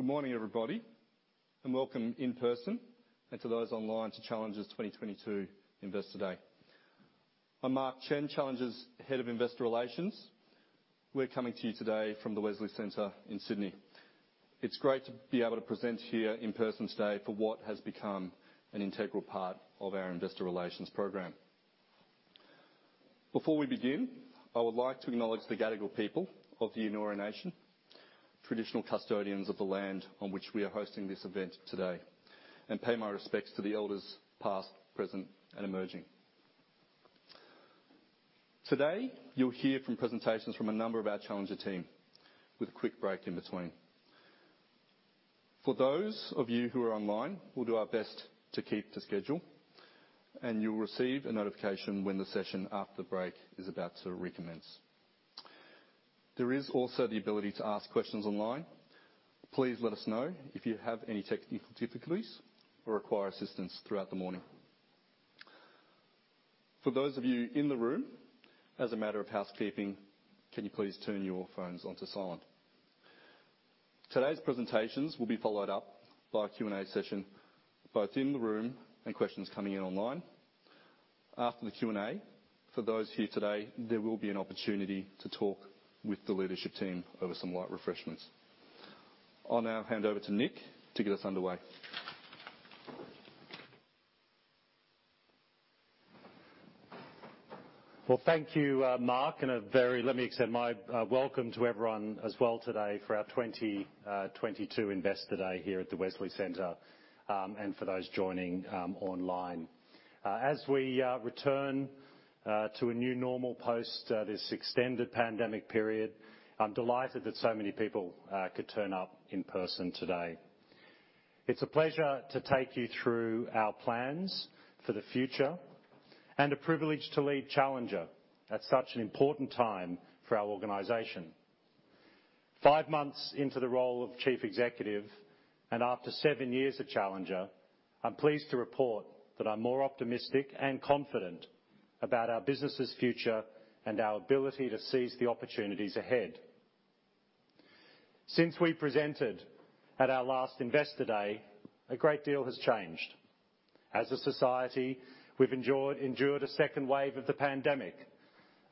Good morning, everybody, and welcome in person, and to those online, to Challenger's 2022 Investor Day. I'm Mark Chen, Challenger's Head of Investor Relations. We're coming to you today from the Wesley Centre in Sydney. It's great to be able to present here in person today for what has become an integral part of our investor relations program. Before we begin, I would like to acknowledge the Gadigal people of the Eora Nation, traditional custodians of the land on which we are hosting this event today, and pay my respects to the elders' past, present, and emerging. Today, you'll hear from presentations from a number of our Challenger team with a quick break in between. For those of you who are online, we'll do our best to keep to schedule, and you'll receive a notification when the session after the break is about to recommence. There is also the ability to ask questions online. Please let us know if you have any technical difficulties or require assistance throughout the morning. For those of you in the room, as a matter of housekeeping, can you please turn your phones onto silent? Today's presentations will be followed up by a Q&A session, both in the room and questions coming in online. After the Q&A, for those here today, there will be an opportunity to talk with the leadership team over some light refreshments. I'll now hand over to Nick to get us underway. Well, thank you, Mark. Let me extend my welcome to everyone as well today for our 2022 Investor Day here at the Wesley Centre, and for those joining online. As we return to a new normal post this extended pandemic period, I'm delighted that so many people could turn up in person today. It's a pleasure to take you through our plans for the future and a privilege to lead Challenger at such an important time for our organization. Five months into the role of Chief Executive, and after seven years at Challenger, I'm pleased to report that I'm more optimistic and confident about our business's future and our ability to seize the opportunities ahead. Since we presented at our last Investor Day, a great deal has changed. As a society, we've endured a second wave of the pandemic,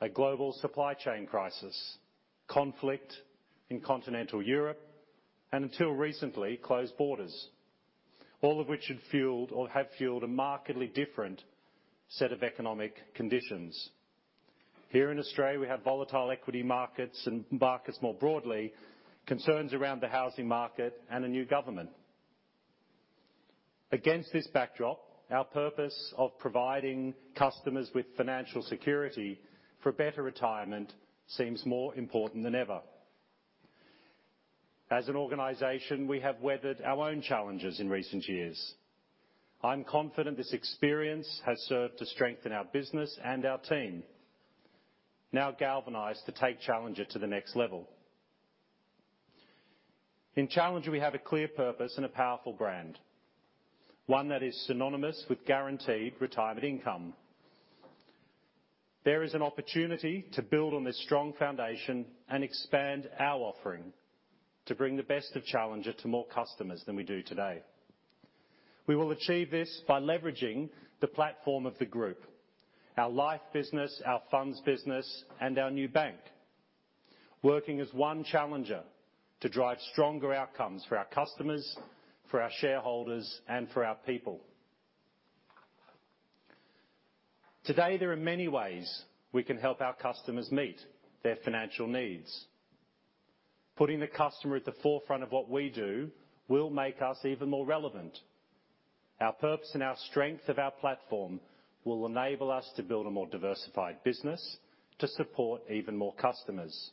a global supply chain crisis, conflict in continental Europe, and until recently, closed borders, all of which had fueled or have fueled a markedly different set of economic conditions. Here in Australia, we have volatile equity markets and markets more broadly, concerns around the housing market, and a new government. Against this backdrop, our purpose of providing customers with financial security for better retirement seems more important than ever. As an organization, we have weathered our own challenges in recent years. I'm confident this experience has served to strengthen our business and our team, now galvanized to take Challenger to the next level. In Challenger, we have a clear purpose and a powerful brand, one that is synonymous with guaranteed retirement income. There is an opportunity to build on this strong foundation and expand our offering to bring the best of Challenger to more customers than we do today. We will achieve this by leveraging the platform of the Group, our Life business, our Funds business, and our new Bank. Working as One Challenger to drive stronger outcomes for our customers, for our shareholders, and for our people. Today, there are many ways we can help our customers meet their financial needs. Putting the customer at the forefront of what we do will make us even more relevant. Our purpose and our strength of our platform will enable us to build a more diversified business to support even more customers.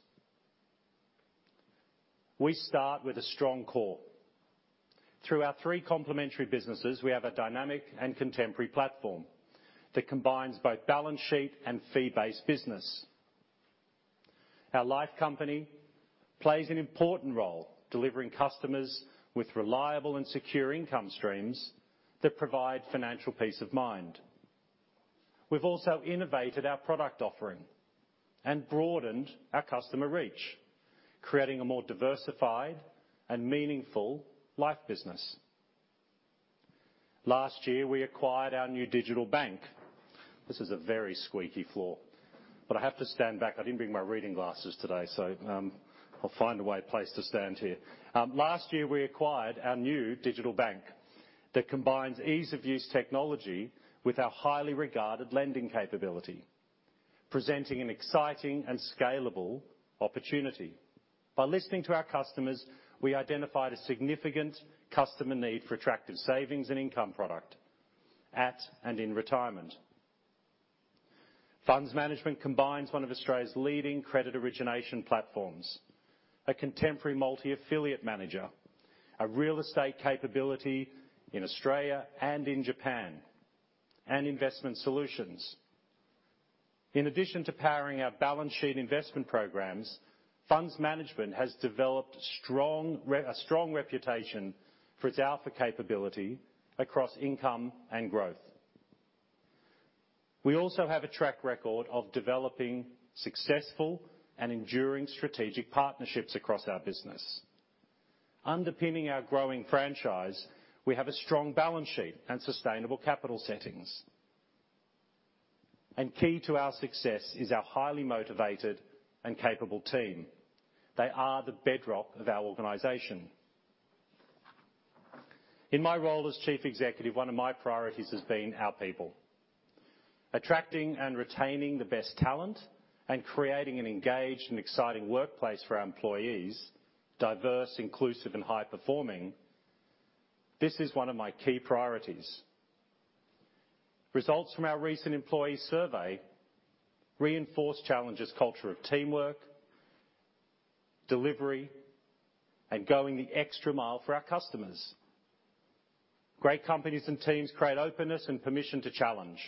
We start with a strong core. Through our three complementary businesses, we have a dynamic and contemporary platform that combines both balance sheet and fee-based business. Our Life Company plays an important role delivering customers with reliable and secure income streams that provide financial peace of mind. We've also innovated our product offering and broadened our customer reach, creating a more diversified and meaningful Life business. Last year, we acquired our new digital bank. This is a very squeaky floor, but I have to stand back. I didn't bring my reading glasses today, so, I'll find a wide place to stand here. Last year, we acquired our new digital bank that combines ease of use technology with our highly regarded lending capability, presenting an exciting and scalable opportunity. By listening to our customers, we identified a significant customer need for attractive savings and income product at and in retirement. Funds Management combines one of Australia's leading credit origination platforms, a contemporary multi-affiliate manager, a real estate capability in Australia and in Japan, and investment solutions. In addition to powering our balance sheet investment programs, Funds Management has developed a strong reputation for its alpha capability across income and growth. We also have a track record of developing successful and enduring strategic partnerships across our business. Underpinning our growing franchise, we have a strong balance sheet and sustainable capital settings. Key to our success is our highly motivated and capable team. They are the bedrock of our organization. In my role as chief executive, one of my priorities has been our people. Attracting and retaining the best talent and creating an engaged and exciting workplace for our employees, diverse, inclusive, and high performing, this is one of my key priorities. Results from our recent employee survey reinforce Challenger's culture of teamwork, delivery, and going the extra mile for our customers. Great companies and teams create openness and permission to challenge.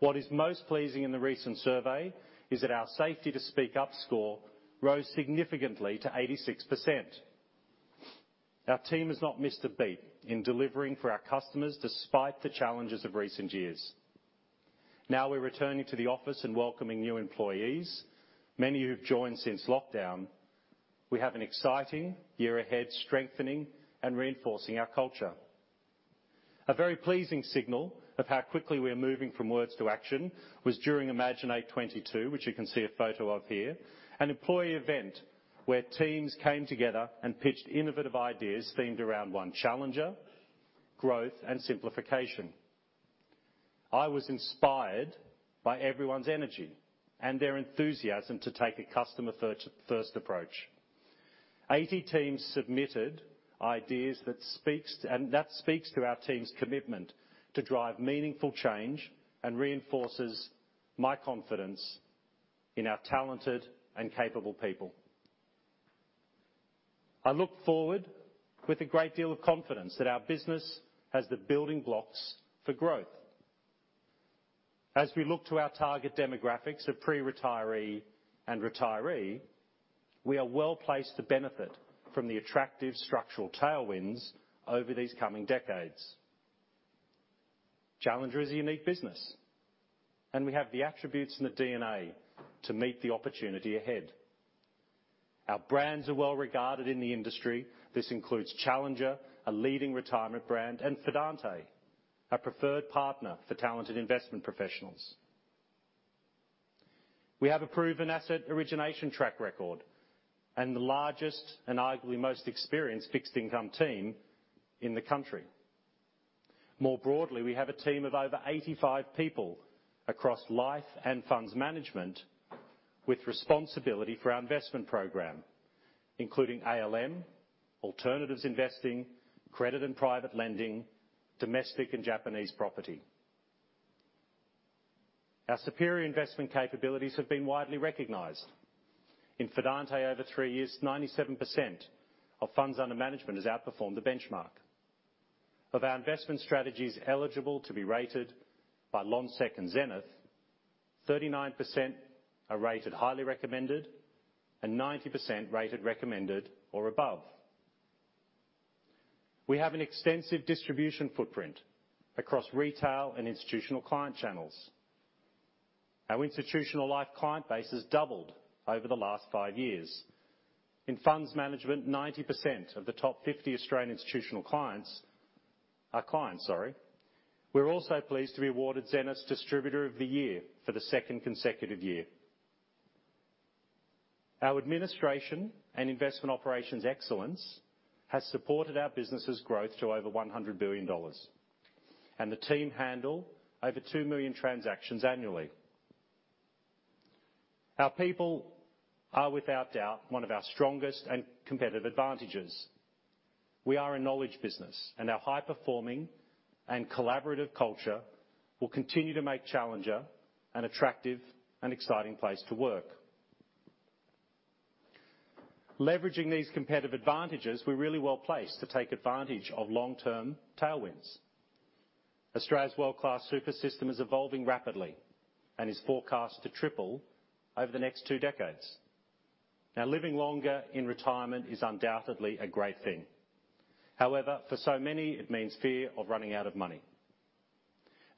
What is most pleasing in the recent survey is that our safety to speak up score rose significantly to 86%. Our team has not missed a beat in delivering for our customers despite the challenges of recent years. Now we're returning to the office and welcoming new employees, many who've joined since lockdown. We have an exciting year ahead, strengthening and reinforcing our culture. A very pleasing signal of how quickly we are moving from words to action was during Imaginate 22, which you can see a photo of here, an employee event where teams came together and pitched innovative ideas themed around One Challenger, growth, and simplification. I was inspired by everyone's energy and their enthusiasm to take a customer-first approach. 80 teams submitted ideas that speaks to our team's commitment to drive meaningful change and reinforces my confidence in our talented and capable people. I look forward with a great deal of confidence that our business has the building blocks for growth. As we look to our target demographics of pre-retiree and retiree, we are well placed to benefit from the attractive structural tailwinds over these coming decades. Challenger is a unique business, and we have the attributes and the DNA to meet the opportunity ahead. Our brands are well regarded in the industry. This includes Challenger, a leading retirement brand, and Fidante, a preferred partner for talented investment professionals. We have a proven asset origination track record, and the largest and arguably most experienced fixed income team in the country. More broadly, we have a team of over 85 people across Life and Funds Management with responsibility for our investment program, including ALM, alternatives investing, credit and private lending, domestic and Japanese property. Our superior investment capabilities have been widely recognized. In Fidante, over three years, 97% of funds under management has outperformed the benchmark. Of our investment strategies eligible to be rated by Lonsec and Zenith, 39% are rated highly recommended and 90% rated recommended or above. We have an extensive distribution footprint across retail and institutional client channels. Our Institutional Life client base has doubled over the last five years. In Funds Management, 90% of the top 50 Australian institutional clients are clients, sorry. We're also pleased to be awarded Zenith's 'Distributor of the Year' for the second consecutive year. Our administration and investment operations excellence has supported our business's growth to over 100 billion dollars, and the team handle over 2 million transactions annually. Our people are, without doubt, one of our strongest and competitive advantages. We are a knowledge business, and our high-performing and collaborative culture will continue to make Challenger an attractive and exciting place to work. Leveraging these competitive advantages, we're really well-placed to take advantage of long-term tailwinds. Australia's world-class super system is evolving rapidly and is forecast to triple over the next two decades. Now, living longer in retirement is undoubtedly a great thing. However, for so many, it means fear of running out of money.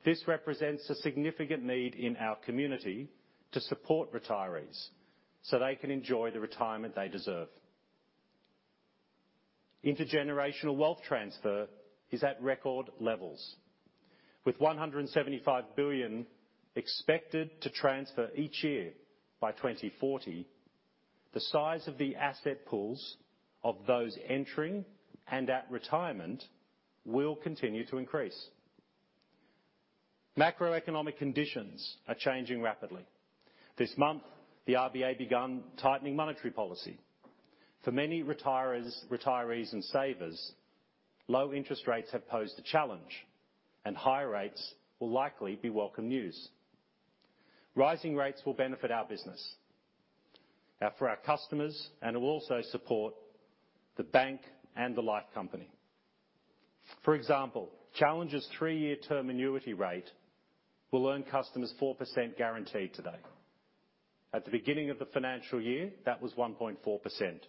This represents a significant need in our community to support retirees, so they can enjoy the retirement they deserve. Intergenerational wealth transfer is at record levels. With 175 billion expected to transfer each year by 2040, the size of the asset pools of those entering and at retirement will continue to increase. Macroeconomic conditions are changing rapidly. This month, the RBA begun tightening monetary policy. For many retirees and savers, low interest rates have posed a challenge, and higher rates will likely be welcome news. Rising rates will benefit our business, for our customers, and will also support the Bank and the Life Company. For example, Challenger's three-year term annuity rate will earn customers 4% guaranteed today. At the beginning of the financial year, that was 1.4%.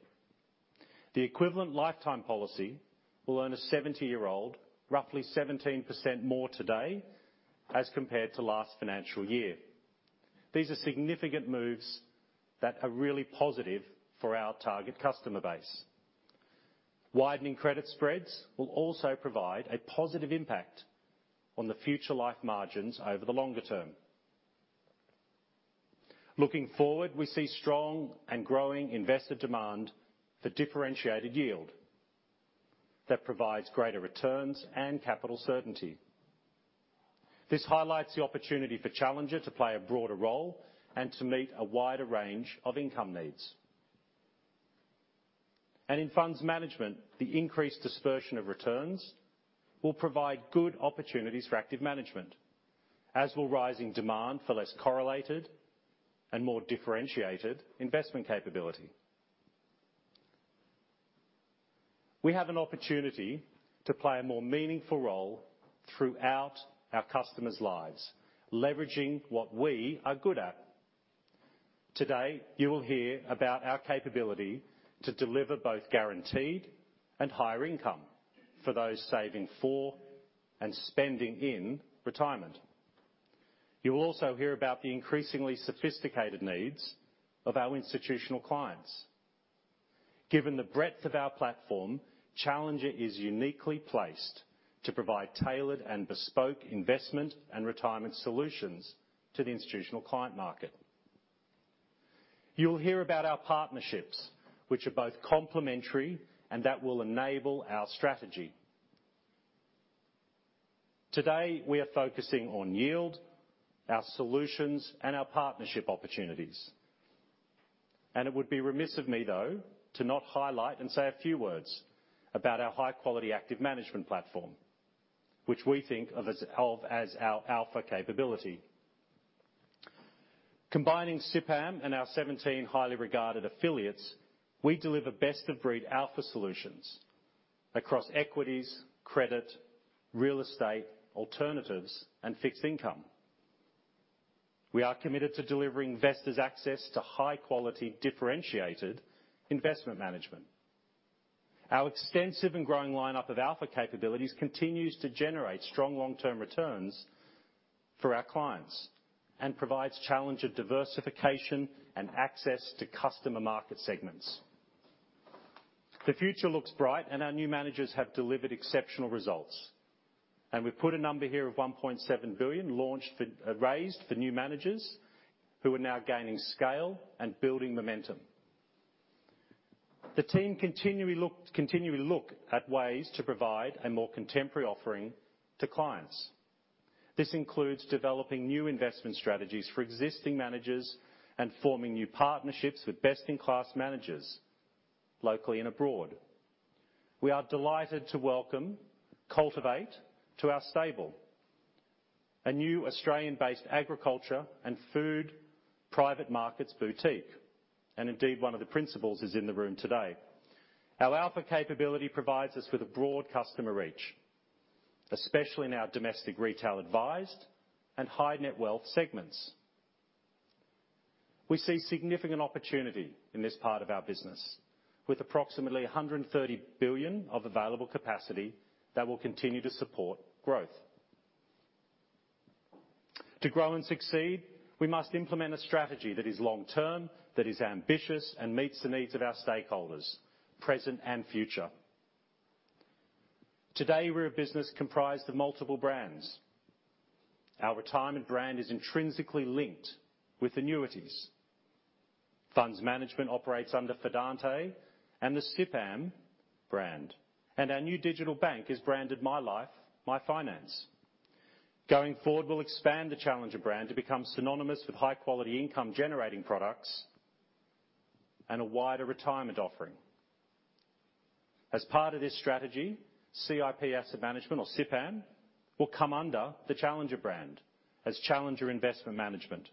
The equivalent lifetime policy will earn a 70-year-old roughly 17% more today as compared to last financial year. These are significant moves that are really positive for our target customer base. Widening credit spreads will also provide a positive impact on the future Life margins over the longer term. Looking forward, we see strong and growing investor demand for differentiated yield that provides greater returns and capital certainty. This highlights the opportunity for Challenger to play a broader role and to meet a wider range of income needs. In Funds Management, the increased dispersion of returns will provide good opportunities for active management, as will rising demand for less correlated and more differentiated investment capability. We have an opportunity to play a more meaningful role throughout our customers' lives, leveraging what we are good at. Today, you will hear about our capability to deliver both guaranteed and higher income for those saving for and spending in retirement. You'll also hear about the increasingly sophisticated needs of our institutional clients. Given the breadth of our platform, Challenger is uniquely placed to provide tailored and bespoke investment and retirement solutions to the institutional client market. You'll hear about our partnerships, which are both complementary and that will enable our strategy. Today, we are focusing on yield, our solutions, and our partnership opportunities. It would be remiss of me, though, to not highlight and say a few words about our high-quality active management platform, which we think of as our alpha capability. Combining CIPAM and our 17 highly regarded affiliates, we deliver best-of-breed alpha solutions across equities, credit, real estate, alternatives, and fixed income. We are committed to delivering investors access to high-quality, differentiated investment management. Our extensive and growing lineup of alpha capabilities continues to generate strong long-term returns for our clients and provides Challenger diversification and access to customer market segments. The future looks bright, and our new managers have delivered exceptional results. We've put a number here of 1.7 billion launched for, raised for new managers who are now gaining scale and building momentum. The team continually look at ways to provide a more contemporary offering to clients. This includes developing new investment strategies for existing managers and forming new partnerships with best-in-class managers, locally and abroad. We are delighted to welcome Cultivate to our stable, a new Australian-based agriculture and food private markets boutique, and indeed, one of the principals is in the room today. Our alpha capability provides us with a broad customer reach, especially in our domestic retail advised and high-net wealth segments. We see significant opportunity in this part of our business, with approximately 130 billion of available capacity that will continue to support growth. To grow and succeed, we must implement a strategy that is long term, that is ambitious, and meets the needs of our stakeholders, present and future. Today, we're a business comprised of multiple brands. Our retirement brand is intrinsically linked with annuities. Funds Management operates under Fidante and the CIPAM brand, and our new digital bank is branded MyLife MyFinance. Going forward, we'll expand the Challenger brand to become synonymous with high-quality income generating products and a wider retirement offering. As part of this strategy, CIP Asset Management, or CIPAM, will come under the Challenger brand as Challenger Investment Management.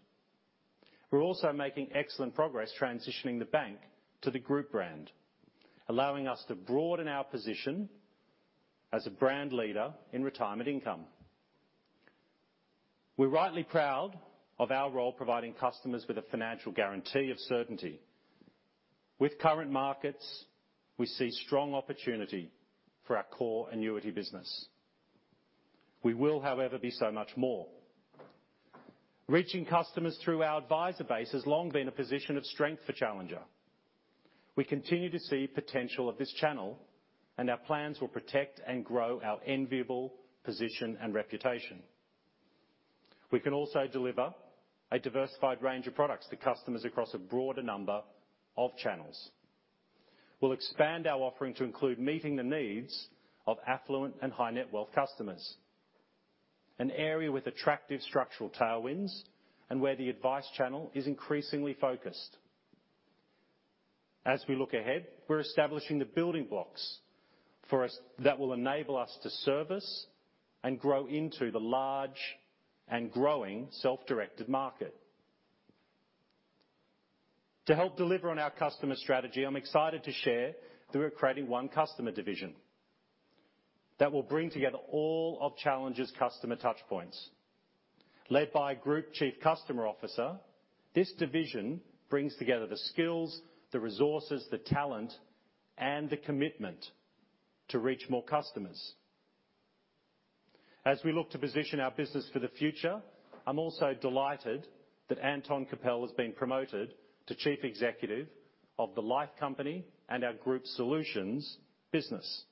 We're also making excellent progress transitioning the Bank to the Group brand, allowing us to broaden our position as a brand leader in retirement income. We're rightly proud of our role providing customers with a financial guarantee of certainty. With current markets, we see strong opportunity for our core annuity business. We will, however, be so much more. Reaching customers through our advisor base has long been a position of strength for Challenger. We continue to see potential of this channel, and our plans will protect and grow our enviable position and reputation. We can also deliver a diversified range of products to customers across a broader number of channels. We'll expand our offering to include meeting the needs of affluent and high-net wealth customers, an area with attractive structural tailwinds and where the advice channel is increasingly focused. As we look ahead, we're establishing the building blocks for us that will enable us to service and grow into the large and growing self-directed market. To help deliver on our customer strategy, I'm excited to share that we're creating one customer division. That will bring together all of Challenger's customer touchpoints. Led by Group Chief Customer Officer, this division brings together the skills, the resources, the talent, and the commitment to reach more customers. As we look to position our business for the future, I'm also delighted that Anton Kapel has been promoted to Chief Executive of the Life Company and our Life and Solutions business.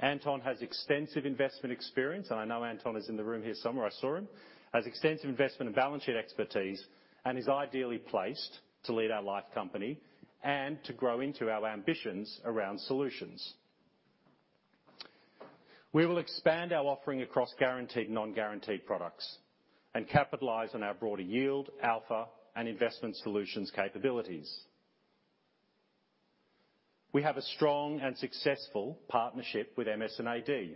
Anton has extensive investment experience. I know Anton is in the room here somewhere. I saw him. He has extensive investment and balance sheet expertise and is ideally placed to lead our Life Company and to grow into our ambitions around solutions. We will expand our offering across guaranteed, non-guaranteed products and capitalize on our broader yield, alpha, and investment solutions capabilities. We have a strong and successful partnership with MS&AD.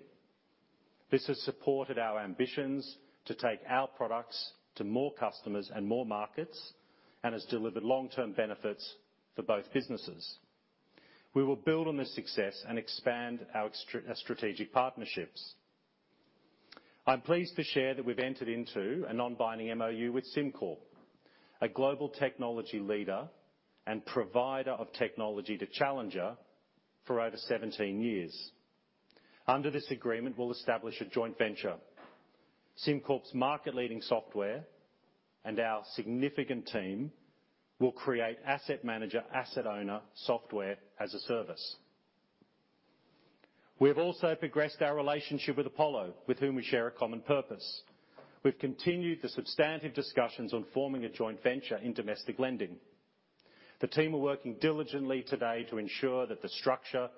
This has supported our ambitions to take our products to more customers and more markets and has delivered long-term benefits for both businesses. We will build on this success and expand our strategic partnerships. I'm pleased to share that we've entered into a non-binding MoU with SimCorp, a global technology leader and provider of technology to Challenger for over 17 years. Under this agreement, we'll establish a joint venture. SimCorp's market-leading software and our significant team will create asset manager, asset owner software-as-a-service. We have also progressed our relationship with Apollo, with whom we share a common purpose. We've continued the substantive discussions on forming a joint venture in domestic lending. The team are working diligently today to ensure that the structure,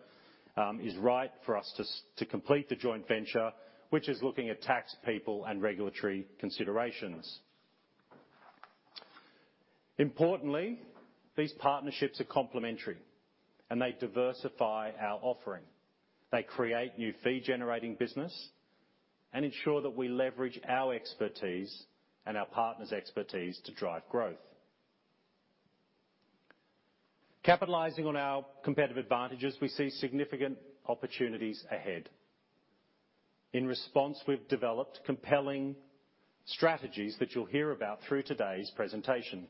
is right for us to complete the joint venture, which is looking at tax, people, and regulatory considerations. Importantly, these partnerships are complementary, and they diversify our offering. They create new fee-generating business and ensure that we leverage our expertise and our partners' expertise to drive growth. Capitalizing on our competitive advantages, we see significant opportunities ahead. In response, we've developed compelling strategies that you'll hear about through today's presentation.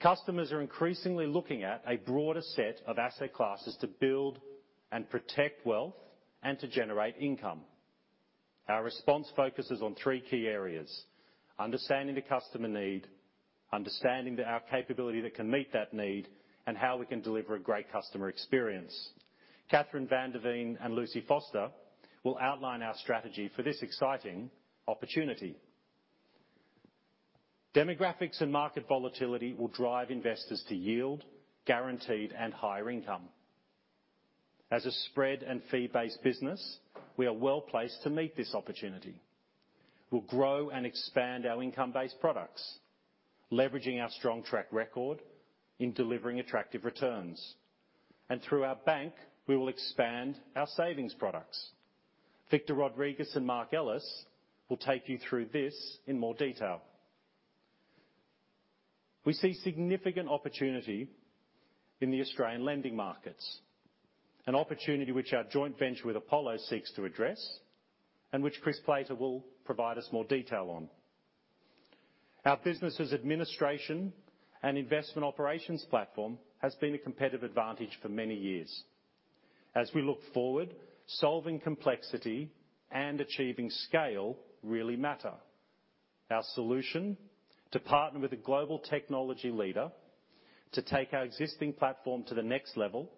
Customers are increasingly looking at a broader set of asset classes to build and protect wealth and to generate income. Our response focuses on three key areas, understanding the customer need, understanding that our capability that can meet that need, and how we can deliver a great customer experience. Catherine van der Veen and Lucy Foster will outline our strategy for this exciting opportunity. Demographics and market volatility will drive investors to yield guaranteed and higher income. As a spread and fee-based business, we are well placed to meet this opportunity. We'll grow and expand our income-based products, leveraging our strong track record in delivering attractive returns. Through our Bank, we will expand our savings products. Victor Rodriguez and Mark Ellis will take you through this in more detail. We see significant opportunity in the Australian lending markets, an opportunity which our joint venture with Apollo seeks to address and which Chris Plater will provide us more detail on. Our business' administration and investment operations platform has been a competitive advantage for many years. As we look forward, solving complexity and achieving scale really matter. Our solution, to partner with a global technology leader to take our existing platform to the next level,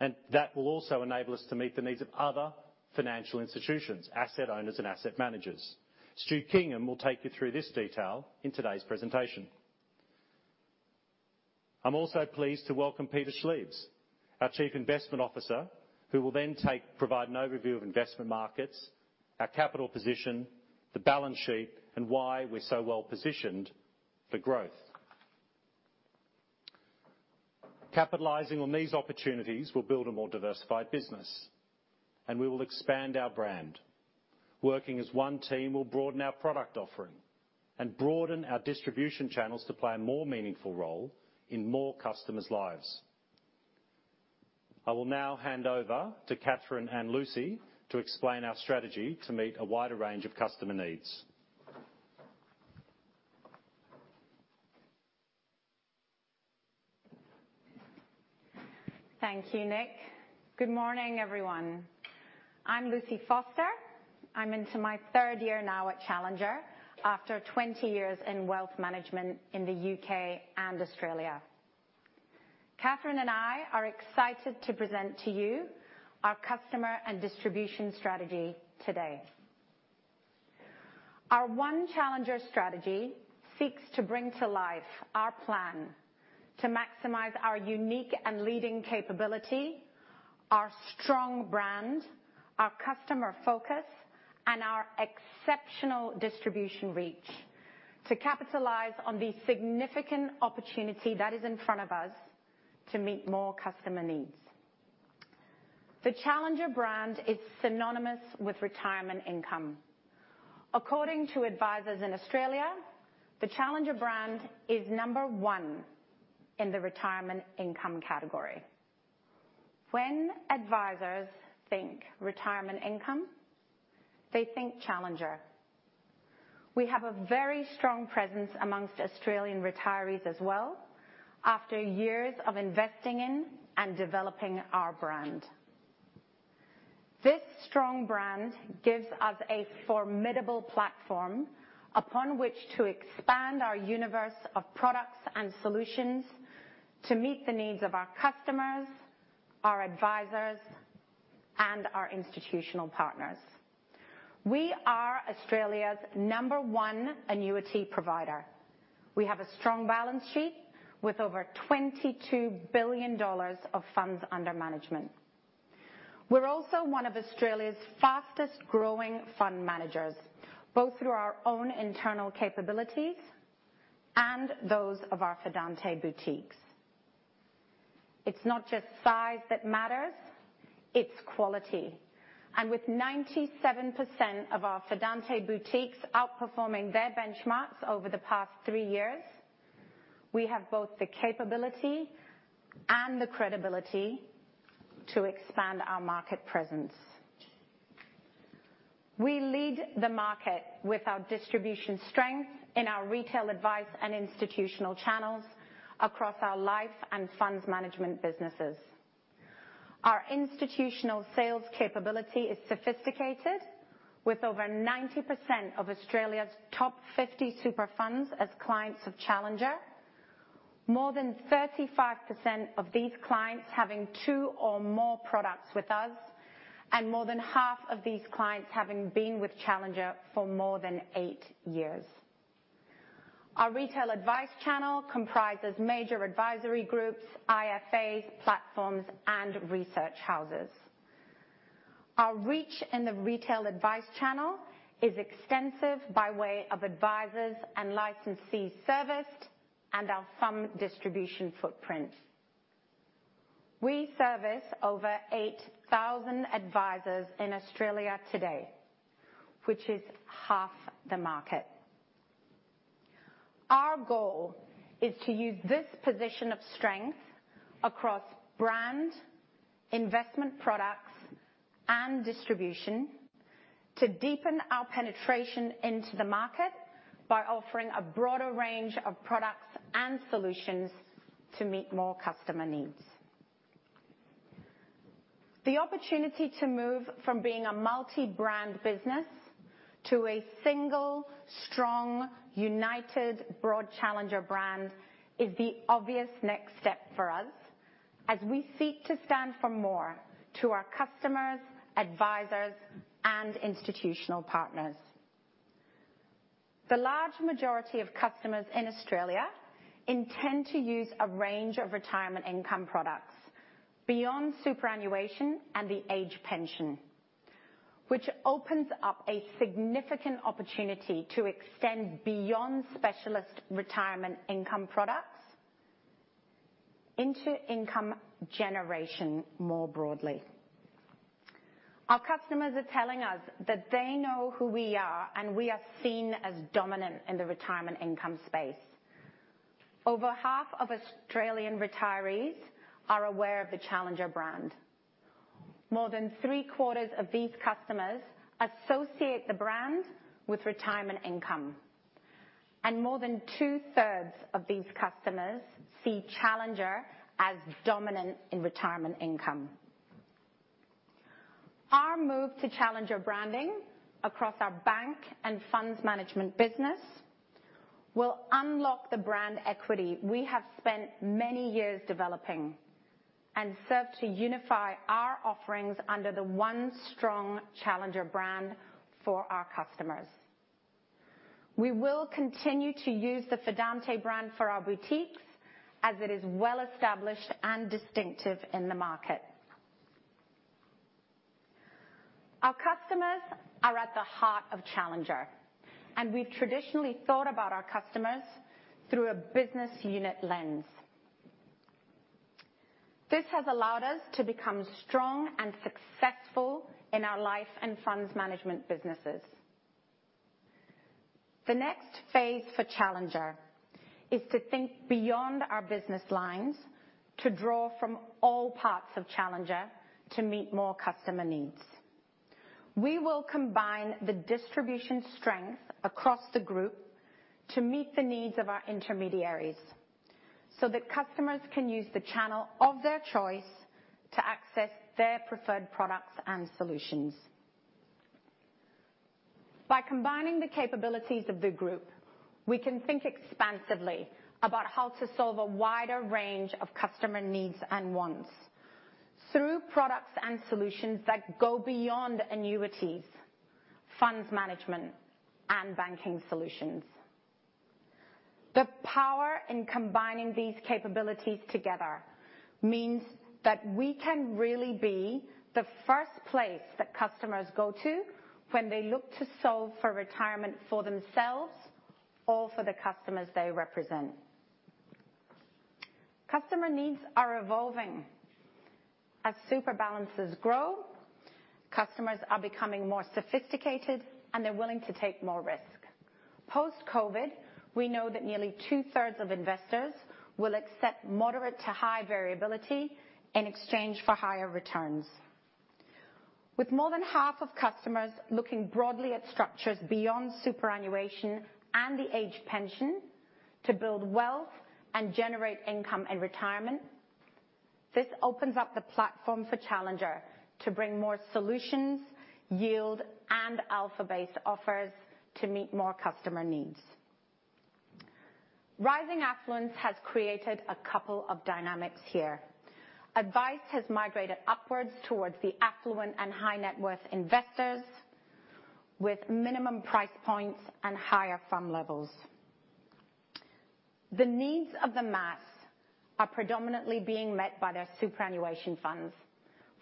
and that will also enable us to meet the needs of other financial institutions, asset owners, and asset managers. Stu Kingham will take you through this detail in today's presentation. I'm also pleased to welcome Peter Schliebs, our Chief Investment Officer, who will then provide an overview of investment markets, our capital position, the balance sheet, and why we're so well positioned for growth. Capitalizing on these opportunities, we'll build a more diversified business, and we will expand our brand. Working as one team, we'll broaden our product offering and broaden our distribution channels to play a more meaningful role in more customers' lives. I will now hand over to Catherine and Lucy to explain our strategy to meet a wider range of customer needs. Thank you, Nick. Good morning, everyone. I'm Lucy Foster. I'm into my third year now at Challenger after 20 years in wealth management in the U.K. and Australia. Catherine and I are excited to present to you our customer and distribution strategy today. Our One Challenger strategy seeks to bring to life our plan to maximize our unique and leading capability, our strong brand, our customer focus, and our exceptional distribution reach to capitalize on the significant opportunity that is in front of us to meet more customer needs. The Challenger brand is synonymous with retirement income. According to advisors in Australia, the Challenger brand is number one in the retirement income category. When advisors think retirement income, they think Challenger. We have a very strong presence amongst Australian retirees as well, after years of investing in and developing our brand. This strong brand gives us a formidable platform upon which to expand our universe of products and solutions to meet the needs of our customers, our advisors, and our institutional partners. We are Australia's number one annuity provider. We have a strong balance sheet with over 22 billion dollars of funds under management. We're also one of Australia's fastest growing fund managers, both through our own internal capabilities and those of our Fidante boutiques. It's not just size that matters, it's quality. With 97% of our Fidante boutiques outperforming their benchmarks over the past three years, we have both the capability and the credibility to expand our market presence. We lead the market with our distribution strength in our retail advice and institutional channels across our Life and Funds Management businesses. Our institutional sales capability is sophisticated, with over 90% of Australia's top 50 super funds as clients of Challenger. More than 35% of these clients having two or more products with us, and more than half of these clients having been with Challenger for more than eight years. Our retail advice channel comprises major advisory groups, IFAs, platforms, and research houses. Our reach in the retail advice channel is extensive by way of advisors and licensees serviced and our fund distribution footprint. We service over 8,000 advisors in Australia today, which is half the market. Our goal is to use this position of strength across brand, investment products, and distribution to deepen our penetration into the market by offering a broader range of products and solutions to meet more customer needs. The opportunity to move from being a multi-brand business to a single, strong, united broad Challenger brand is the obvious next step for us as we seek to stand for more to our customers, advisors, and institutional partners. The large majority of customers in Australia intend to use a range of retirement income products beyond superannuation and the age pension, which opens up a significant opportunity to extend beyond specialist retirement income products into income generation more broadly. Our customers are telling us that they know who we are, and we are seen as dominant in the retirement income space. Over half of Australian retirees are aware of the Challenger brand. More than three-quarters of these customers associate the brand with retirement income, and more than two-thirds of these customers see Challenger as dominant in retirement income. Our move to Challenger branding across our Bank and Funds Management business will unlock the brand equity we have spent many years developing and serve to unify our offerings under the one strong Challenger brand for our customers. We will continue to use the Fidante brand for our boutiques as it is well established and distinctive in the market. Our customers are at the heart of Challenger, and we've traditionally thought about our customers through a business unit lens. This has allowed us to become strong and successful in our Life and Funds Management businesses. The next phase for Challenger is to think beyond our business lines to draw from all parts of Challenger to meet more customer needs. We will combine the distribution strength across the Group to meet the needs of our intermediaries, so that customers can use the channel of their choice to access their preferred products and solutions. By combining the capabilities of the group, we can think expansively about how to solve a wider range of customer needs and wants through products and solutions that go beyond annuities, funds management, and banking solutions. The power in combining these capabilities together means that we can really be the first place that customers go to when they look to solve for retirement for themselves or for the customers they represent. Customer needs are evolving. As super balances grow, customers are becoming more sophisticated, and they're willing to take more risk. Post-COVID, we know that nearly two-thirds of investors will accept moderate to high variability in exchange for higher returns. With more than half of customers looking broadly at structures beyond superannuation and the age pension to build wealth and generate income in retirement, this opens up the platform for Challenger to bring more solutions, yield, and alpha-based offers to meet more customer needs. Rising affluence has created a couple of dynamics here. Advice has migrated upwards towards the affluent and high-net-worth investors with minimum price points and higher FUM levels. The needs of the mass are predominantly being met by their superannuation funds,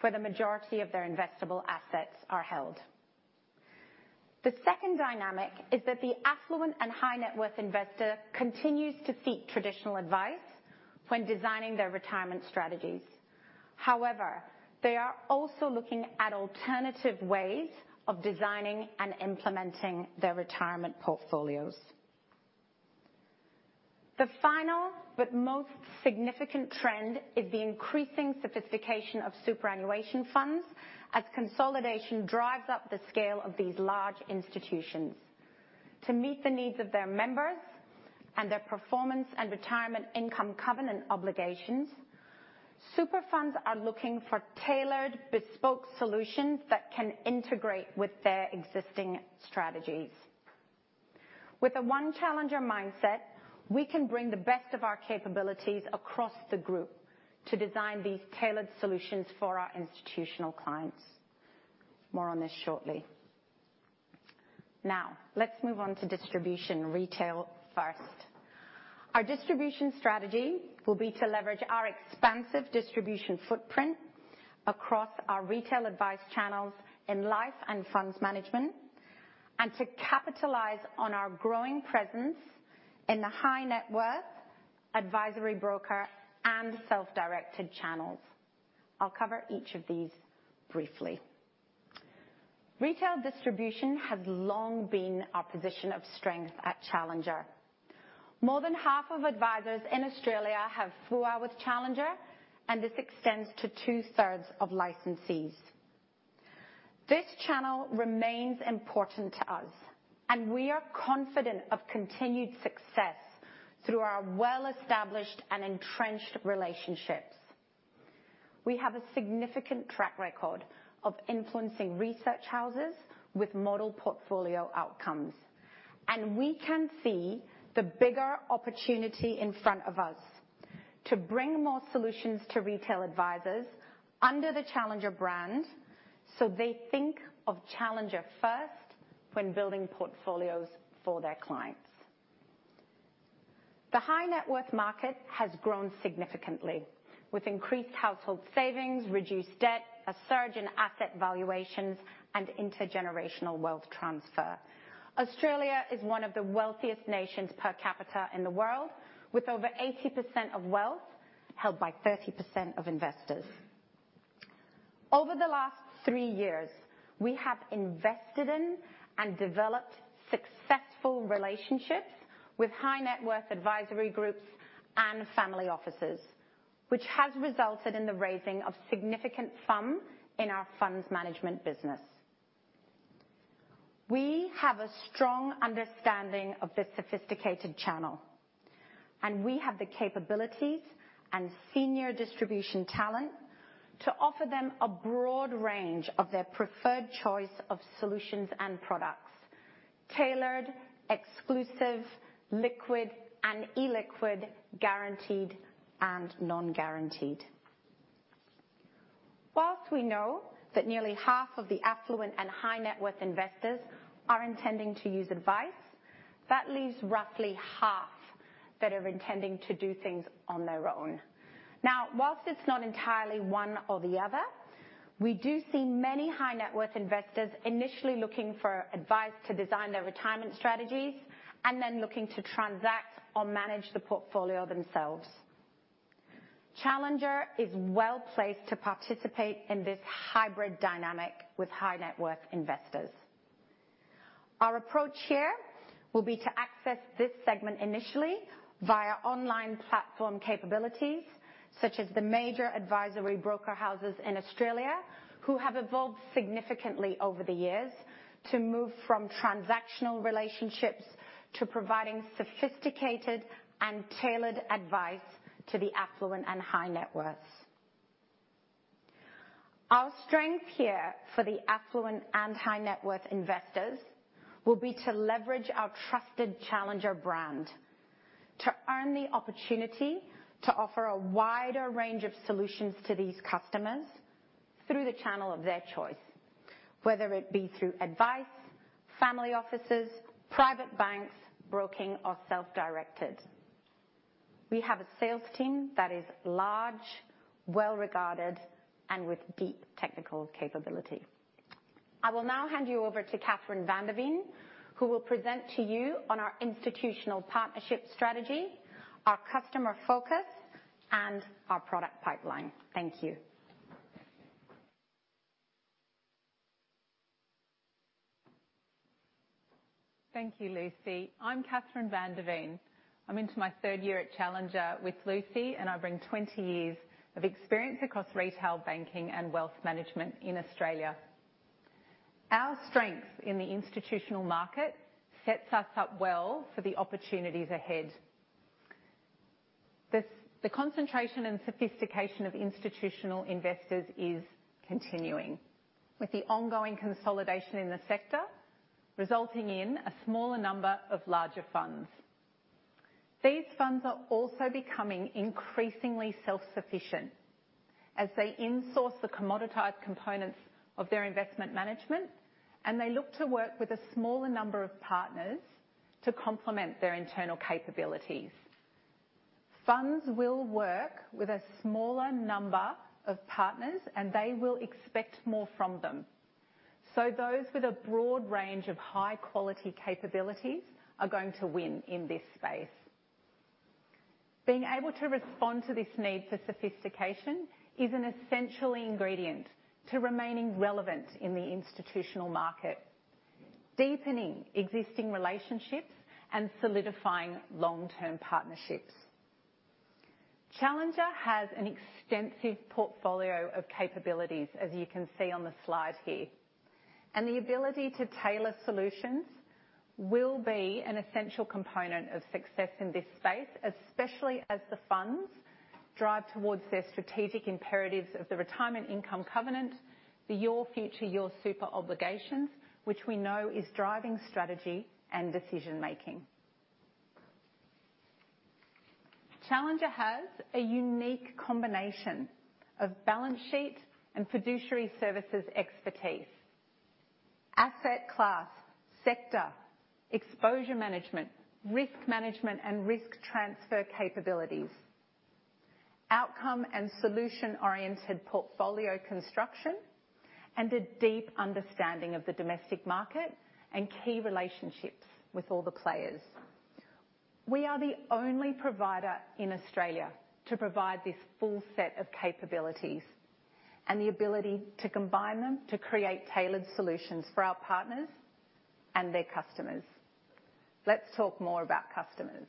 where the majority of their investable assets are held. The second dynamic is that the affluent and high-net-worth investor continues to seek traditional advice when designing their retirement strategies. However, they are also looking at alternative ways of designing and implementing their retirement portfolios. The final but most significant trend is the increasing sophistication of superannuation funds as consolidation drives up the scale of these large institutions. To meet the needs of their members and their performance and Retirement Income Covenant obligations, super funds are looking for tailored bespoke solutions that can integrate with their existing strategies. With a One Challenger mindset, we can bring the best of our capabilities across the Group to design these tailored solutions for our institutional clients. More on this shortly. Now, let's move on to distribution retail first. Our distribution strategy will be to leverage our expansive distribution footprint across our retail advice channels in Life and Funds Management and to capitalize on our growing presence in the high-net-worth advisory broker and self-directed channels. I'll cover each of these briefly. Retail distribution has long been our position of strength at Challenger. More than half of advisors in Australia have FOA with Challenger, and this extends to two-thirds of licensees. This channel remains important to us, and we are confident of continued success through our well-established and entrenched relationships. We have a significant track record of influencing research houses with model portfolio outcomes, and we can see the bigger opportunity in front of us to bring more solutions to retail advisors under the Challenger brand, so they think of Challenger first when building portfolios for their clients. The high-net-worth market has grown significantly with increased household savings, reduced debt, a surge in asset valuations, and intergenerational wealth transfer. Australia is one of the wealthiest nations per capita in the world, with over 80% of wealth held by 30% of investors. Over the last three years, we have invested in and developed successful relationships with high-net-worth advisory groups and family offices, which has resulted in the raising of significant FUM in our Funds Management business. We have a strong understanding of this sophisticated channel, and we have the capabilities and senior distribution talent to offer them a broad range of their preferred choice of solutions and products, tailored, exclusive, liquid and illiquid, guaranteed and non-guaranteed. While we know that nearly half of the affluent and high-net-worth investors are intending to use advice, that leaves roughly half that are intending to do things on their own. Now, while it's not entirely one or the other, we do see many high-net-worth investors initially looking for advice to design their retirement strategies and then looking to transact or manage the portfolio themselves. Challenger is well placed to participate in this hybrid dynamic with high-net-worth investors. Our approach here will be to access this segment initially via online platform capabilities, such as the major advisory broker houses in Australia, who have evolved significantly over the years to move from transactional relationships to providing sophisticated and tailored advice to the affluent and high-net-worth. Our strength here for the affluent and high-net-worth investors will be to leverage our trusted Challenger brand to earn the opportunity to offer a wider range of solutions to these customers through the channel of their choice, whether it be through advice, family offices, private banks, broking, or self-directed. We have a sales team that is large, well-regarded, and with deep technical capability. I will now hand you over to Catherine van der Veen, who will present to you on our institutional partnership strategy, our customer focus, and our product pipeline. Thank you. Thank you, Lucy. I'm Catherine van der Veen. I'm into my third year at Challenger with Lucy, and I bring 20 years of experience across retail banking and wealth management in Australia. Our strength in the institutional market sets us up well for the opportunities ahead. The concentration and sophistication of institutional investors is continuing, with the ongoing consolidation in the sector resulting in a smaller number of larger funds. These funds are also becoming increasingly self-sufficient as they insource the commoditized components of their investment management, and they look to work with a smaller number of partners to complement their internal capabilities. Funds will work with a smaller number of partners, and they will expect more from them. Those with a broad range of high-quality capabilities are going to win in this space. Being able to respond to this need for sophistication is an essential ingredient to remaining relevant in the institutional market, deepening existing relationships, and solidifying long-term partnerships. Challenger has an extensive portfolio of capabilities, as you can see on the slide here. The ability to tailor solutions will be an essential component of success in this space, especially as the funds drive towards their strategic imperatives of the Retirement Income Covenant, the Your Future, Your Super obligations, which we know is driving strategy and decision-making. Challenger has a unique combination of balance sheet and fiduciary services expertise. Asset class, sector, exposure management, risk management, and risk transfer capabilities. Outcome and solution-oriented portfolio construction, and a deep understanding of the domestic market and key relationships with all the players. We are the only provider in Australia to provide this full set of capabilities and the ability to combine them to create tailored solutions for our partners and their customers. Let's talk more about customers.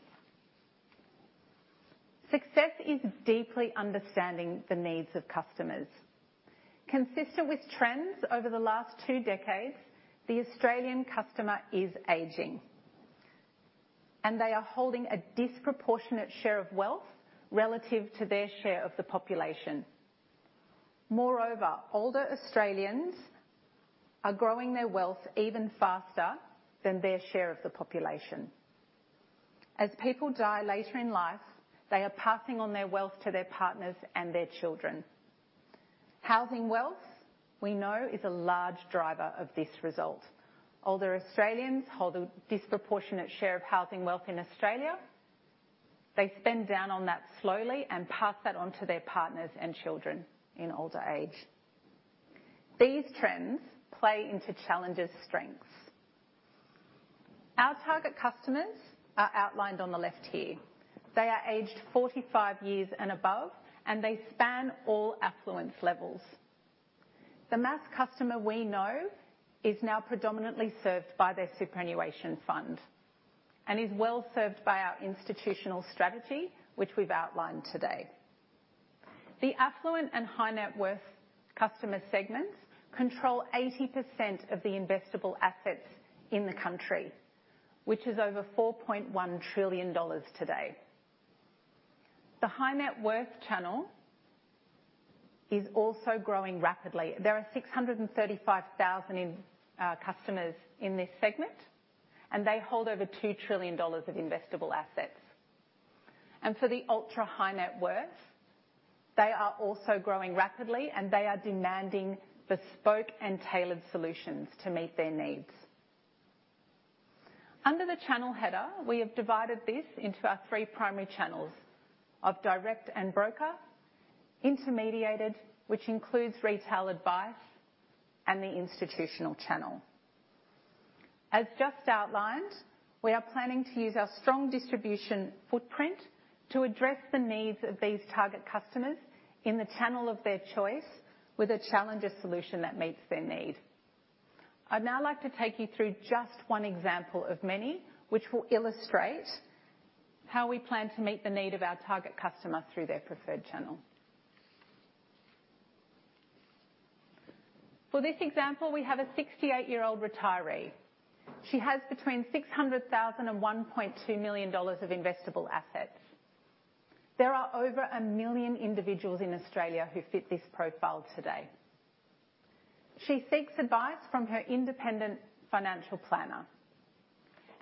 Success is deeply understanding the needs of customers. Consistent with trends over the last two decades, the Australian customer is aging, and they are holding a disproportionate share of wealth relative to their share of the population. Moreover, older Australians are growing their wealth even faster than their share of the population. As people die later in life, they are passing on their wealth to their partners and their children. Housing wealth, we know, is a large driver of this result. Older Australians hold a disproportionate share of housing wealth in Australia. They spend down on that slowly and pass that on to their partners and children in older age. These trends play into Challenger's strengths. Our target customers are outlined on the left here. They are aged 45 years and above, and they span all affluence levels. The mass customer we know is now predominantly served by their superannuation fund and is well served by our institutional strategy, which we've outlined today. The affluent and high-net-worth customer segments control 80% of the investable assets in the country, which is over 4.1 trillion dollars today. The high-net-worth channel is also growing rapidly. There are 635,000 customers in this segment, and they hold over 2 trillion dollars of investable assets. For the ultra-high-net-worth, they are also growing rapidly, and they are demanding bespoke and tailored solutions to meet their needs. Under the channel header, we have divided this into our three primary channels of direct and broker, intermediated, which includes retail advice, and the institutional channel. As just outlined, we are planning to use our strong distribution footprint to address the needs of these target customers in the channel of their choice with a Challenger solution that meets their need. I'd now like to take you through just one example of many, which will illustrate how we plan to meet the need of our target customer through their preferred channel. For this example, we have a 68-year-old retiree. She has between 600,000 and 1.2 million dollars of investable assets. There are over 1 million individuals in Australia who fit this profile today. She seeks advice from her independent financial planner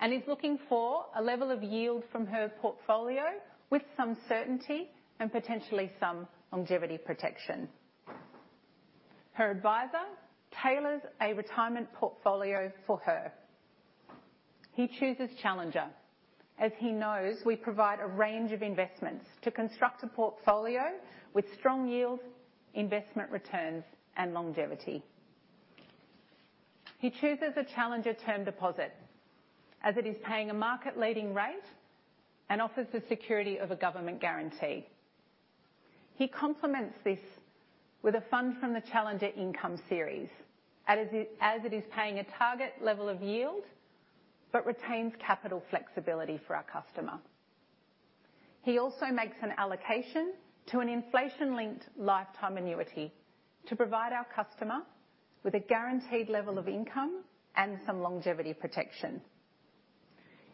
and is looking for a level of yield from her portfolio with some certainty and potentially some longevity protection. Her advisor tailors a retirement portfolio for her. He chooses Challenger, as he knows we provide a range of investments to construct a portfolio with strong yield, investment returns, and longevity. He chooses a Challenger term deposit, as it is paying a market leading rate and offers the security of a government guarantee. He complements this with a fund from the Challenger Income Series, as it is paying a target level of yield but retains capital flexibility for our customer. He also makes an allocation to an inflation-linked lifetime annuity to provide our customer with a guaranteed level of income and some longevity protection.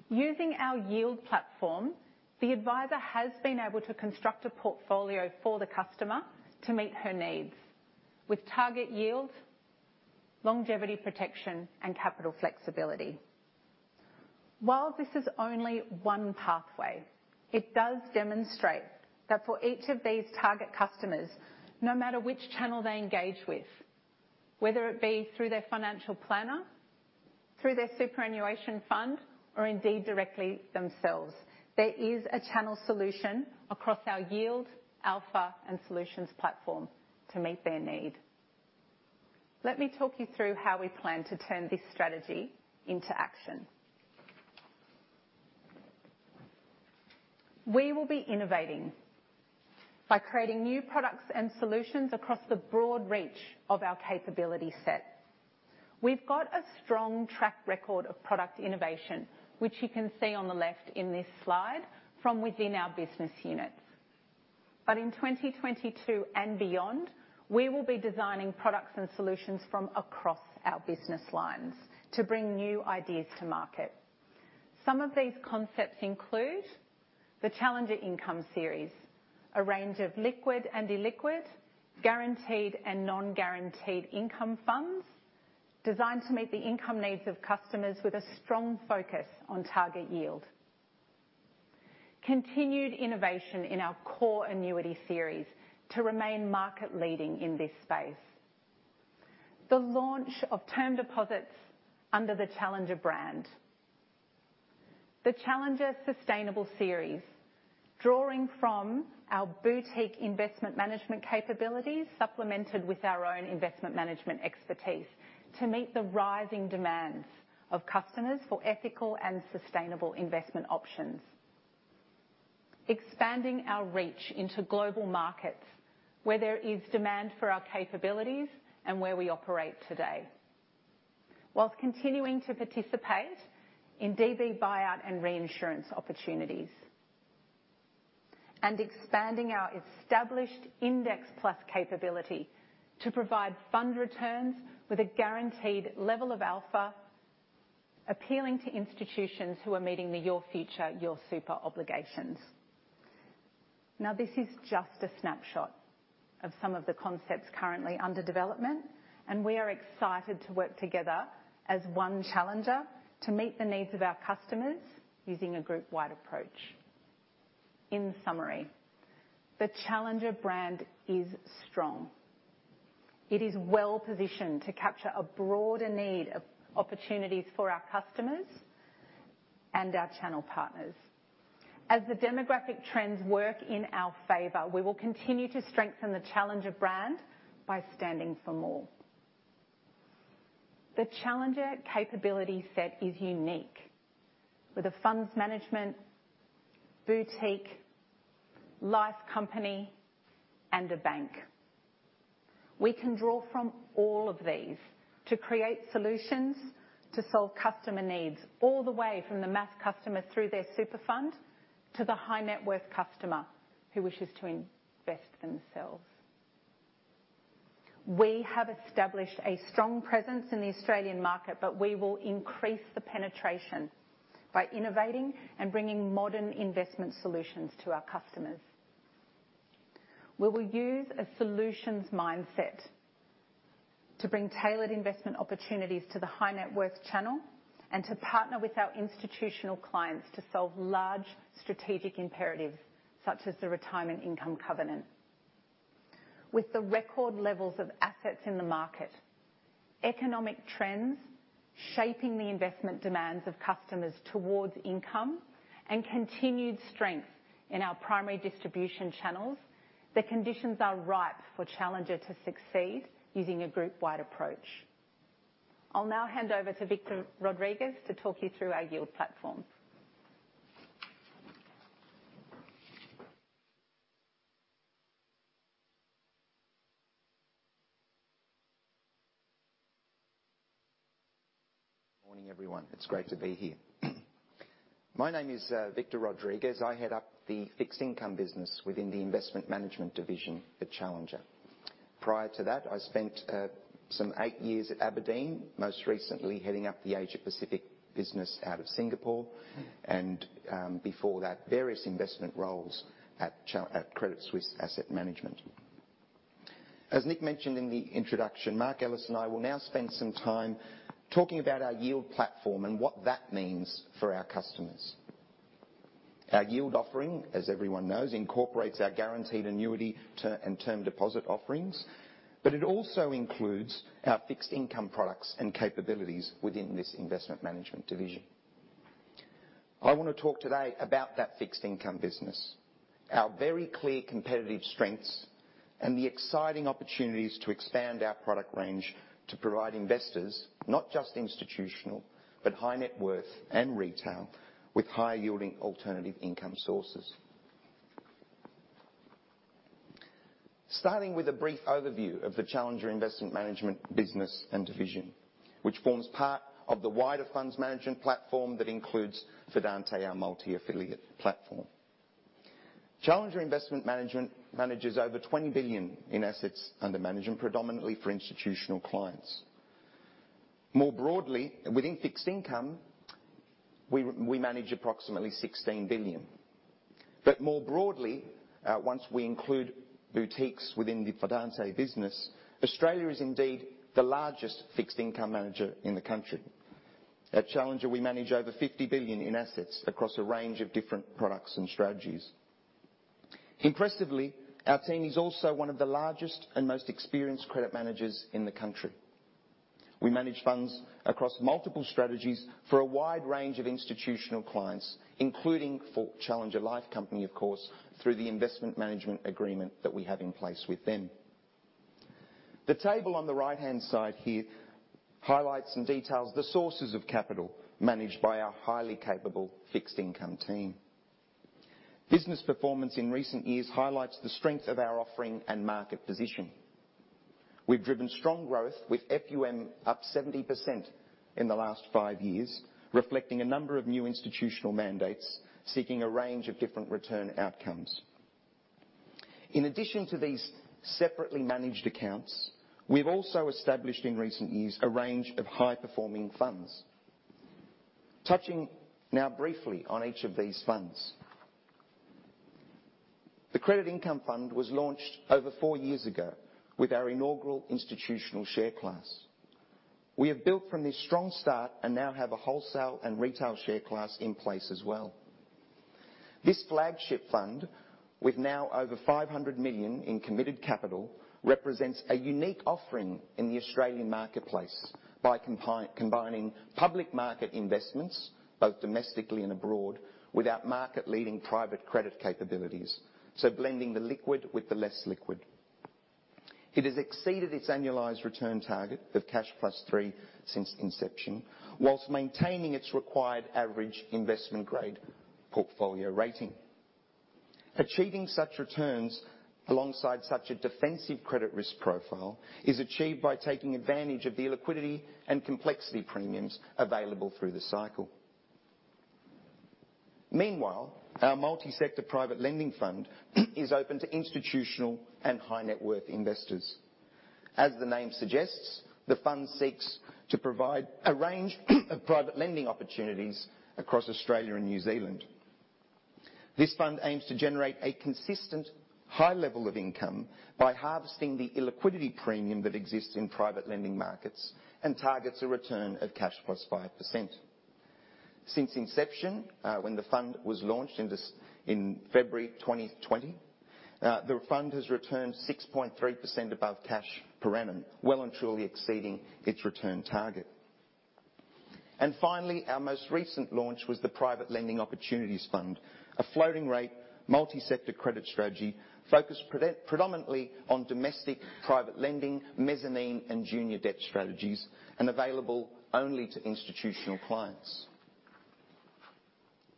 Using our yield platform, the advisor has been able to construct a portfolio for the customer to meet her needs with target yield, longevity protection, and capital flexibility. While this is only one pathway, it does demonstrate that for each of these target customers, no matter which channel they engage with, whether it be through their financial planner, through their superannuation fund, or indeed directly themselves, there is a channel solution across our yield, alpha, and solutions platform to meet their need. Let me talk you through how we plan to turn this strategy into action. We will be innovating by creating new products and solutions across the broad reach of our capability set. We've got a strong track record of product innovation, which you can see on the left in this slide from within our business units. In 2022 and beyond, we will be designing products and solutions from across our business lines to bring new ideas to market. Some of these concepts include the Challenger Income Series, a range of liquid and illiquid, guaranteed and non-guaranteed income funds designed to meet the income needs of customers with a strong focus on target yield. Continued innovation in our core annuity series to remain market leading in this space. The launch of term deposits under the Challenger brand. The Challenger Sustainable Series, drawing from our boutique investment management capabilities, supplemented with our own investment management expertise to meet the rising demands of customers for ethical and sustainable investment options. Expanding our reach into global markets where there is demand for our capabilities and where we operate today, whilst continuing to participate in DB buyout and reinsurance opportunities. Expanding our established Index Plus capability to provide fund returns with a guaranteed level of alpha, appealing to institutions who are meeting the Your Future, Your Super obligations. Now, this is just a snapshot of some of the concepts currently under development, and we are excited to work together as One Challenger to meet the needs of our customers using a group-wide approach. In summary, the Challenger brand is strong. It is well positioned to capture a broader need of opportunities for our customers and our channel partners. As the demographic trends work in our favor, we will continue to strengthen the Challenger brand by standing for more. The Challenger capability set is unique with a Funds Management, Boutique Life Company, and a Bank. We can draw from all of these to create solutions to solve customer needs all the way from the mass customer through their super fund to the high-net-worth customer who wishes to invest themselves. We have established a strong presence in the Australian market, but we will increase the penetration by innovating and bringing modern investment solutions to our customers. We will use a solutions mindset to bring tailored investment opportunities to the high-net-worth channel and to partner with our institutional clients to solve large strategic imperatives, such as the Retirement Income Covenant. With the record levels of assets in the market, economic trends shaping the investment demands of customers towards income and continued strength in our primary distribution channels, the conditions are ripe for Challenger to succeed using a group-wide approach. I'll now hand over to Victor Rodriguez to talk you through our yield platform. Morning, everyone. It's great to be here. My name is Victor Rodriguez. I head up the fixed income business within the investment management division at Challenger. Prior to that, I spent some eight years at Aberdeen, most recently heading up the Asia Pacific business out of Singapore. Before that, various investment roles at Credit Suisse Asset Management. As Nick mentioned in the introduction, Mark Ellis and I will now spend some time talking about our yield platform and what that means for our customers. Our yield offering, as everyone knows, incorporates our guaranteed annuity and term deposit offerings, but it also includes our fixed income products and capabilities within this investment management division. I want to talk today about that fixed income business, our very clear competitive strengths, and the exciting opportunities to expand our product range to provide investors, not just institutional, but high-net-worth and retail, with high-yielding alternative income sources. Starting with a brief overview of the Challenger Investment Management business and division, which forms part of the wider Funds Management platform that includes Fidante, our multi-affiliate platform. Challenger Investment Management manages over 20 billion in assets under management, predominantly for institutional clients. More broadly, within fixed income, we manage approximately 16 billion. More broadly, once we include boutiques within the Fidante business, we are indeed the largest fixed income manager in the country. At Challenger, we manage over 50 billion in assets across a range of different products and strategies. Impressively, our team is also one of the largest and most experienced credit managers in the country. We manage funds across multiple strategies for a wide range of institutional clients, including for Challenger Life Company, of course, through the investment management agreement that we have in place with them. The table on the right-hand side here highlights and details the sources of capital managed by our highly capable fixed income team. Business performance in recent years highlights the strength of our offering and market position. We've driven strong growth with FUM up 70% in the last five years, reflecting a number of new institutional mandates seeking a range of different return outcomes. In addition to these separately managed accounts, we've also established in recent years a range of high-performing funds. Touching now briefly on each of these funds. The Challenger IM Credit Income Fund was launched over four years ago with our inaugural institutional share class. We have built from this strong start and now have a wholesale and retail share class in place as well. This flagship fund, with now over 500 million in committed capital, represents a unique offering in the Australian marketplace by combining public market investments, both domestically and abroad, with our market-leading private credit capabilities, so blending the liquid with the less liquid. It has exceeded its annualized return target of cash +3% since inception, while maintaining its required average investment-grade portfolio rating. Achieving such returns alongside such a defensive credit risk profile is achieved by taking advantage of the illiquidity and complexity premiums available through the cycle. Meanwhile, our Challenger IM Multi-Sector Private Lending Fund is open to institutional and high-net-worth investors. As the name suggests, the fund seeks to provide a range of private lending opportunities across Australia and New Zealand. This fund aims to generate a consistent high level of income by harvesting the illiquidity premium that exists in private lending markets and targets a return of cash +5%. Since inception, when the fund was launched in February 2020, the fund has returned 6.3% above cash per annum, well and truly exceeding its return target. Finally, our most recent launch was the Private Lending Opportunities Fund, a floating rate multi-sector credit strategy focused predominantly on domestic private lending, mezzanine, and junior debt strategies, and available only to institutional clients.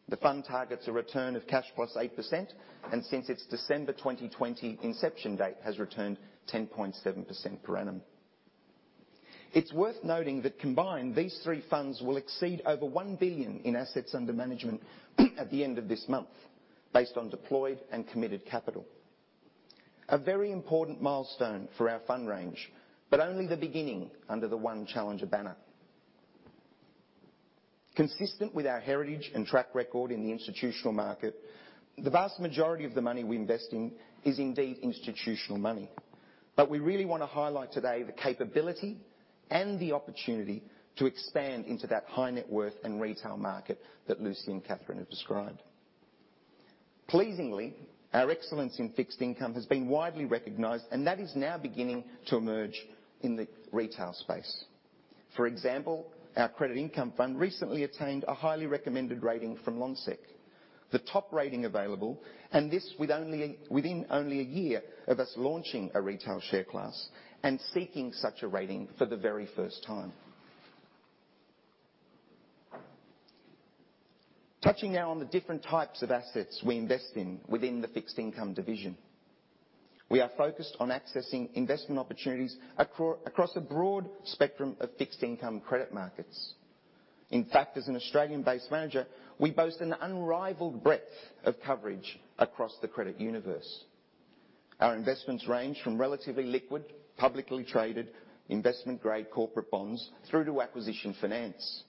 The fund targets a return of cash +8%, and since its December 2020 inception date, has returned 10.7% per annum. It's worth noting that combined, these three funds will exceed over 1 billion in assets under management at the end of this month, based on deployed and committed capital. A very important milestone for our fund range, but only the beginning under the One Challenger banner. Consistent with our heritage and track record in the institutional market, the vast majority of the money we invest in is indeed institutional money. We really want to highlight today the capability and the opportunity to expand into that high-net-worth and retail market that Lucy. Pleasingly, our excellence in fixed income has been widely recognized, and that is now beginning to emerge in the retail space. For example, our Credit Income Fund recently attained a highly recommended rating from Lonsec, the top rating available, and this within only a year of us launching a retail share class and seeking such a rating for the very first time. Touching now on the different types of assets we invest in within the fixed income division. We are focused on accessing investment opportunities across a broad spectrum of fixed income credit markets. In fact, as an Australian-based manager, we boast an unrivaled breadth of coverage across the credit universe. Our investments range from relatively liquid, publicly traded investment-grade corporate bonds through to acquisition finance.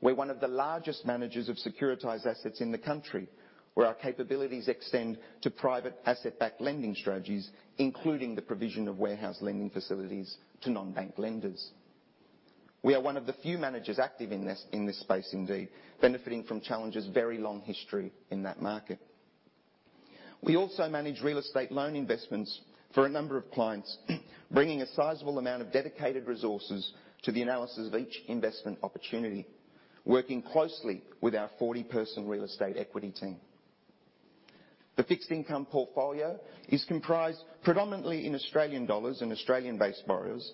We're one of the largest managers of securitized assets in the country, where our capabilities extend to private asset-backed lending strategies, including the provision of warehouse lending facilities to non-bank lenders. We are one of the few managers active in this space, indeed, benefiting from Challenger's very long history in that market. We also manage real estate loan investments for a number of clients, bringing a sizable amount of dedicated resources to the analysis of each investment opportunity, working closely with our 40-person real estate equity team. The fixed income portfolio is comprised predominantly in Australian dollars and Australian-based borrowers,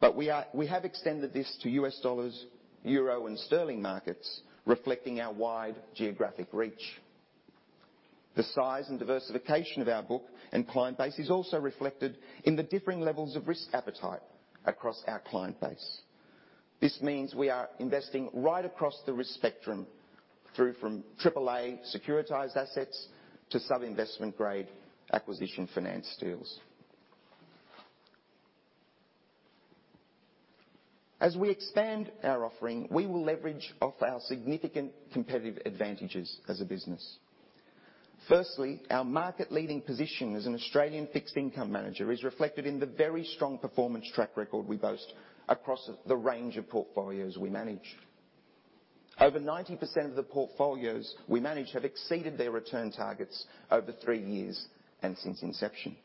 but we have extended this to U.S. dollars, euro, and sterling markets, reflecting our wide geographic reach. The size and diversification of our book and client base is also reflected in the differing levels of risk appetite across our client base. This means we are investing right across the risk spectrum through from triple A securitized assets to sub-investment grade acquisition finance deals. As we expand our offering, we will leverage off our significant competitive advantages as a business. Firstly, our market-leading position as an Australian fixed income manager is reflected in the very strong performance track record we boast across the range of portfolios we manage. Over 90% of the portfolios we manage have exceeded their return targets over three years and since inception.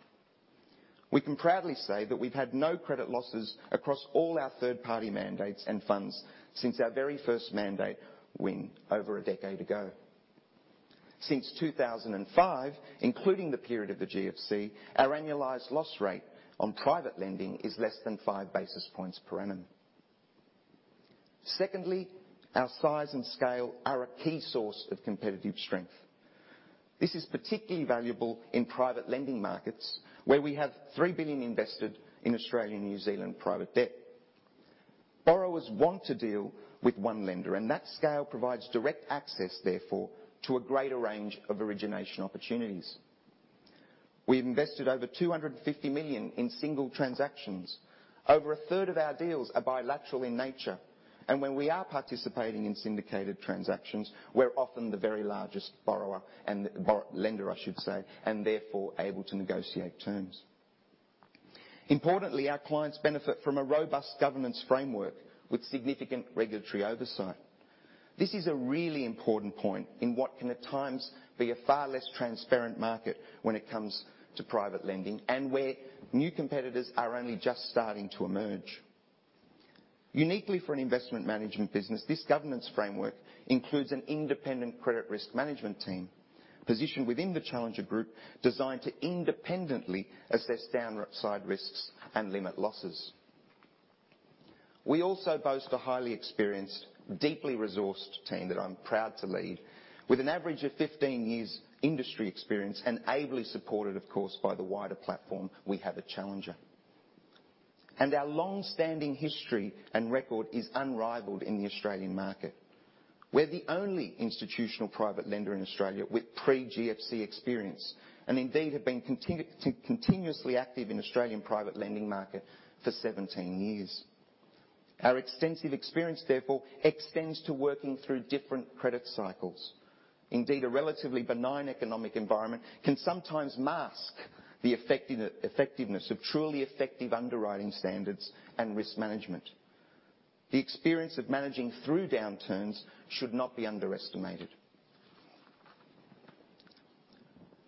We can proudly say that we've had no credit losses across all our third-party mandates and funds since our very first mandate win over a decade ago. Since 2005, including the period of the GFC, our annualized loss rate on private lending is less than 5 basis points per annum. Secondly, our size and scale are a key source of competitive strength. This is particularly valuable in private lending markets where we have 3 billion invested in Australian and New Zealand private debt. Borrowers want to deal with one lender, and that scale provides direct access therefore to a greater range of origination opportunities. We've invested over 250 million in single transactions. Over a third of our deals are bilateral in nature, and when we are participating in syndicated transactions, we're often the very largest borrower and the lender, I should say, and therefore able to negotiate terms. Importantly, our clients benefit from a robust governance framework with significant regulatory oversight. This is a really important point in what can at times be a far less transparent market when it comes to private lending and where new competitors are only just starting to emerge. Uniquely for an investment management business, this governance framework includes an independent credit risk management team positioned within the Challenger Group designed to independently assess downside risks and limit losses. We also boast a highly experienced, deeply resourced team that I'm proud to lead with an average of 15 years industry experience and ably supported, of course, by the wider platform we have at Challenger. Our long-standing history and record is unrivaled in the Australian market. We're the only institutional private lender in Australia with pre-GFC experience, and indeed have been continuously active in Australian private lending market for 17 years. Our extensive experience, therefore, extends to working through different credit cycles. Indeed, a relatively benign economic environment can sometimes mask the effectiveness of truly effective underwriting standards and risk management. The experience of managing through downturns should not be underestimated.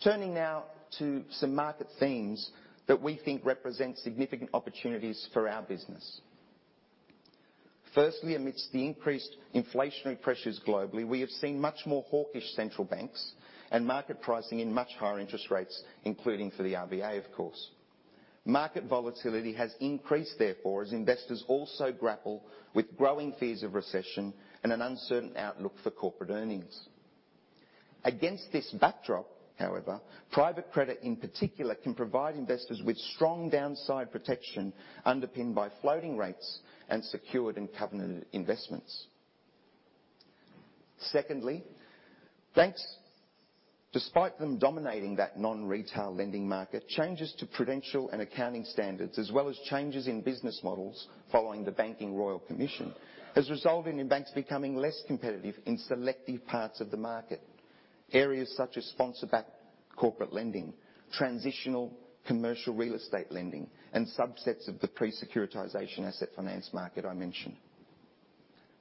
Turning now to some market themes that we think represent significant opportunities for our business. Firstly, amidst the increased inflationary pressures globally, we have seen much more hawkish central banks and market pricing in much higher interest rates, including for the RBA, of course. Market volatility has increased therefore as investors also grapple with growing fears of recession and an uncertain outlook for corporate earnings. Against this backdrop, however, private credit in particular can provide investors with strong downside protection underpinned by floating rates and secured and covenanted investments. Secondly, banks, despite them dominating that non-retail lending market, changes to prudential and accounting standards as well as changes in business models following the Banking Royal Commission is resulting in banks becoming less competitive in selective parts of the market. Areas such as sponsor-backed corporate lending, transitional commercial real estate lending, and subsets of the pre-securitization asset finance market I mentioned.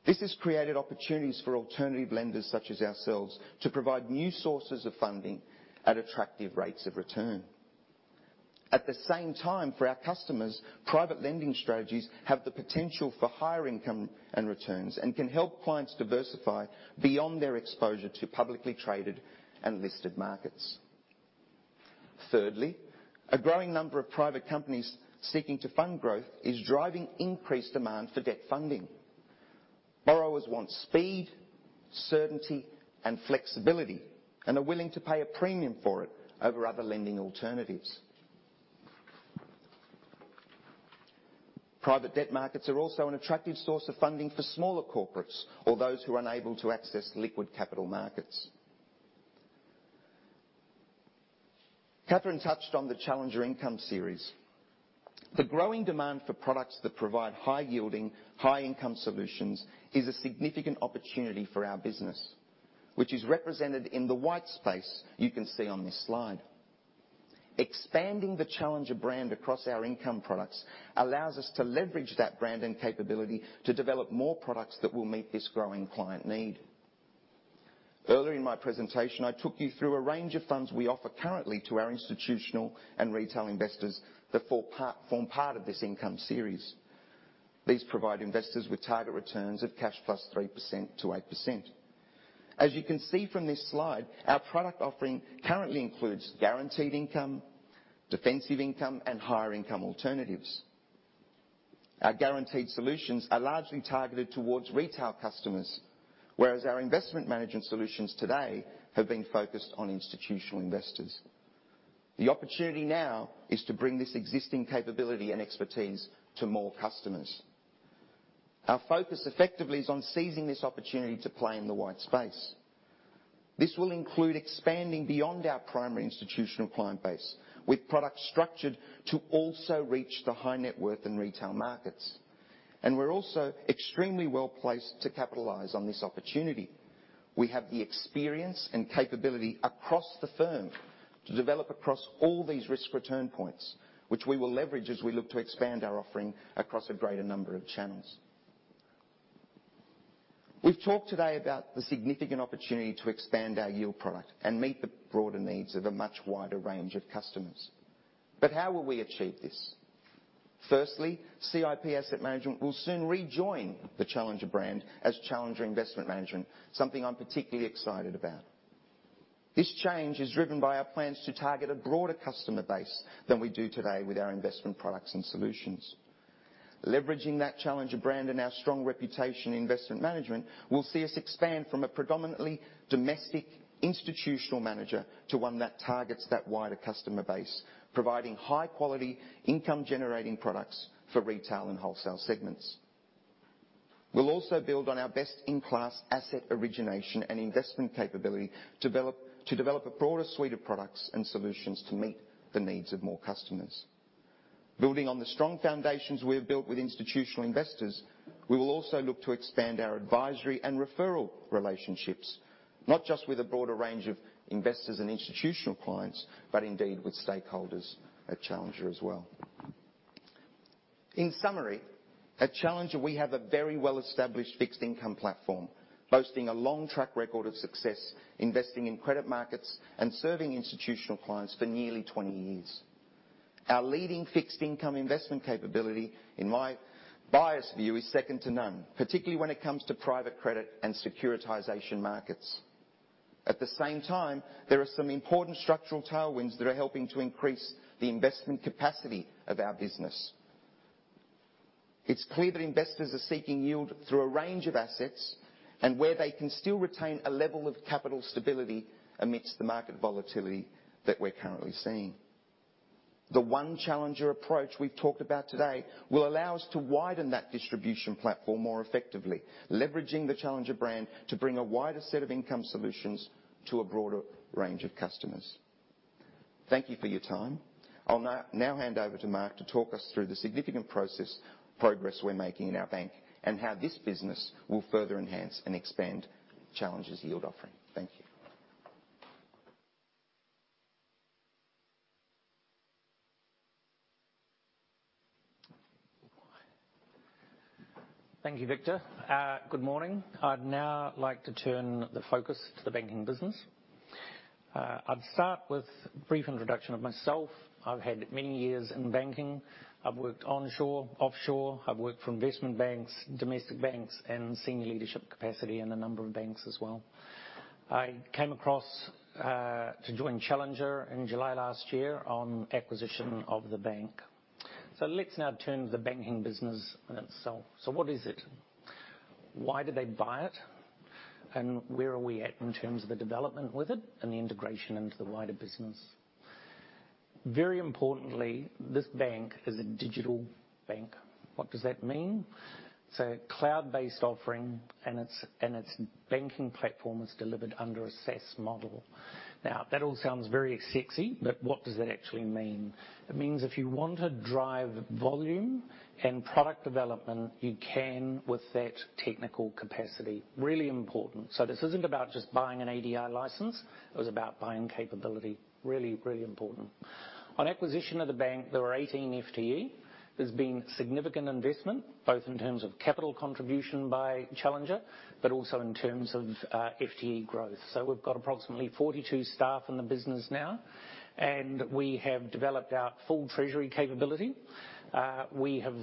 This has created opportunities for alternative lenders such as ourselves to provide new sources of funding at attractive rates of return. At the same time, for our customers, private lending strategies have the potential for higher income and returns and can help clients diversify beyond their exposure to publicly traded and listed markets. Thirdly, a growing number of private companies seeking to fund growth is driving increased demand for debt funding. Borrowers want speed, certainty, and flexibility, and are willing to pay a premium for it over other lending alternatives. Private debt markets are also an attractive source of funding for smaller corporates or those who are unable to access liquid capital markets. Catherine touched on the Challenger Income Series. The growing demand for products that provide high yielding, high income solutions is a significant opportunity for our business, which is represented in the white space you can see on this slide. Expanding the Challenger brand across our income products allows us to leverage that brand and capability to develop more products that will meet this growing client need. Earlier in my presentation, I took you through a range of funds we offer currently to our institutional and retail investors that form part of this income series. These provide investors with target returns of cash +3% to 8%. As you can see from this slide, our product offering currently includes guaranteed income, defensive income, and higher income alternatives. Our guaranteed solutions are largely targeted towards retail customers, whereas our investment management solutions today have been focused on institutional investors. The opportunity now is to bring this existing capability and expertise to more customers. Our focus effectively is on seizing this opportunity to play in the white space. This will include expanding beyond our primary institutional client base with products structured to also reach the high-net-worth in retail markets. We're also extremely well-placed to capitalize on this opportunity. We have the experience and capability across the firm to develop across all these risk return points, which we will leverage as we look to expand our offering across a greater number of channels. We've talked today about the significant opportunity to expand our yield product and meet the broader needs of a much wider range of customers. How will we achieve this? Firstly, CIP Asset Management will soon rejoin the Challenger brand as Challenger Investment Management, something I'm particularly excited about. This change is driven by our plans to target a broader customer base than we do today with our investment products and solutions. Leveraging that Challenger brand and our strong reputation in investment management will see us expand from a predominantly domestic institutional manager to one that targets that wider customer base, providing high-quality income generating products for retail and wholesale segments. We'll also build on our best-in-class asset origination and investment capability to develop a broader suite of products and solutions to meet the needs of more customers. Building on the strong foundations we have built with institutional investors, we will also look to expand our advisory and referral relationships, not just with a broader range of investors and institutional clients, but indeed with stakeholders at Challenger as well. In summary, at Challenger, we have a very well-established fixed income platform, boasting a long track record of success, investing in credit markets and serving institutional clients for nearly 20 years. Our leading fixed income investment capability, in my biased view, is second to none, particularly when it comes to private credit and securitization markets. At the same time, there are some important structural tailwinds that are helping to increase the investment capacity of our business. It's clear that investors are seeking yield through a range of assets and where they can still retain a level of capital stability amidst the market volatility that we're currently seeing. The One Challenger approach we've talked about today will allow us to widen that distribution platform more effectively, leveraging the Challenger brand to bring a wider set of income solutions to a broader range of customers. Thank you for your time. I'll now hand over to Mark to talk us through the significant progress we're making in our Bank and how this business will further enhance and expand Challenger's yield offering. Thank you. Thank you, Victor. Good morning. I'd now like to turn the focus to the banking business. I'll start with a brief introduction of myself. I've had many years in banking. I've worked onshore, offshore. I've worked for investment banks, domestic banks, and in senior leadership capacity in a number of banks as well. I came across to join Challenger in July last year on acquisition of the Bank. Let's now turn to the banking business in itself. What is it? Why did they buy it, and where are we at in terms of the development with it and the integration into the wider business? Very importantly, this Bank is a digital Bank. What does that mean? It's a cloud-based offering, and its banking platform is delivered under a SaaS model. Now, that all sounds very sexy, but what does that actually mean? It means if you want to drive volume and product development, you can with that technical capacity, really important. This isn't about just buying an ADI license. It was about buying capability. Really, really important. On acquisition of the Bank, there were 18 FTE. There's been significant investment, both in terms of capital contribution by Challenger, but also in terms of FTE growth. We've got approximately 42 staff in the business now, and we have developed our full treasury capability. We have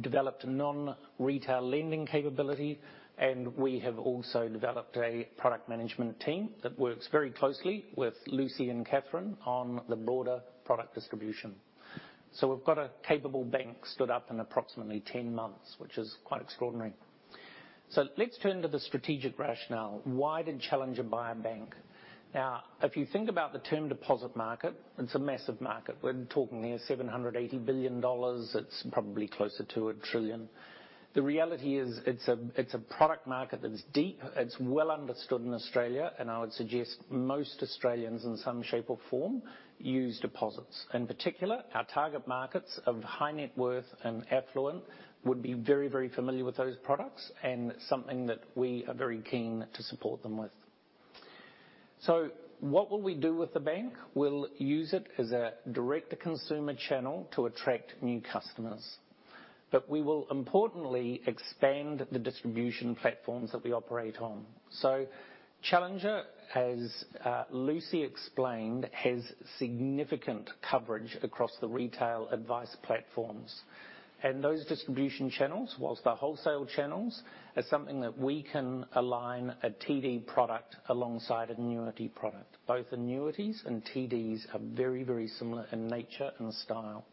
developed a non-retail lending capability, and we have also developed a product management team that works very closely with Lucy and Catherine on the broader product distribution. We've got a capable Bank stood up in approximately 10 months, which is quite extraordinary. Let's turn to the strategic rationale. Why did Challenger buy a Bank? Now, if you think about the term deposit market, it's a massive market. We're talking here 780 billion dollars. It's probably closer to 1 trillion. The reality is it's a product market that's deep. It's well understood in Australia, and I would suggest most Australians, in some shape or form, use deposits. In particular, our target markets of high-net-worth and affluent would be very, very familiar with those products and something that we are very keen to support them with. What will we do with the Bank? We'll use it as a direct-to-consumer channel to attract new customers. But we will importantly expand the distribution platforms that we operate on. Challenger, as Lucy explained, has significant coverage across the retail advice platforms. Those distribution channels, while they're wholesale channels, are something that we can align a TD product alongside an annuity product. Both annuities and TDs are very, very similar in nature and style.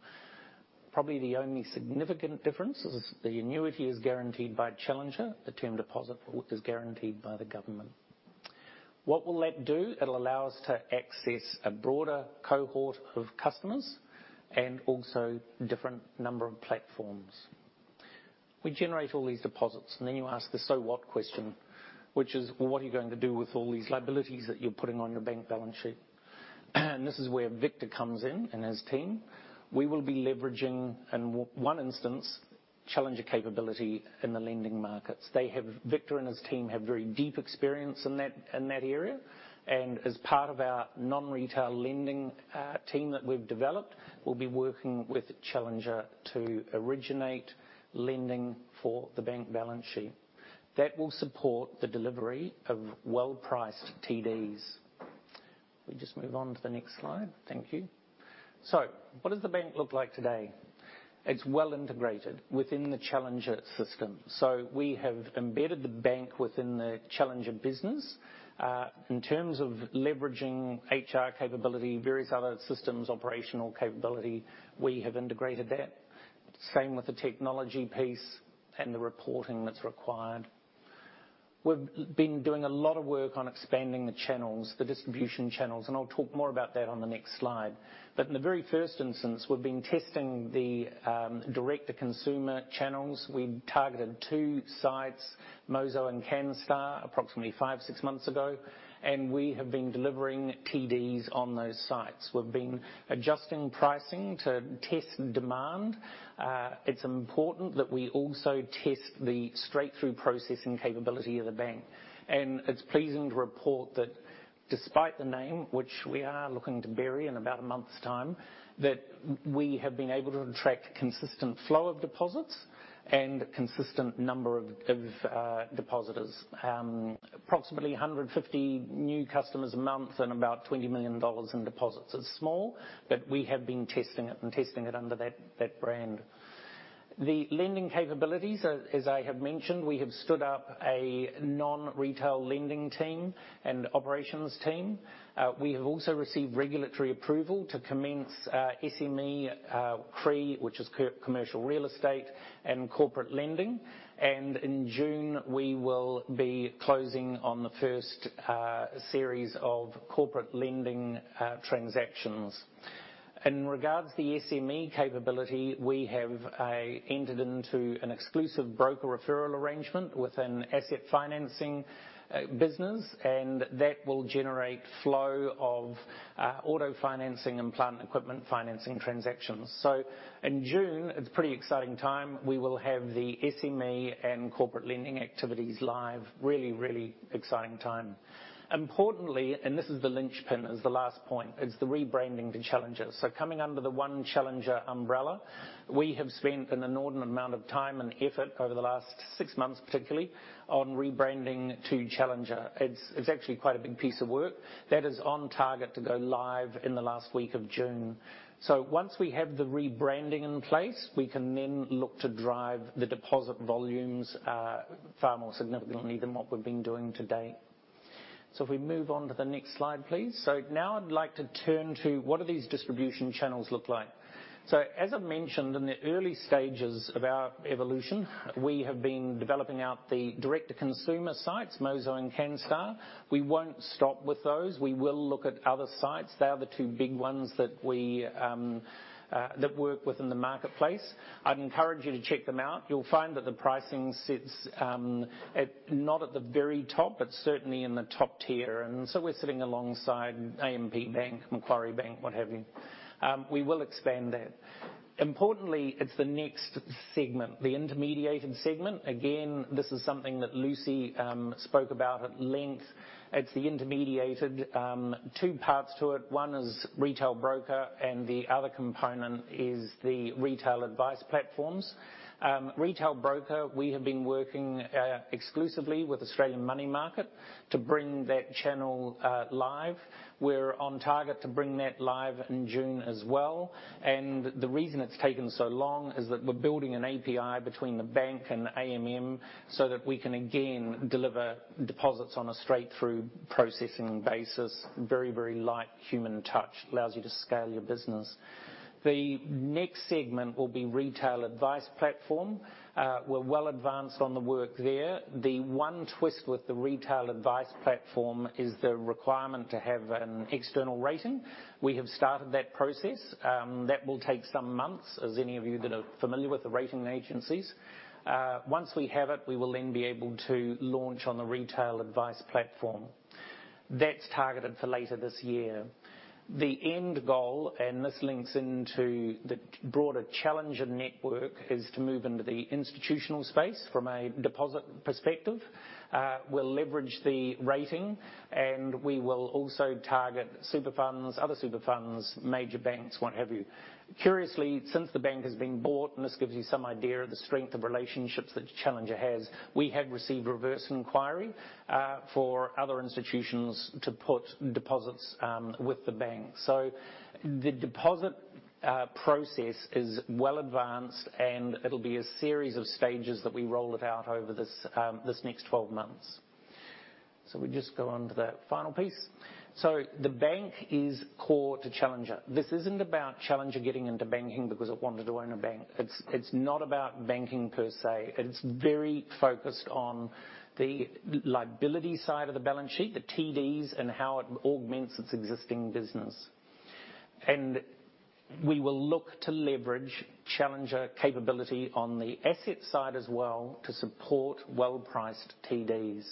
Probably the only significant difference is the annuity is guaranteed by Challenger, the term deposit is guaranteed by the government. What will that do? It'll allow us to access a broader cohort of customers and also different number of platforms. We generate all these deposits, and then you ask the so what question, which is, "Well, what are you going to do with all these liabilities that you're putting on your Bank balance sheet?" This is where Victor comes in and his team. We will be leveraging, in one instance, Challenger capability in the lending markets. They have Victor and his team have very deep experience in that, in that area. As part of our non-retail lending team that we've developed, we'll be working with Challenger to originate lending for the Bank balance sheet. That will support the delivery of well-priced TDs. Can we just move on to the next slide? Thank you. What does the Bank look like today? It's well integrated within the Challenger system. We have embedded the Bank within the Challenger business. In terms of leveraging HR capability, various other systems, operational capability, we have integrated that. Same with the technology piece and the reporting that's required. We've been doing a lot of work on expanding the channels, the distribution channels, and I'll talk more about that on the next slide. In the very first instance, we've been testing the direct-to-consumer channels. We targeted two sites, Mozo and Canstar, approximately five, six months ago, and we have been delivering TDs on those sites. We've been adjusting pricing to test demand. It's important that we also test the straight-through processing capability of the Bank. It's pleasing to report that despite the name, which we are looking to bury in about a month's time, that we have been able to attract consistent flow of deposits and a consistent number of depositors. Approximately 150 new customers a month and about 20 million dollars in deposits. It's small, but we have been testing it under that brand. The lending capabilities, as I have mentioned, we have stood up a non-retail lending team and operations team. We have also received regulatory approval to commence SME, CRE, which is commercial real estate and corporate lending. In June, we will be closing on the first series of corporate lending transactions. In regard to the SME capability, we have entered into an exclusive broker referral arrangement within asset financing business, and that will generate flow of auto financing and plant equipment financing transactions. In June, it's a pretty exciting time. We will have the SME and corporate lending activities live. Really, really exciting time. Importantly, and this is the linchpin as the last point, is the rebranding to Challenger. Coming under the one Challenger umbrella, we have spent an inordinate amount of time and effort over the last six months, particularly, on rebranding to Challenger. It's actually quite a big piece of work. That is on target to go live in the last week of June. Once we have the rebranding in place, we can then look to drive the deposit volumes far more significantly than what we've been doing to date. If we move on to the next slide, please. Now I'd like to turn to what do these distribution channels look like? As I've mentioned, in the early stages of our evolution, we have been developing out the direct-to-consumer sites, Mozo and Canstar. We won't stop with those. We will look at other sites. They are the two big ones that work within the marketplace. I'd encourage you to check them out. You'll find that the pricing sits at, not at the very top, but certainly in the top tier. We're sitting alongside AMP Bank, Macquarie Bank, what have you. We will expand that. Importantly, it's the next segment, the intermediated segment. Again, this is something that Lucy spoke about at length. It's the intermediated. Two parts to it. One is retail broker and the other component is the retail advice platforms. Retail broker, we have been working exclusively with Australian Money Market to bring that channel live. We're on target to bring that live in June as well. The reason it's taken so long is that we're building an API between the Bank and AMM so that we can again deliver deposits on a straight-through processing basis. Very, very light human touch. Allows you to scale your business. The next segment will be retail advice platform. We're well advanced on the work there. The one twist with the retail advice platform is the requirement to have an external rating. We have started that process. That will take some months, as any of you that are familiar with the rating agencies. Once we have it, we will then be able to launch on the retail advice platform. That's targeted for later this year. The end goal, and this links into the broader Challenger network, is to move into the institutional space from a deposit perspective. We'll leverage the rating, and we will also target super funds, other super funds, major banks, what have you. Curiously, since the Bank has been bought, and this gives you some idea of the strength of relationships that Challenger has, we have received reverse inquiry for other institutions to put deposits with the Bank. The deposit process is well advanced, and it'll be a series of stages that we roll it out over this next 12 months. We just go on to that final piece. The Bank is core to Challenger. This isn't about Challenger getting into banking because it wanted to own a bank. It's not about banking per se. It's very focused on the liability side of the balance sheet, the TDs and how it augments its existing business. We will look to leverage Challenger capability on the asset side as well to support well-priced TDs.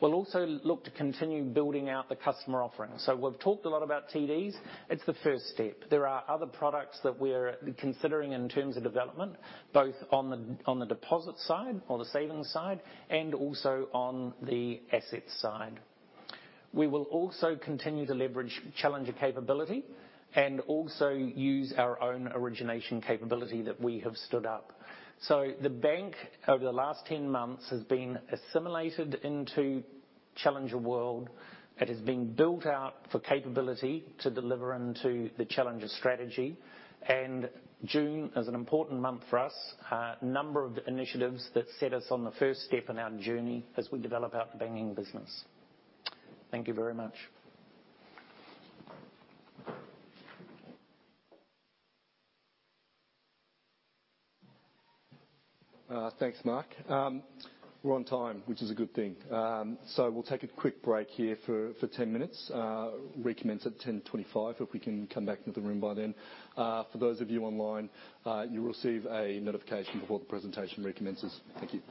We'll also look to continue building out the customer offerings. We've talked a lot about TDs. It's the first step. There are other products that we're considering in terms of development, both on the deposit side or the savings side, and also on the asset side. We will also continue to leverage Challenger capability and also use our own origination capability that we have stood up. The Bank, over the last 10 months, has been assimilated into Challenger world. It is being built out for capability to deliver into the Challenger strategy. June is an important month for us. A number of initiatives that set us on the first step in our journey as we develop our banking business. Thank you very much. Thanks, Mark. We're on time, which is a good thing. We'll take a quick break here for 10 minutes. Recommence at 10:25AM, if we can come back into the room by then. For those of you online, you'll receive a notification before the presentation recommences. Thank you.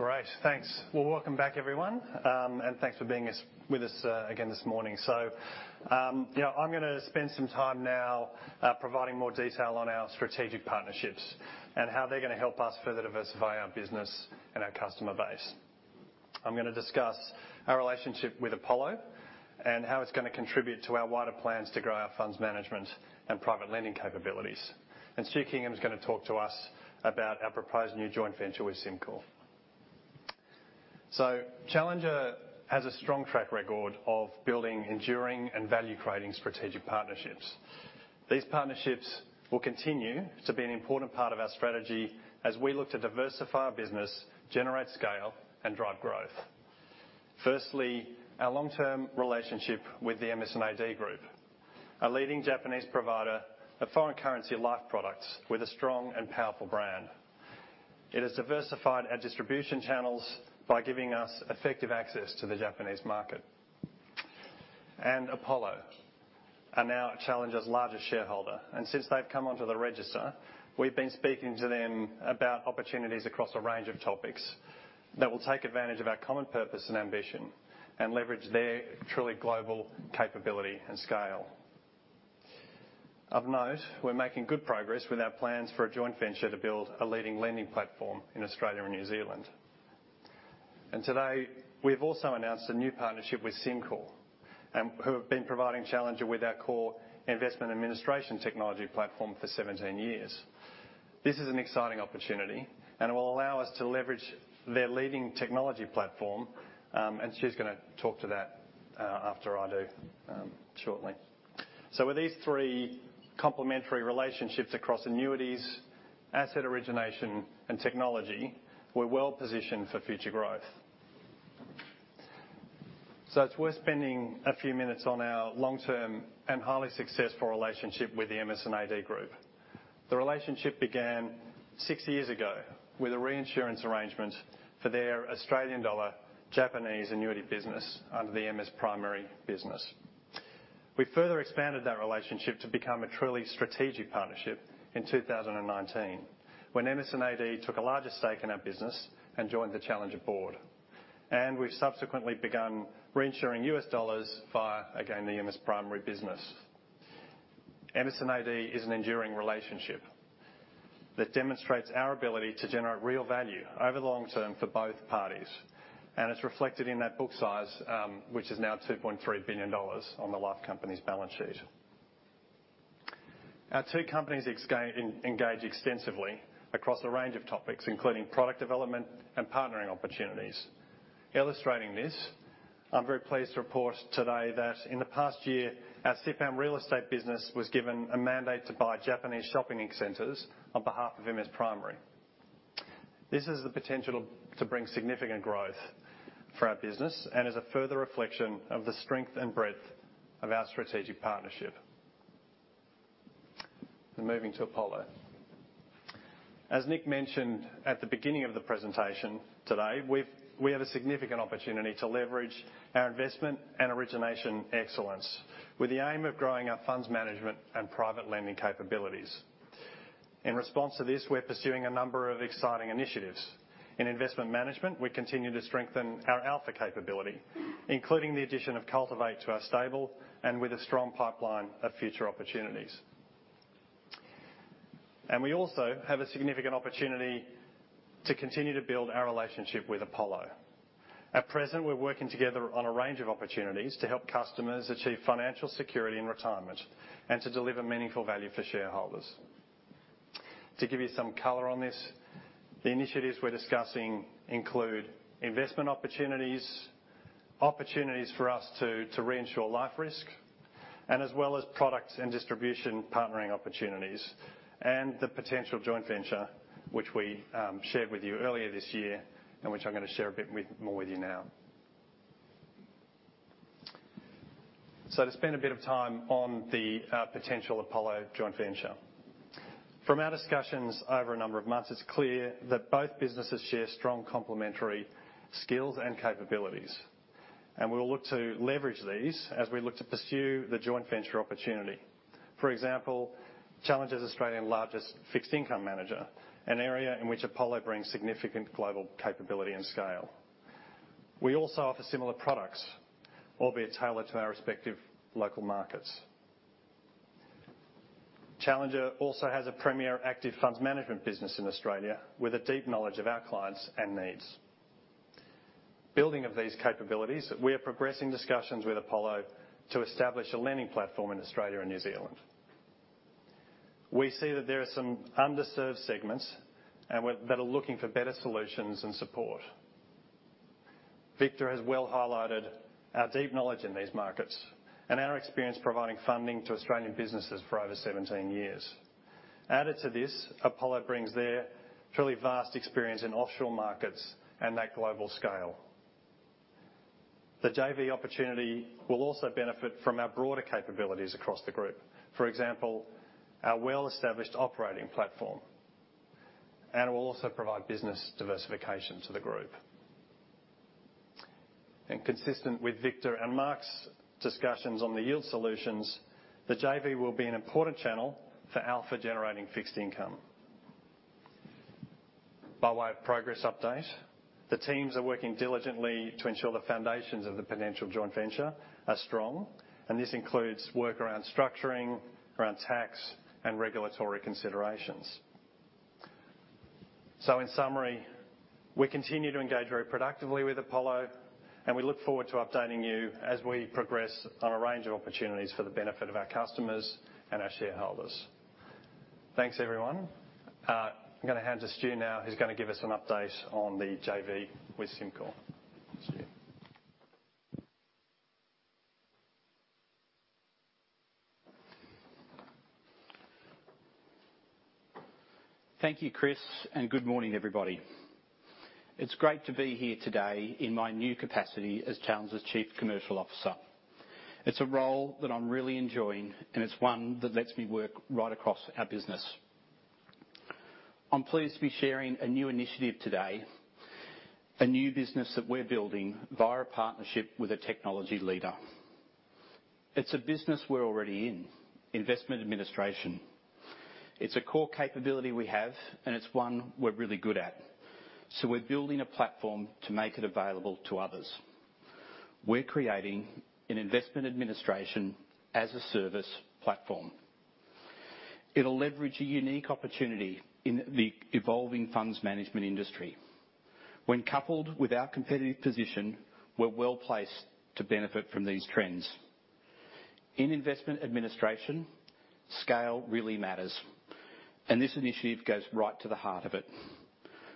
Great. Thanks. Well, welcome back everyone, and thanks for being with us again this morning. I'm going to spend some time now providing more detail on our strategic partnerships and how they're going to help us further diversify our business and our customer base. I'm going to discuss our relationship with Apollo and how it's going to contribute to our wider plans to grow our Funds Management and Private Lending capabilities. Stu Kingham is going to talk to us about our proposed new joint venture with SimCorp. Challenger has a strong track record of building enduring and value-creating strategic partnerships. These partnerships will continue to be an important part of our strategy as we look to diversify our business, generate scale, and drive growth. Firstly, our long-term relationship with the MS&AD Group, a leading Japanese provider of foreign currency Life products with a strong and powerful brand. It has diversified our distribution channels by giving us effective access to the Japanese market. Apollo are now Challenger's largest shareholder, and since they've come onto the register, we've been speaking to them about opportunities across a range of topics that will take advantage of our common purpose and ambition and leverage their truly global capability and scale. Of note, we're making good progress with our plans for a joint venture to build a leading lending platform in Australia and New Zealand. Today, we've also announced a new partnership with SimCorp, who have been providing Challenger with our core investment administration technology platform for 17 years. This is an exciting opportunity, and it will allow us to leverage their leading technology platform, and Stu's going to talk to that, after I do, shortly. With these three complementary relationships across annuities, asset origination, and technology, we're well-positioned for future growth. It's worth spending a few minutes on our long-term and highly successful relationship with the MS&AD Group. The relationship began six years ago with a reinsurance arrangement for their Australian dollar Japanese annuity business under the MS Primary business. We further expanded that relationship to become a truly strategic partnership in 2019, when MS&AD took a larger stake in our business and joined the Challenger board. We've subsequently begun reinsuring U.S. dollars via, again, the MS Primary business. MS&AD is an enduring relationship that demonstrates our ability to generate real value over the long term for both parties, and it's reflected in that book size, which is now 2.3 billion dollars on the Life Company's balance sheet. Our two companies engage extensively across a range of topics, including product development and partnering opportunities. Illustrating this, I'm very pleased to report today that in the past year, our CIPAM real estate business was given a mandate to buy Japanese shopping centers on behalf of MS Primary. This has the potential to bring significant growth for our business and is a further reflection of the strength and breadth of our strategic partnership. Moving to Apollo. As Nick mentioned at the beginning of the presentation today, we have a significant opportunity to leverage our investment and origination excellence with the aim of growing our Funds Management and Private Lending capabilities. In response to this, we're pursuing a number of exciting initiatives. In investment management, we continue to strengthen our alpha capability, including the addition of Cultivate to our stable and with a strong pipeline of future opportunities. We also have a significant opportunity to continue to build our relationship with Apollo. At present, we're working together on a range of opportunities to help customers achieve financial security in retirement and to deliver meaningful value for shareholders. To give you some color on this, the initiatives we're discussing include investment opportunities for us to reinsure life risk, and as well as products and distribution partnering opportunities, and the potential joint venture which we shared with you earlier this year, and which I'm gonna share a bit more with you now. To spend a bit of time on the potential Apollo joint venture. From our discussions over a number of months, it's clear that both businesses share strong complementary skills and capabilities, and we'll look to leverage these as we look to pursue the joint venture opportunity. For example, Challenger is Australia's largest fixed income manager, an area in which Apollo brings significant global capability and scale. We also offer similar products, albeit tailored to our respective local markets. Challenger also has a premier active Funds Management business in Australia with a deep knowledge of our clients and needs. Building on these capabilities, we are progressing discussions with Apollo to establish a lending platform in Australia and New Zealand. We see that there are some underserved segments that are looking for better solutions and support. Victor has well highlighted our deep knowledge in these markets and our experience providing funding to Australian businesses for over 17 years. Added to this, Apollo brings their truly vast experience in offshore markets and that global scale. The JV opportunity will also benefit from our broader capabilities across the Group. For example, our well-established operating platform. It will also provide business diversification to the Group. Consistent with Victor and Mark's discussions on the yield solutions, the JV will be an important channel for alpha generating fixed income. By way of progress update, the teams are working diligently to ensure the foundations of the potential joint venture are strong, and this includes work around structuring, around tax, and regulatory considerations. In summary, we continue to engage very productively with Apollo, and we look forward to updating you as we progress on a range of opportunities for the benefit of our customers and our shareholders. Thanks, everyone. I'm going to hand to Stu now, who's going to give us an update on the JV with SimCorp. Stu. Thank you, Chris, and good morning, everybody. It's great to be here today in my new capacity as Challenger's Chief Commercial Officer. It's a role that I'm really enjoying, and it's one that lets me work right across our business. I'm pleased to be sharing a new initiative today, a new business that we're building via a partnership with a technology leader. It's a business we're already in, investment administration. It's a core capability we have, and it's one we're really good at. We're building a platform to make it available to others. We're creating an investment administration as a service platform. It'll leverage a unique opportunity in the evolving Funds Management industry. When coupled with our competitive position, we're well-placed to benefit from these trends. In investment administration, scale really matters, and this initiative goes right to the heart of it.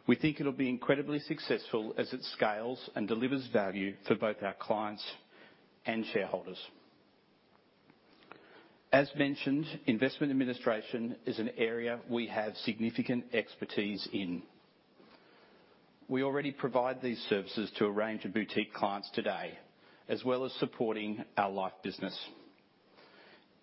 We think it'll be incredibly successful as it scales and delivers value for both our clients and shareholders. As mentioned, investment administration is an area we have significant expertise in. We already provide these services to a range of boutique clients today, as well as supporting our Life business.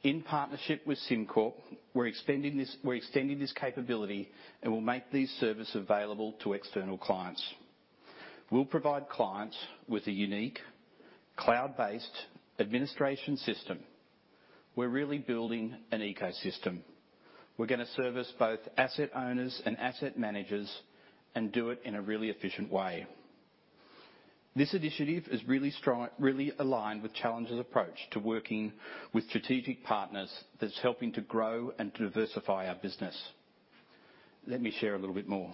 In partnership with SimCorp, we're extending this capability and will make these services available to external clients. We'll provide clients with a unique cloud-based administration system. We're really building an ecosystem. We're gonna service both asset owners and asset managers and do it in a really efficient way. This initiative is really aligned with Challenger's approach to working with strategic partners that's helping to grow and diversify our business. Let me share a little bit more.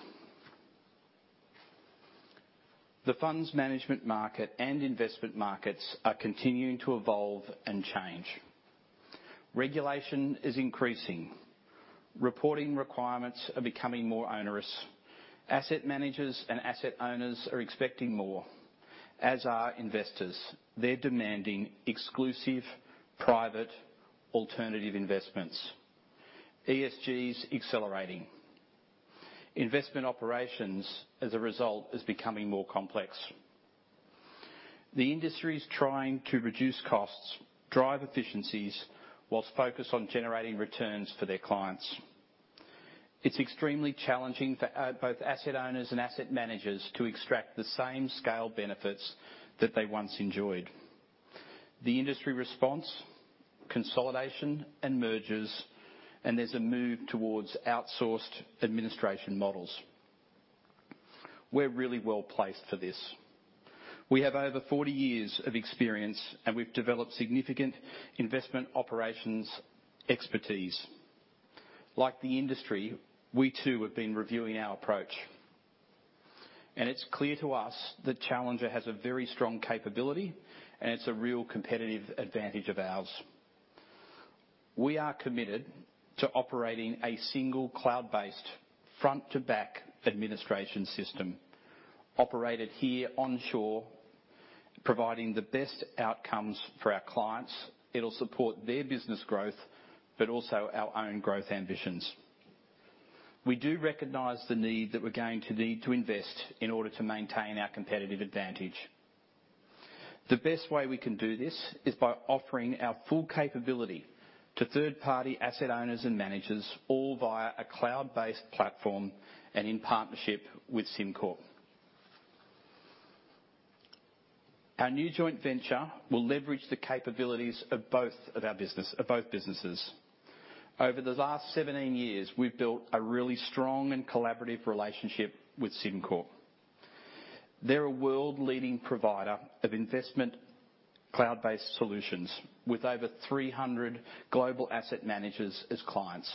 The Funds Management market and investment markets are continuing to evolve and change. Regulation is increasing. Reporting requirements are becoming more onerous. Asset managers and asset owners are expecting more, as are investors. They're demanding exclusive, private alternative investments. ESG is accelerating. Investment operations, as a result, is becoming more complex. The industry is trying to reduce costs, drive efficiencies, while focused on generating returns for their clients. It's extremely challenging for both asset owners and asset managers to extract the same scale benefits that they once enjoyed. The industry response, consolidation and mergers, and there's a move towards outsourced administration models. We're really well-placed for this. We have over 40 years of experience, and we've developed significant investment operations expertise. Like the industry, we too have been reviewing our approach, and it's clear to us that Challenger has a very strong capability, and it's a real competitive advantage of ours. We are committed to operating a single cloud-based front-to-back administration system, operated here onshore, providing the best outcomes for our clients. It'll support their business growth, but also our own growth ambitions. We do recognize the need that we're going to need to invest in order to maintain our competitive advantage. The best way we can do this is by offering our full capability to third-party asset owners and managers, all via a cloud-based platform and in partnership with SimCorp. Our new joint venture will leverage the capabilities of both businesses. Over the last 17 years, we've built a really strong and collaborative relationship with SimCorp. They're a world-leading provider of investment cloud-based solutions with over 300 global asset managers as clients.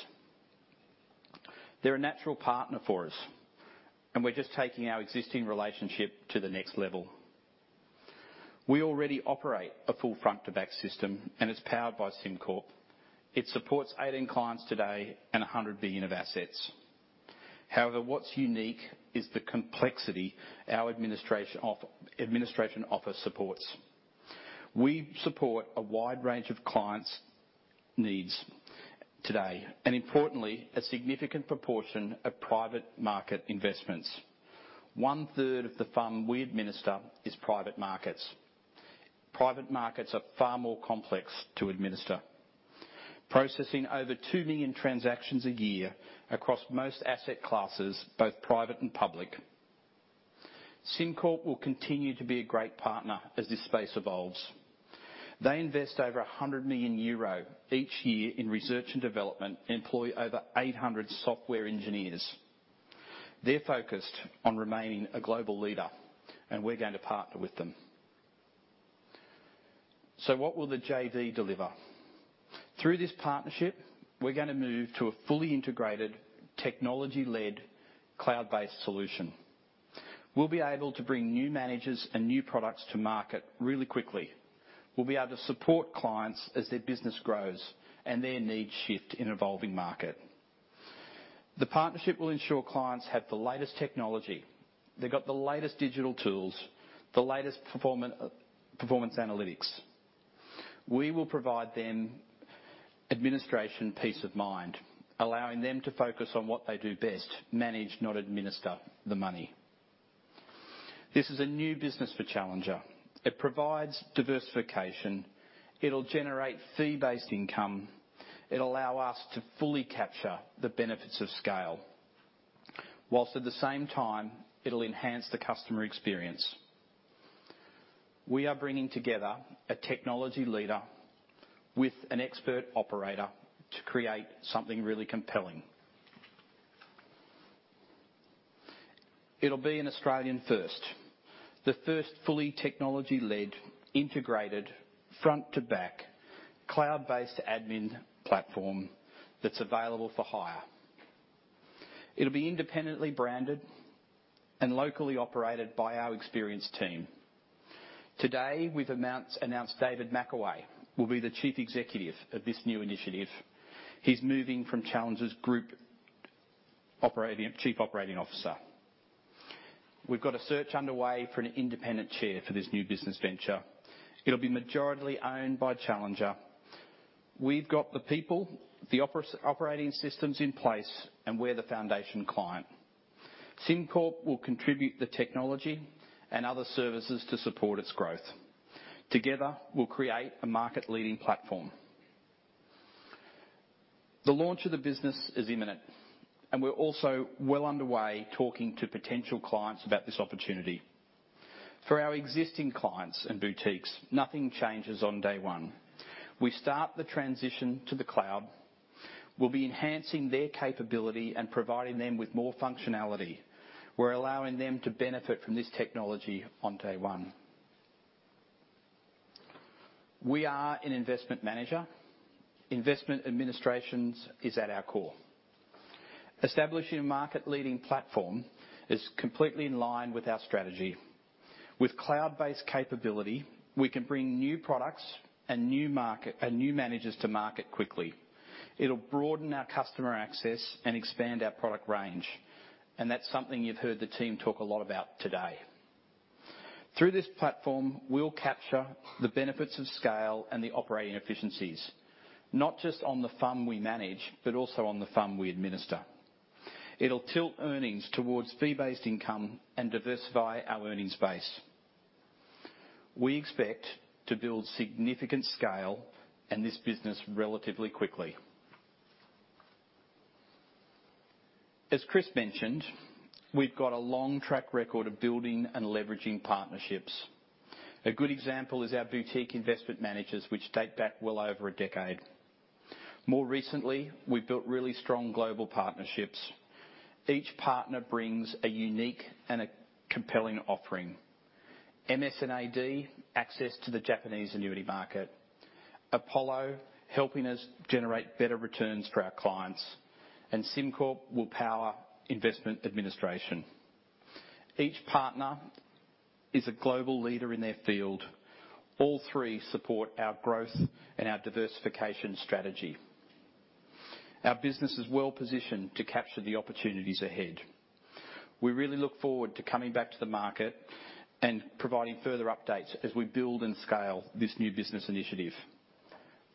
They're a natural partner for us, and we're just taking our existing relationship to the next level. We already operate a full front-to-back system, and it's powered by SimCorp. It supports 18 clients today and 100 billion of assets. However, what's unique is the complexity our administration offer supports. We support a wide range of clients' needs today and importantly, a significant proportion of private market investments. One-third of the fund we administer is private markets. Private markets are far more complex to administer. Processing over 2 million transactions a year across most asset classes, both private and public. SimCorp will continue to be a great partner as this space evolves. They invest over 100 million euro each year in research and development, employ over 800 software engineers. They're focused on remaining a global leader, and we're going to partner with them. What will the JV deliver? Through this partnership, we're gonna move to a fully integrated, technology-led, cloud-based solution. We'll be able to bring new managers and new products to market really quickly. We'll be able to support clients as their business grows and their needs shift in an evolving market. The partnership will ensure clients have the latest technology. They've got the latest digital tools, the latest performance analytics. We will provide them administration peace of mind, allowing them to focus on what they do best, manage, not administer the money. This is a new business for Challenger. It provides diversification. It'll generate fee-based income. It'll allow us to fully capture the benefits of scale, while at the same time, it'll enhance the customer experience. We are bringing together a technology leader with an expert operator to create something really compelling. It'll be an Australian first. The first fully technology-led, integrated, front-to-back, cloud-based admin platform that's available for hire. It'll be independently branded and locally operated by our experienced team. Today, we've announced David Bell will be the chief executive of this new initiative. He's moving from Challenger's Group Chief Operating Officer. We've got a search underway for an independent chair for this new business venture. It'll be majority owned by Challenger. We've got the people, the operating systems in place, and we're the foundation client. SimCorp will contribute the technology and other services to support its growth. Together, we'll create a market-leading platform. The launch of the business is imminent, and we're also well underway talking to potential clients about this opportunity. For our existing clients and boutiques, nothing changes on day one. We start the transition to the cloud. We'll be enhancing their capability and providing them with more functionality. We're allowing them to benefit from this technology on day one. We are an investment manager. Investment administration is at our core. Establishing a market-leading platform is completely in line with our strategy. With cloud-based capability, we can bring new products and new markets and new managers to market quickly. It'll broaden our customer access and expand our product range, and that's something you've heard the team talk a lot about today. Through this platform, we'll capture the benefits of scale and the operating efficiencies, not just on the fund we manage, but also on the fund we administer. It'll tilt earnings towards fee-based income and diversify our earnings base. We expect to build significant scale in this business relatively quickly. As Chris mentioned, we've got a long track record of building and leveraging partnerships. A good example is our boutique investment managers, which date back well over a decade. More recently, we've built really strong global partnerships. Each partner brings a unique and a compelling offering. MS&AD, access to the Japanese annuity market. Apollo, helping us generate better returns for our clients. SimCorp will power investment administration. Each partner is a global leader in their field. All three support our growth and our diversification strategy. Our business is well-positioned to capture the opportunities ahead. We really look forward to coming back to the market and providing further updates as we build and scale this new business initiative.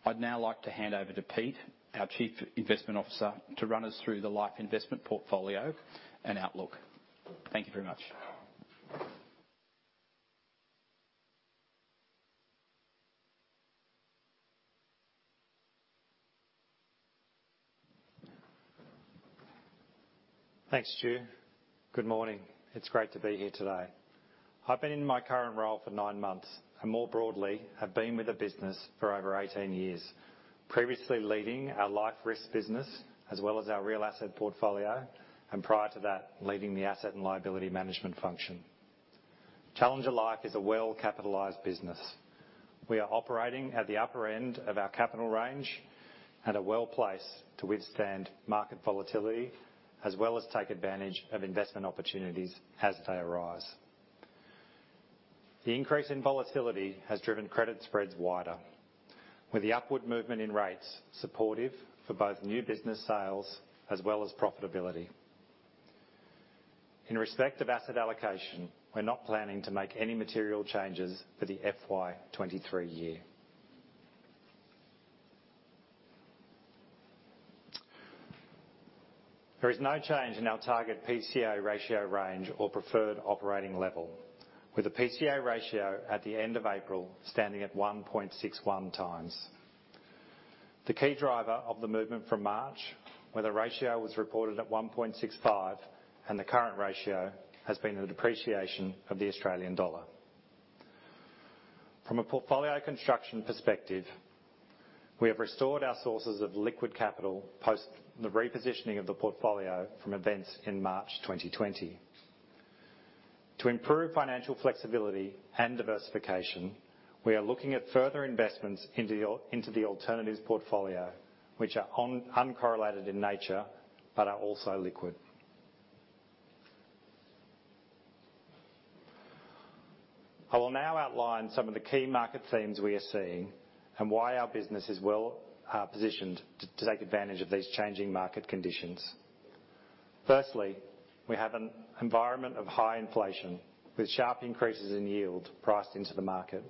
I'd now like to hand over to Pete, our Chief Investment Officer, to run us through the Life investment portfolio and outlook. Thank you very much. Thanks, Stu. Good morning. It's great to be here today. I've been in my current role for nine months, and more broadly, have been with the business for over 18 years, previously leading our Life risk business as well as our real asset portfolio, and prior to that, leading the asset and liability management function. Challenger Life is a well-capitalized business. We are operating at the upper end of our capital range and are well-placed to withstand market volatility, as well as take advantage of investment opportunities as they arise. The increase in volatility has driven credit spreads wider, with the upward movement in rates supportive for both new business sales as well as profitability. In respect of asset allocation, we're not planning to make any material changes for the FY 2023 year. There is no change in our target PCA ratio range or preferred operating level, with the PCA ratio at the end of April standing at 1.61x. The key driver of the movement from March, where the ratio was reported at 1.65, and the current ratio has been the depreciation of the Australian dollar. From a portfolio construction perspective, we have restored our sources of liquid capital post the repositioning of the portfolio from events in March 2020. To improve financial flexibility and diversification, we are looking at further investments into the alternatives portfolio, which are uncorrelated in nature, but are also liquid. I will now outline some of the key market themes we are seeing and why our business is well positioned to take advantage of these changing market conditions. Firstly, we have an environment of high inflation with sharp increases in yield priced into the market.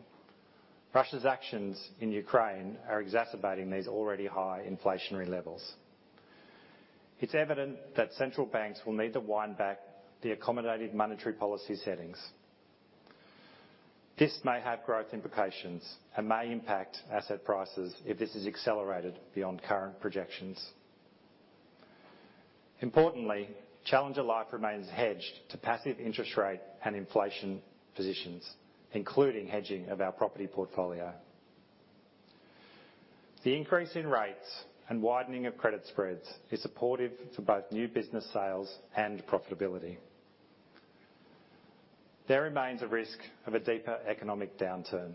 Russia's actions in Ukraine are exacerbating these already high inflationary levels. It's evident that central banks will need to wind back the accommodative monetary policy settings. This may have growth implications and may impact asset prices if this is accelerated beyond current projections. Importantly, Challenger Life remains hedged to passive interest rate and inflation positions, including hedging of our property portfolio. The increase in rates and widening of credit spreads is supportive to both new business sales and profitability. There remains a risk of a deeper economic downturn.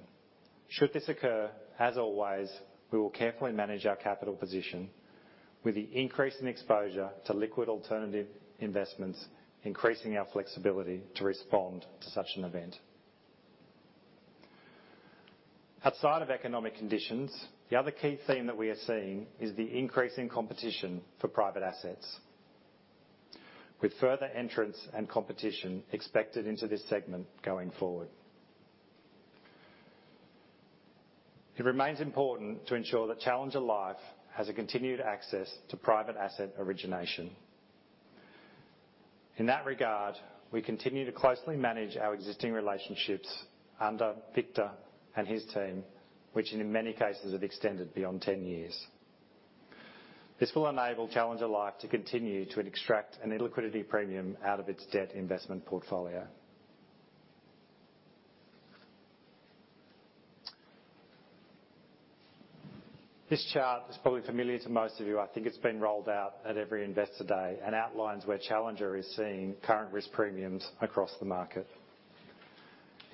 Should this occur, as always, we will carefully manage our capital position with the increase in exposure to liquid alternative investments, increasing our flexibility to respond to such an event. Outside of economic conditions, the other key theme that we are seeing is the increase in competition for private assets, with further entrants and competition expected into this segment going forward. It remains important to ensure that Challenger Life has a continued access to private asset origination. In that regard, we continue to closely manage our existing relationships under Victor and his team, which in many cases have extended beyond 10 years. This will enable Challenger Life to continue to extract an illiquidity premium out of its debt investment portfolio. This chart is probably familiar to most of you, I think it's been rolled out at every investor day, and outlines where Challenger is seeing current risk premiums across the market.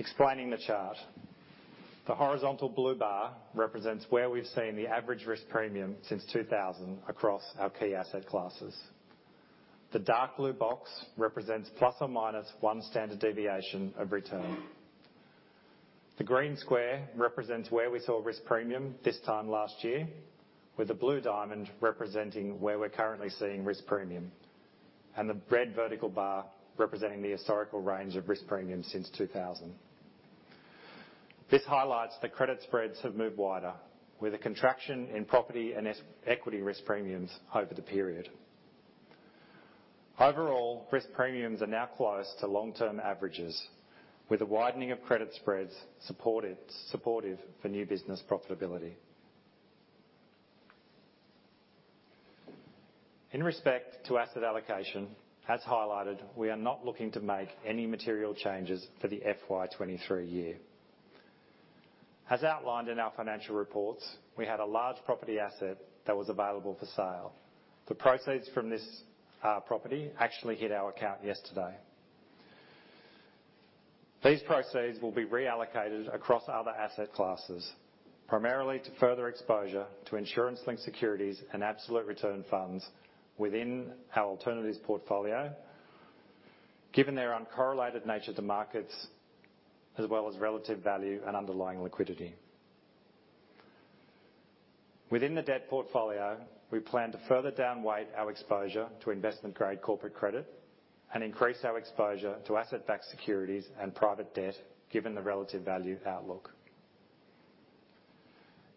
Explaining the chart. The horizontal blue bar represents where we've seen the average risk premium since 2000 across our key asset classes. The dark blue box represents ±1 standard deviation of return. The green square represents where we saw risk premium this time last year, with the blue diamond representing where we're currently seeing risk premium, and the red vertical bar representing the historical range of risk premiums since 2000. This highlights that credit spreads have moved wider, with a contraction in property and SME equity risk premiums over the period. Overall, risk premiums are now close to long-term averages, with a widening of credit spreads supportive for new business profitability. In respect to asset allocation, as highlighted, we are not looking to make any material changes for the FY 2023 year. As outlined in our financial reports, we had a large property asset that was available for sale. The proceeds from this property actually hit our account yesterday. These proceeds will be reallocated across other asset classes, primarily to further exposure to insurance-linked securities and absolute return funds within our alternatives portfolio, given their uncorrelated nature to markets, as well as relative value and underlying liquidity. Within the debt portfolio, we plan to further down-weight our exposure to investment-grade corporate credit and increase our exposure to asset-backed securities and private debt, given the relative value outlook.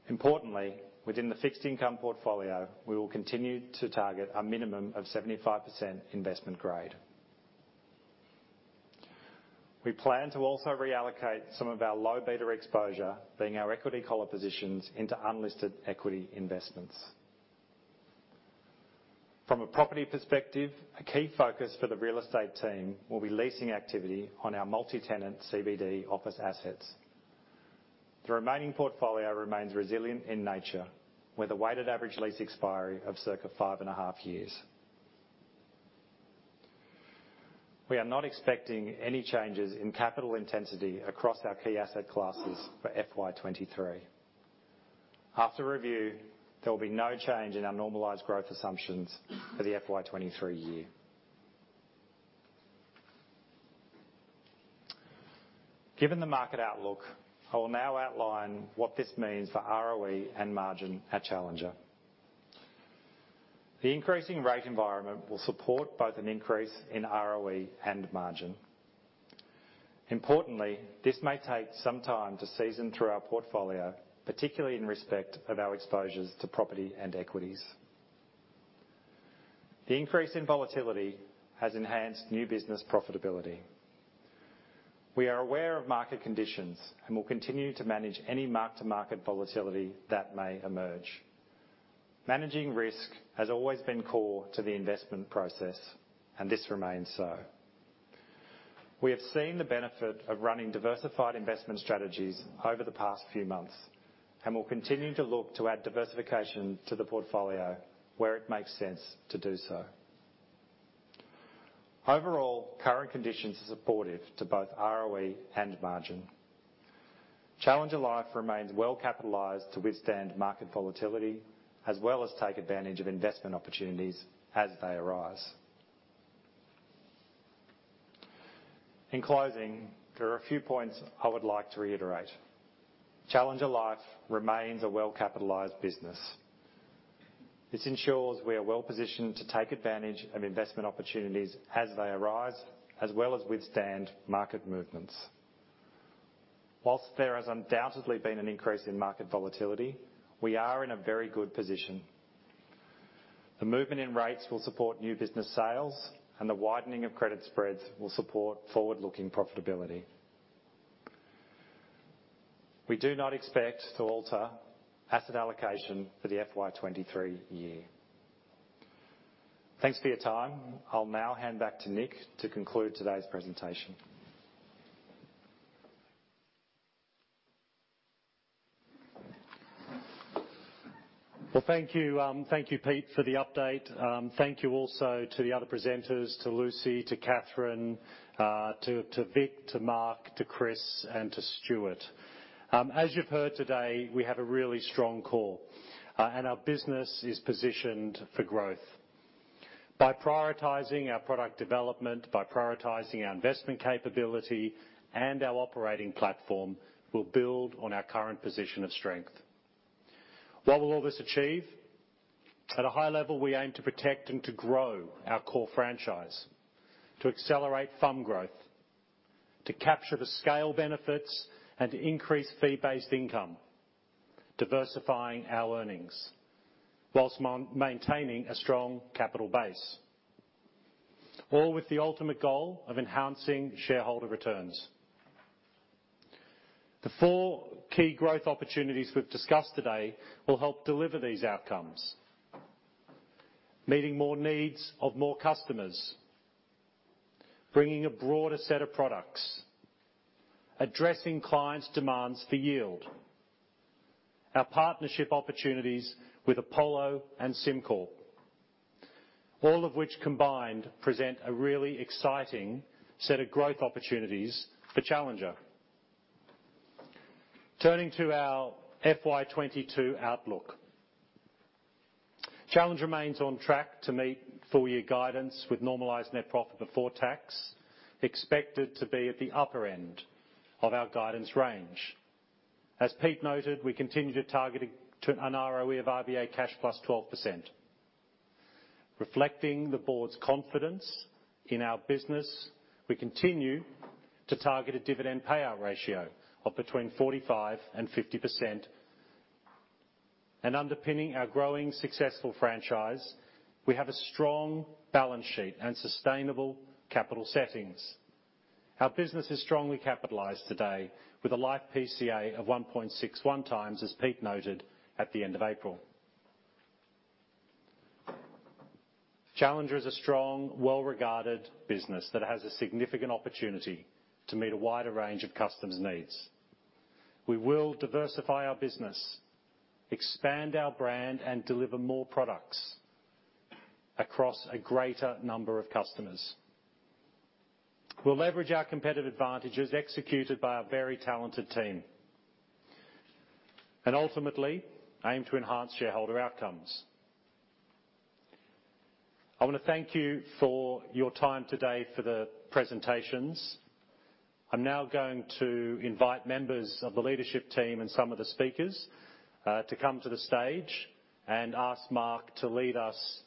Importantly, within the fixed income portfolio, we will continue to target a minimum of 75% investment grade. We plan to also reallocate some of our low beta exposure, being our equity collar positions, into unlisted equity investments. From a property perspective, a key focus for the real estate team will be leasing activity on our multi-tenant CBD office assets. The remaining portfolio remains resilient in nature, with a weighted average lease expiry of circa 5.5 years. We are not expecting any changes in capital intensity across our key asset classes for FY 2023. After review, there will be no change in our normalized growth assumptions for the FY 2023 year. Given the market outlook, I will now outline what this means for ROE and margin at Challenger. The increasing rate environment will support both an increase in ROE and margin. Importantly, this may take some time to season through our portfolio, particularly in respect of our exposures to property and equities. The increase in volatility has enhanced new business profitability. We are aware of market conditions and will continue to manage any mark-to-market volatility that may emerge. Managing risk has always been core to the investment process, and this remains so. We have seen the benefit of running diversified investment strategies over the past few months, and we'll continue to look to add diversification to the portfolio where it makes sense to do so. Overall, current conditions are supportive to both ROE and margin. Challenger Life remains well-capitalized to withstand market volatility, as well as take advantage of investment opportunities as they arise. In closing, there are a few points I would like to reiterate. Challenger Life remains a well-capitalized business. This ensures we are well-positioned to take advantage of investment opportunities as they arise, as well as withstand market movements. While there has undoubtedly been an increase in market volatility, we are in a very good position. The movement in rates will support new business sales, and the widening of credit spreads will support forward-looking profitability. We do not expect to alter asset allocation for the FY 2023 year. Thanks for your time. I'll now hand back to Nick to conclude today's presentation. Well, thank you. Thank you, Pete, for the update. Thank you also to the other presenters, to Lucy, to Catherine, to Vic, to Mark, to Chris, and to Stuart. As you've heard today, we have a really strong core, and our business is positioned for growth. By prioritizing our product development, by prioritizing our investment capability and our operating platform, we'll build on our current position of strength. What will all this achieve? At a high level, we aim to protect and to grow our core franchise, to accelerate FUM growth, to capture the scale benefits, and to increase fee-based income, diversifying our earnings while maintaining a strong capital base, all with the ultimate goal of enhancing shareholder returns. The four key growth opportunities we've discussed today will help deliver these outcomes. Meeting more needs of more customers. Bringing a broader set of products. Addressing clients' demands for yield. Our partnership opportunities with Apollo and SimCorp, all of which combined present a really exciting set of growth opportunities for Challenger. Turning to our FY 2022 outlook. Challenger remains on track to meet full year guidance with normalized net profit before tax expected to be at the upper end of our guidance range. As Pete noted, we continue to target to an ROE of RBA cash +12%. Reflecting the board's confidence in our business, we continue to target a dividend payout ratio of between 45% and 50%. Underpinning our growing successful franchise, we have a strong balance sheet and sustainable capital settings. Our business is strongly capitalized today with a Life PCA of 1.61x, as Pete noted at the end of April. Challenger is a strong, well-regarded business that has a significant opportunity to meet a wider range of customers' needs. We will diversify our business, expand our brand, and deliver more products across a greater number of customers. We'll leverage our competitive advantages executed by our very talented team and ultimately aim to enhance shareholder outcomes. I wanna thank you for your time today for the presentations. I'm now going to invite members of the leadership team and some of the speakers to come to the stage and ask Mark to lead us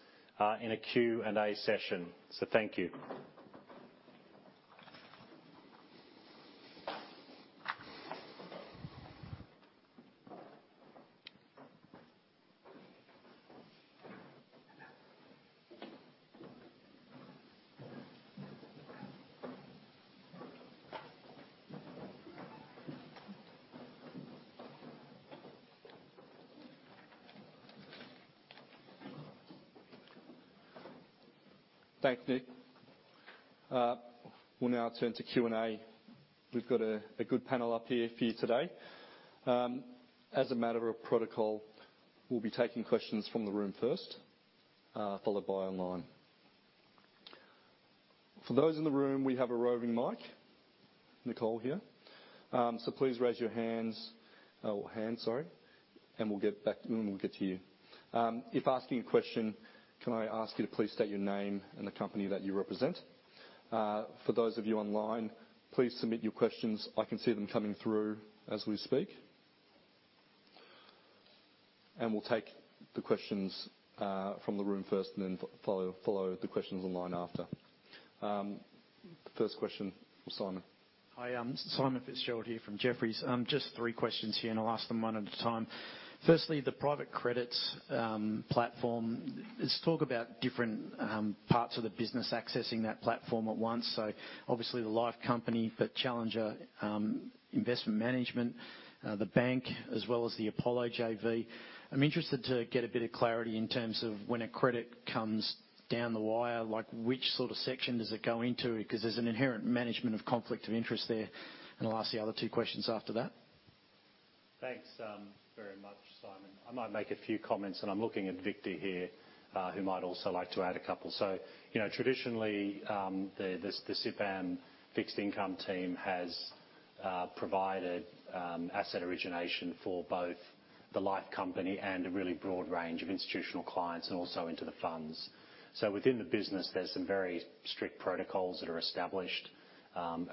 in a Q&A session. Thank you. Thanks, Nick. We'll now turn to Q&A. We've got a good panel up here for you today. As a matter of protocol, we'll be taking questions from the room first, followed by online. For those in the room, we have a roving mic, Nicole here. So please raise your hands or hand, sorry, and we'll get to you. If asking a question, can I ask you to please state your name and the company that you represent. For those of you online, please submit your questions. I can see them coming through as we speak. We'll take the questions from the room first and then follow the questions online after. The first question from Simon. Hi, Simon Fitzgerald here from Jefferies. Just three questions here, and I'll ask them one at a time. Firstly, the private credit platform, there's talk about different parts of the business accessing that platform at once. So obviously the Life Company, but Challenger Investment Management, the Bank, as well as the Apollo JV. I'm interested to get a bit of clarity in terms of when a credit comes down the wire, like which sort of section does it go into? Because there's an inherent management of conflict of interest there. I'll ask the other two questions after that. Thanks very much, Simon. I might make a few comments, and I'm looking at Victor here, who might also like to add a couple. You know, traditionally, the CIPAM fixed income team has provided asset origination for both the Life Company and a really broad range of institutional clients and also into the funds. Within the business, there's some very strict protocols that are established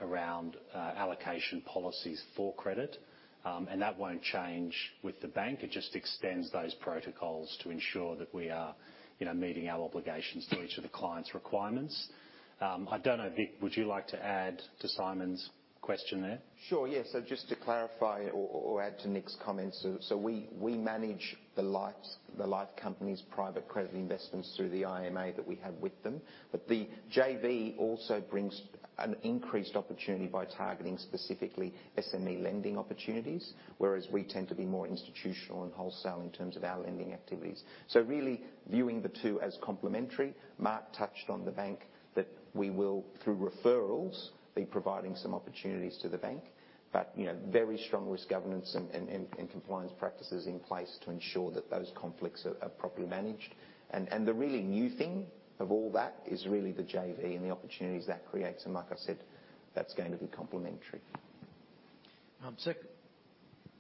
around allocation policies for credit, and that won't change with the Bank. It just extends those protocols to ensure that we are, you know, meeting our obligations to each of the clients' requirements. I don't know, Vic, would you like to add to Simon's question there? Sure, yeah. Just to clarify or add to Nick's comments, we manage the Life Company's private credit investments through the IMA that we have with them. The JV also brings an increased opportunity by targeting specifically SME lending opportunities, whereas we tend to be more institutional and wholesale in terms of our lending activities. Really viewing the two as complementary. Mark touched on the Bank that we will, through referrals, be providing some opportunities to the Bank, but you know, very strong risk governance and compliance practices in place to ensure that those conflicts are properly managed. The really new thing of all that is really the JV and the opportunities that creates. Like I said, that's going to be complementary.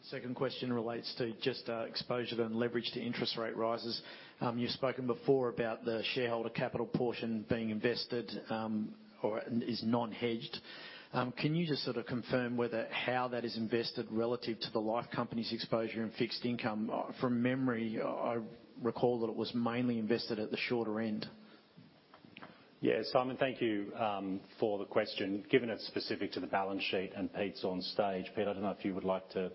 Second question relates to just exposure then leverage to interest rate rises. You've spoken before about the shareholder capital portion being invested or is non-hedged. Can you just sort of confirm whether how that is invested relative to the Life Company's exposure and fixed income? From memory, I recall that it was mainly invested at the shorter end. Yeah. Simon, thank you for the question. Given it's specific to the balance sheet and Pete's on stage, Pete, I don't know if you would like to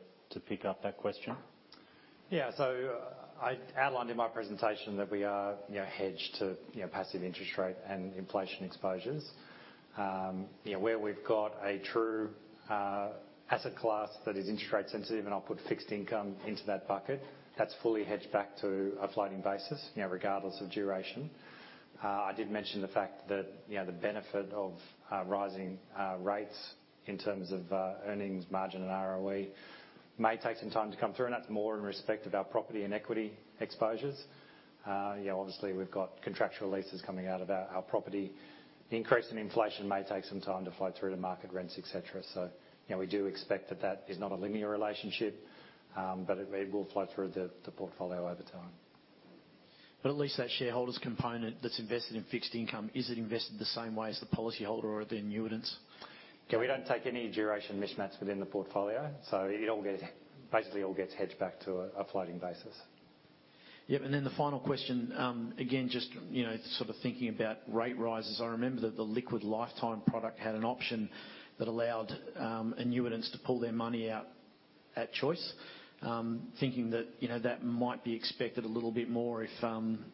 pick up that question. Yeah. I outlined in my presentation that we are, you know, hedged to, you know, passive interest rate and inflation exposures. You know, where we've got a true asset class that is interest rate sensitive, and I'll put fixed income into that bucket. That's fully hedged back to a floating basis, you know, regardless of duration. I did mention the fact that, you know, the benefit of rising rates in terms of earnings margin and ROE may take some time to come through, and that's more in respect of our property and equity exposures. You know, obviously, we've got contractual leases coming out of our property. The increase in inflation may take some time to flow through to market rents, et cetera. You know, we do expect that is not a linear relationship, but it will flow through the portfolio over time. At least that shareholder's component that's invested in fixed income, is it invested the same way as the policyholder or the annuitants? Yeah, we don't take any duration mismatches within the portfolio, so it all gets, basically all gets hedged back to a floating basis. Yep, the final question, again, just, you know, sort of thinking about rate rises. I remember that the Liquid Lifetime product had an option that allowed annuitants to pull their money out at choice. Thinking that, you know, that might be expected a little bit more if,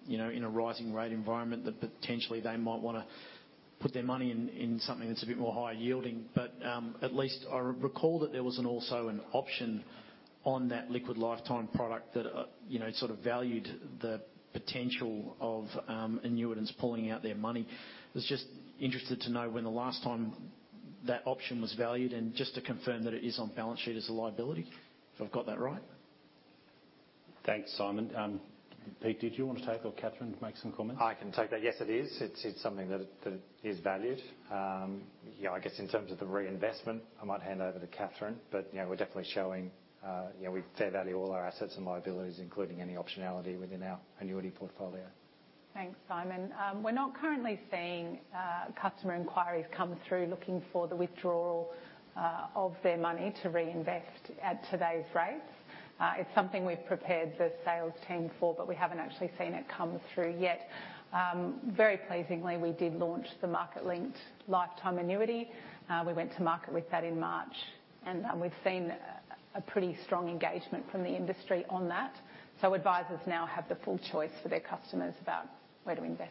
you know, in a rising rate environment, that potentially they might want to put their money in something that's a bit more high yielding. But at least I recall that there was also an option on that Liquid Lifetime product that, you know, sort of valued the potential of annuitants pulling out their money. Was just interested to know when the last time that option was valued, and just to confirm that it is on balance sheet as a liability, if I've got that right. Thanks, Simon. Pete, did you want to take or Catherine make some comments? I can take that. Yes, it is. It's something that is valued. You know, I guess in terms of the reinvestment, I might hand over to Catherine. You know, we're definitely showing, you know, we fair value all our assets and liabilities, including any optionality within our annuity portfolio. Thanks, Simon. We're not currently seeing customer inquiries come through looking for the withdrawal of their money to reinvest at today's rates. It's something we've prepared the sales team for, but we haven't actually seen it come through yet. Very pleasingly, we did launch the market-linked lifetime annuity. We went to market with that in March, and we've seen a pretty strong engagement from the industry on that. Advisors now have the full choice for their customers about where to invest.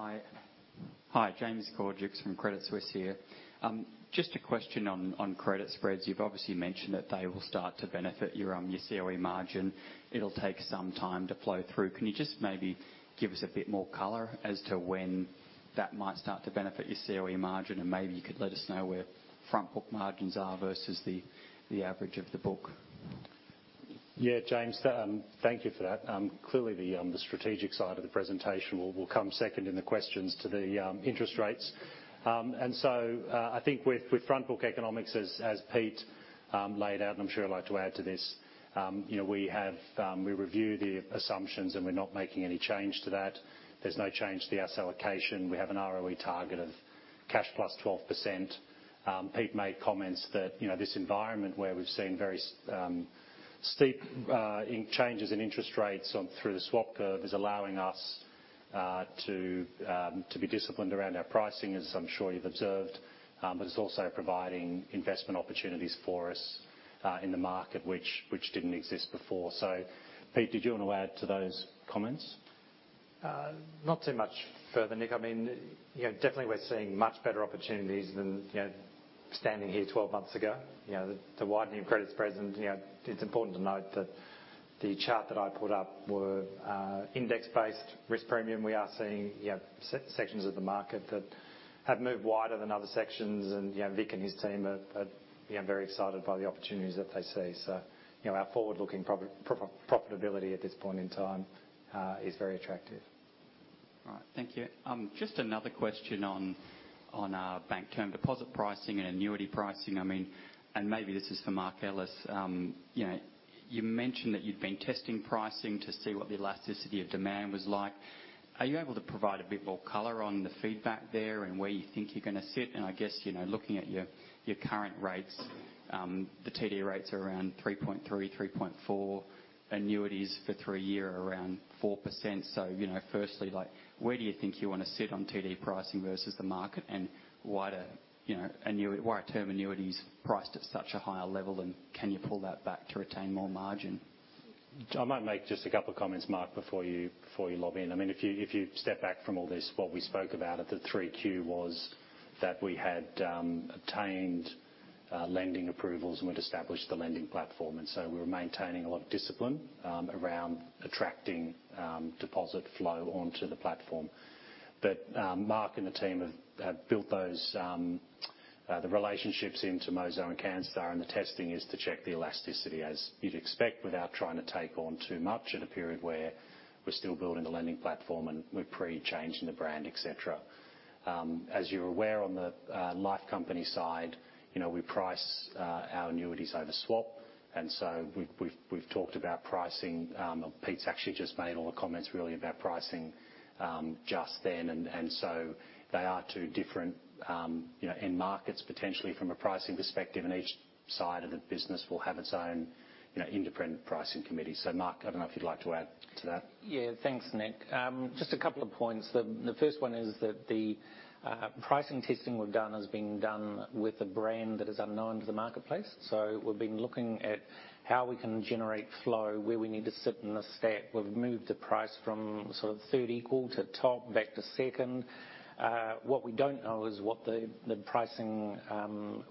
Hi. Hi, James Georges from Credit Suisse here. Just a question on credit spreads. You've obviously mentioned that they will start to benefit your ROE margin. It'll take some time to flow through. Can you just maybe give us a bit more color as to when that might start to benefit your ROE margin? Maybe you could let us know where front book margins are versus the average of the book. Yeah, James, thank you for that. Clearly the strategic side of the presentation will come second in the questions to the interest rates. I think with front book economics, as Pete laid out, and I'm sure he'll like to add to this, you know, we review the assumptions, and we're not making any change to that. There's no change to the asset allocation. We have an ROE target of cash +12%. Pete made comments that, you know, this environment where we've seen very steep changes in interest rates all through the swap curve is allowing us to be disciplined around our pricing, as I'm sure you've observed. It's also providing investment opportunities for us in the market which didn't exist before. Pete, did you want to add to those comments? Not too much further, Nick. I mean, you know, definitely we're seeing much better opportunities than, you know, standing here 12 months ago. You know, the widening of credit spreads and, you know, it's important to note that the chart that I put up were index-based risk premium. We are seeing, you know, sections of the market that have moved wider than other sections. You know, Vic and his team are, you know, very excited by the opportunities that they see. You know, our forward-looking profitability at this point in time is very attractive. All right. Thank you. Just another question on Bank term deposit pricing and annuity pricing. I mean, and maybe this is for Mark Ellis. You know, you mentioned that you'd been testing pricing to see what the elasticity of demand was like. Are you able to provide a bit more color on the feedback there and where you think you're going to sit? And I guess, you know, looking at your current rates, the TD rates are around 3.3.4. Annuities for three-year are around 4%. So, you know, firstly, like, where do you think you want to sit on TD pricing versus the market? And why, you know, are term annuities priced at such a higher level, and can you pull that back to retain more margin? I might make just a couple comments, Mark, before you lob in. I mean, if you step back from all this, what we spoke about at the 3Q was that we had obtained lending approvals and we'd established the lending platform. We were maintaining a lot of discipline around attracting deposit flow onto the platform. Mark and the team have built those relationships into Mozo and Canstar and the testing is to check the elasticity, as you'd expect, without trying to take on too much in a period where we're still building the lending platform and we're pre-changing the brand, et cetera. As you're aware on the Life Company side, you know, we price our annuities over swap, and so we've talked about pricing. Pete's actually just made all the comments really about pricing, just then. They are two different, you know, end markets potentially from a pricing perspective, and each side of the business will have its own, you know, independent pricing committee. Mark, I don't know if you'd like to add to that. Yeah, thanks, Nick. Just a couple of points. The first one is that the pricing testing we've done has been done with a brand that is unknown to the marketplace. We've been looking at how we can generate flow, where we need to sit in the stack. We've moved the price from sort of third equal to top, back to second. What we don't know is what the pricing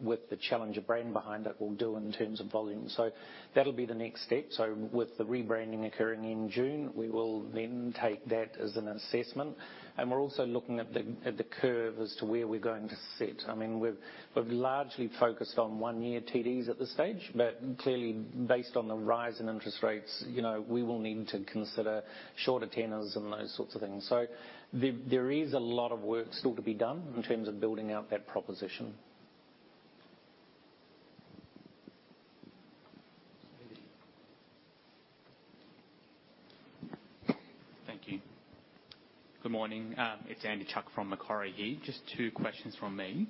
with the Challenger brand behind it will do in terms of volume. That'll be the next step. With the rebranding occurring in June, we will then take that as an assessment, and we're also looking at the curve as to where we're going to sit. I mean, we've largely focused on one-year TDs at this stage, but clearly based on the rise in interest rates, you know, we will need to consider shorter tenors and those sorts of things. There is a lot of work still to be done in terms of building out that proposition. Thank you. Good morning. It's Andy Chuk from Macquarie here. Just two questions from me.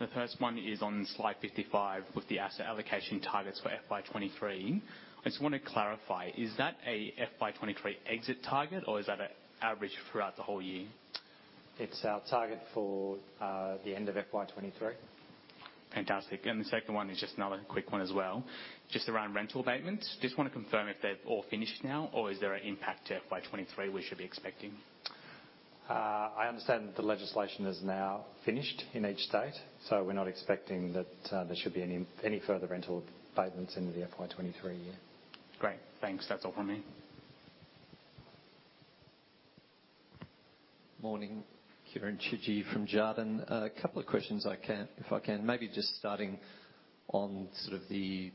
The first one is on slide 55 with the asset allocation targets for FY 2023. I just want to clarify, is that a FY 2023 exit target, or is that an average throughout the whole year? It's our target for the end of FY 2023. Fantastic. The second one is just another quick one as well, just around rental abatements. Just want to confirm if they're all finished now, or is there an impact to FY 2023 we should be expecting? I understand that the legislation is now finished in each state, so we're not expecting that there should be any further rental abatements into the FY 2023 year. Great. Thanks. That's all from me. Morning. Kieren Chidgey from Jarden. A couple of questions, if I can, maybe just starting on sort of the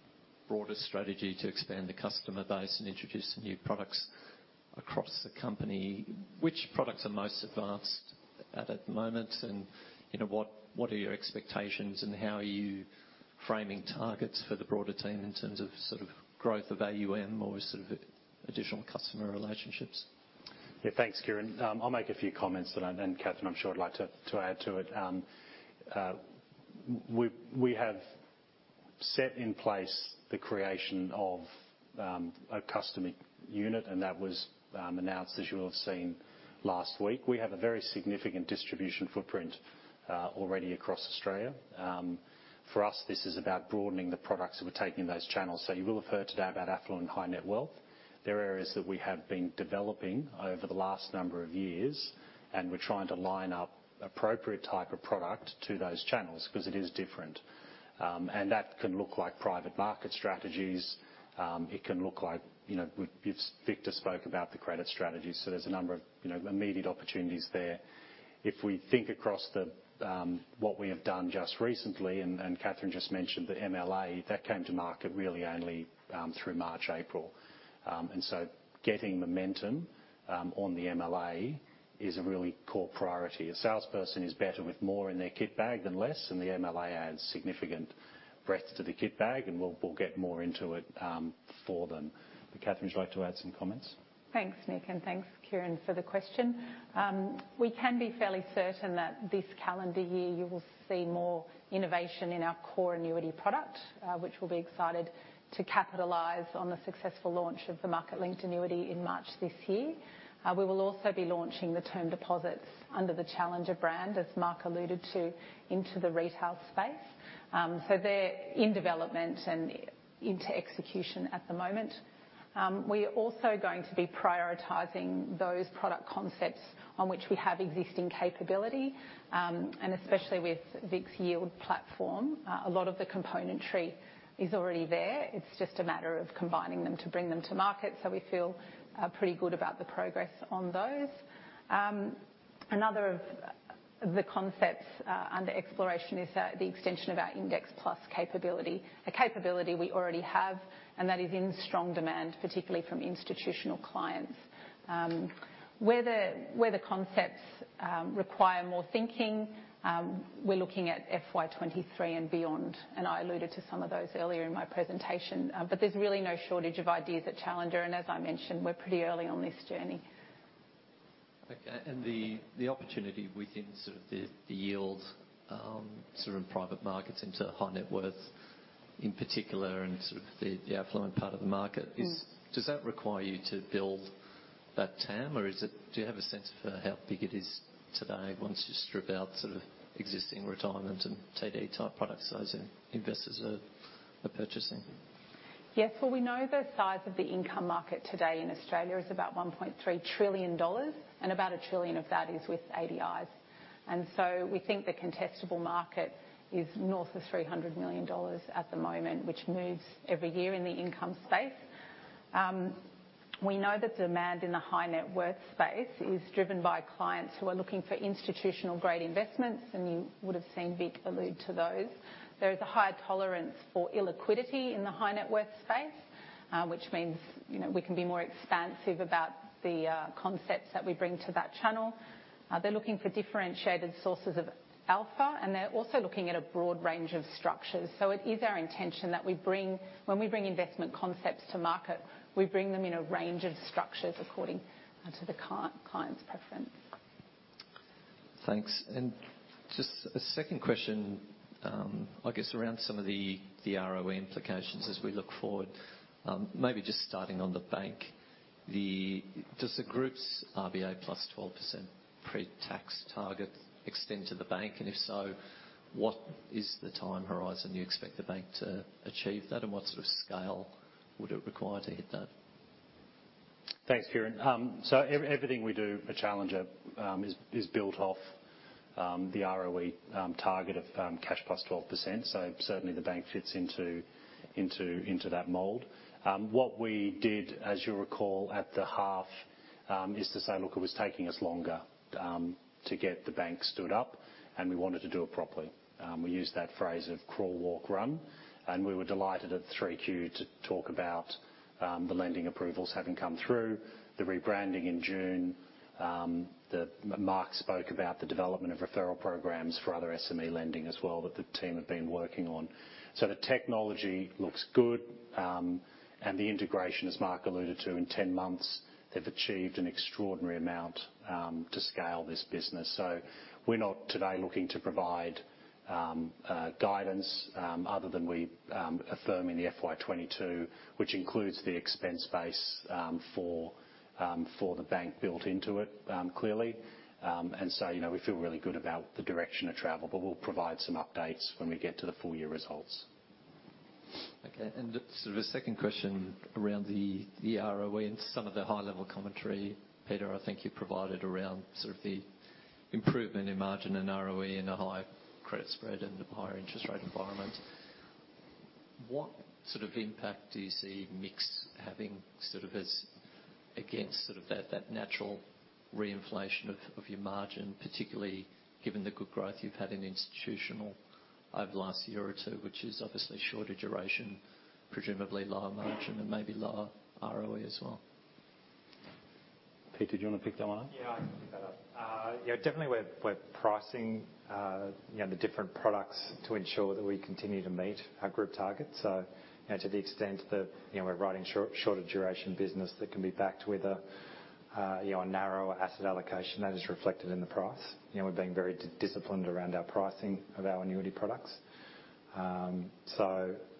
broader strategy to expand the customer base and introduce some new products across the company. Which products are most advanced at the moment? You know, what are your expectations, and how are you framing targets for the broader team in terms of sort of growth of AUM or sort of additional customer relationships? Yeah, thanks, Kieren. I'll make a few comments. Catherine van der Veen, I'm sure, would like to add to it. We have set in place the creation of a customer unit, and that was announced, as you will have seen, last week. We have a very significant distribution footprint already across Australia. For us, this is about broadening the products that we're taking in those channels. You will have heard today about affluent high-net-worth. There are areas that we have been developing over the last number of years, and we're trying to line up appropriate type of product to those channels because it is different. That can look like private market strategies. It can look like, you know, Vic spoke about the credit strategies, so there's a number of, you know, immediate opportunities there. If we think across the what we have done just recently, and Catherine just mentioned the MLA, that came to market really only through March, April. Getting momentum on the MLA is a really core priority. A salesperson is better with more in their kit bag than less, and the MLA adds significant breadth to the kit bag, and we'll get more into it for them. Catherine, would you like to add some comments? Thanks, Nick, and thanks, Kieren, for the question. We can be fairly certain that this calendar year you will see more innovation in our core annuity product, which we'll be excited to capitalize on the successful launch of the market-linked annuity in March this year. We will also be launching the term deposits under the Challenger brand, as Mark alluded to, into the retail space. They're in development and into execution at the moment. We are also going to be prioritizing those product concepts on which we have existing capability, and especially with Vic's yield platform, a lot of the componentry is already there. It's just a matter of combining them to bring them to market, so we feel pretty good about the progress on those. Another of the concepts under exploration is the extension of our Index Plus capability, a capability we already have, and that is in strong demand, particularly from institutional clients. Where the concepts require more thinking, we're looking at FY 2023 and beyond, and I alluded to some of those earlier in my presentation. There's really no shortage of ideas at Challenger, and as I mentioned, we're pretty early on this journey. Okay. The opportunity within sort of the yield sort of private markets into high-net-worth in particular and sort of the affluent part of the market is. Mm. Does that require you to build that TAM, or is it? Do you have a sense for how big it is today once you strip out sort of existing retirement and TD type products those institutional investors are purchasing? Yes. Well, we know the size of the income market today in Australia is about 1.3 trillion dollars, and about 1 trillion of that is with ADIs. We think the contestable market is north of 300 million dollars at the moment, which moves every year in the income space. We know that demand in the high-net-worth space is driven by clients who are looking for institutional-grade investments, and you would've seen Victor allude to those. There is a higher tolerance for illiquidity in the high-net-worth space, which means, you know, we can be more expansive about the concepts that we bring to that channel. They're looking for differentiated sources of alpha, and they're also looking at a broad range of structures. It is our intention that we bring when we bring investment concepts to market, we bring them in a range of structures according to the client's preference. Thanks. Just a second question, I guess around some of the ROE implications as we look forward. Maybe just starting on the Bank. Does the Group's RBA +12% pretax target extend to the Bank? And if so, what is the time horizon you expect the Bank to achieve that, and what sort of scale would it require to hit that? Thanks, Kieren. Everything we do at Challenger is built off the ROE target of cash +12%. Certainly the Bank fits into that mold. What we did, as you'll recall, at the half, is to say, "Look, it was taking us longer to get the Bank stood up, and we wanted to do it properly." We used that phrase of crawl, walk, run, and we were delighted at 3Q to talk about the lending approvals having come through, the rebranding in June. Mark spoke about the development of referral programs for other SME lending as well that the team have been working on. The technology looks good, and the integration, as Mark alluded to, in 10 months, they've achieved an extraordinary amount to scale this business. We're not today looking to provide guidance, other than we affirm in the FY 2022, which includes the expense base for the Bank built into it, clearly. You know, we feel really good about the direction of travel, but we'll provide some updates when we get to the full year results. Okay. Sort of a second question around the ROE and some of the high-level commentary, Peter, I think you provided around sort of the improvement in margin and ROE in a higher credit spread and the higher interest rate environment. What sort of impact do you see mix having sort of as against sort of that natural reinflation of your margin, particularly given the good growth you've had in institutional over the last year or two, which is obviously shorter duration, presumably lower margin and maybe lower ROE as well? Peter, do you wanna pick that one? Yeah, I can pick that up. Yeah, definitely we're pricing you know the different products to ensure that we continue to meet our Group targets. You know, to the extent that you know we're writing shorter duration business that can be backed with a you know a narrower asset allocation, that is reflected in the price. You know, we're being very disciplined around our pricing of our annuity products.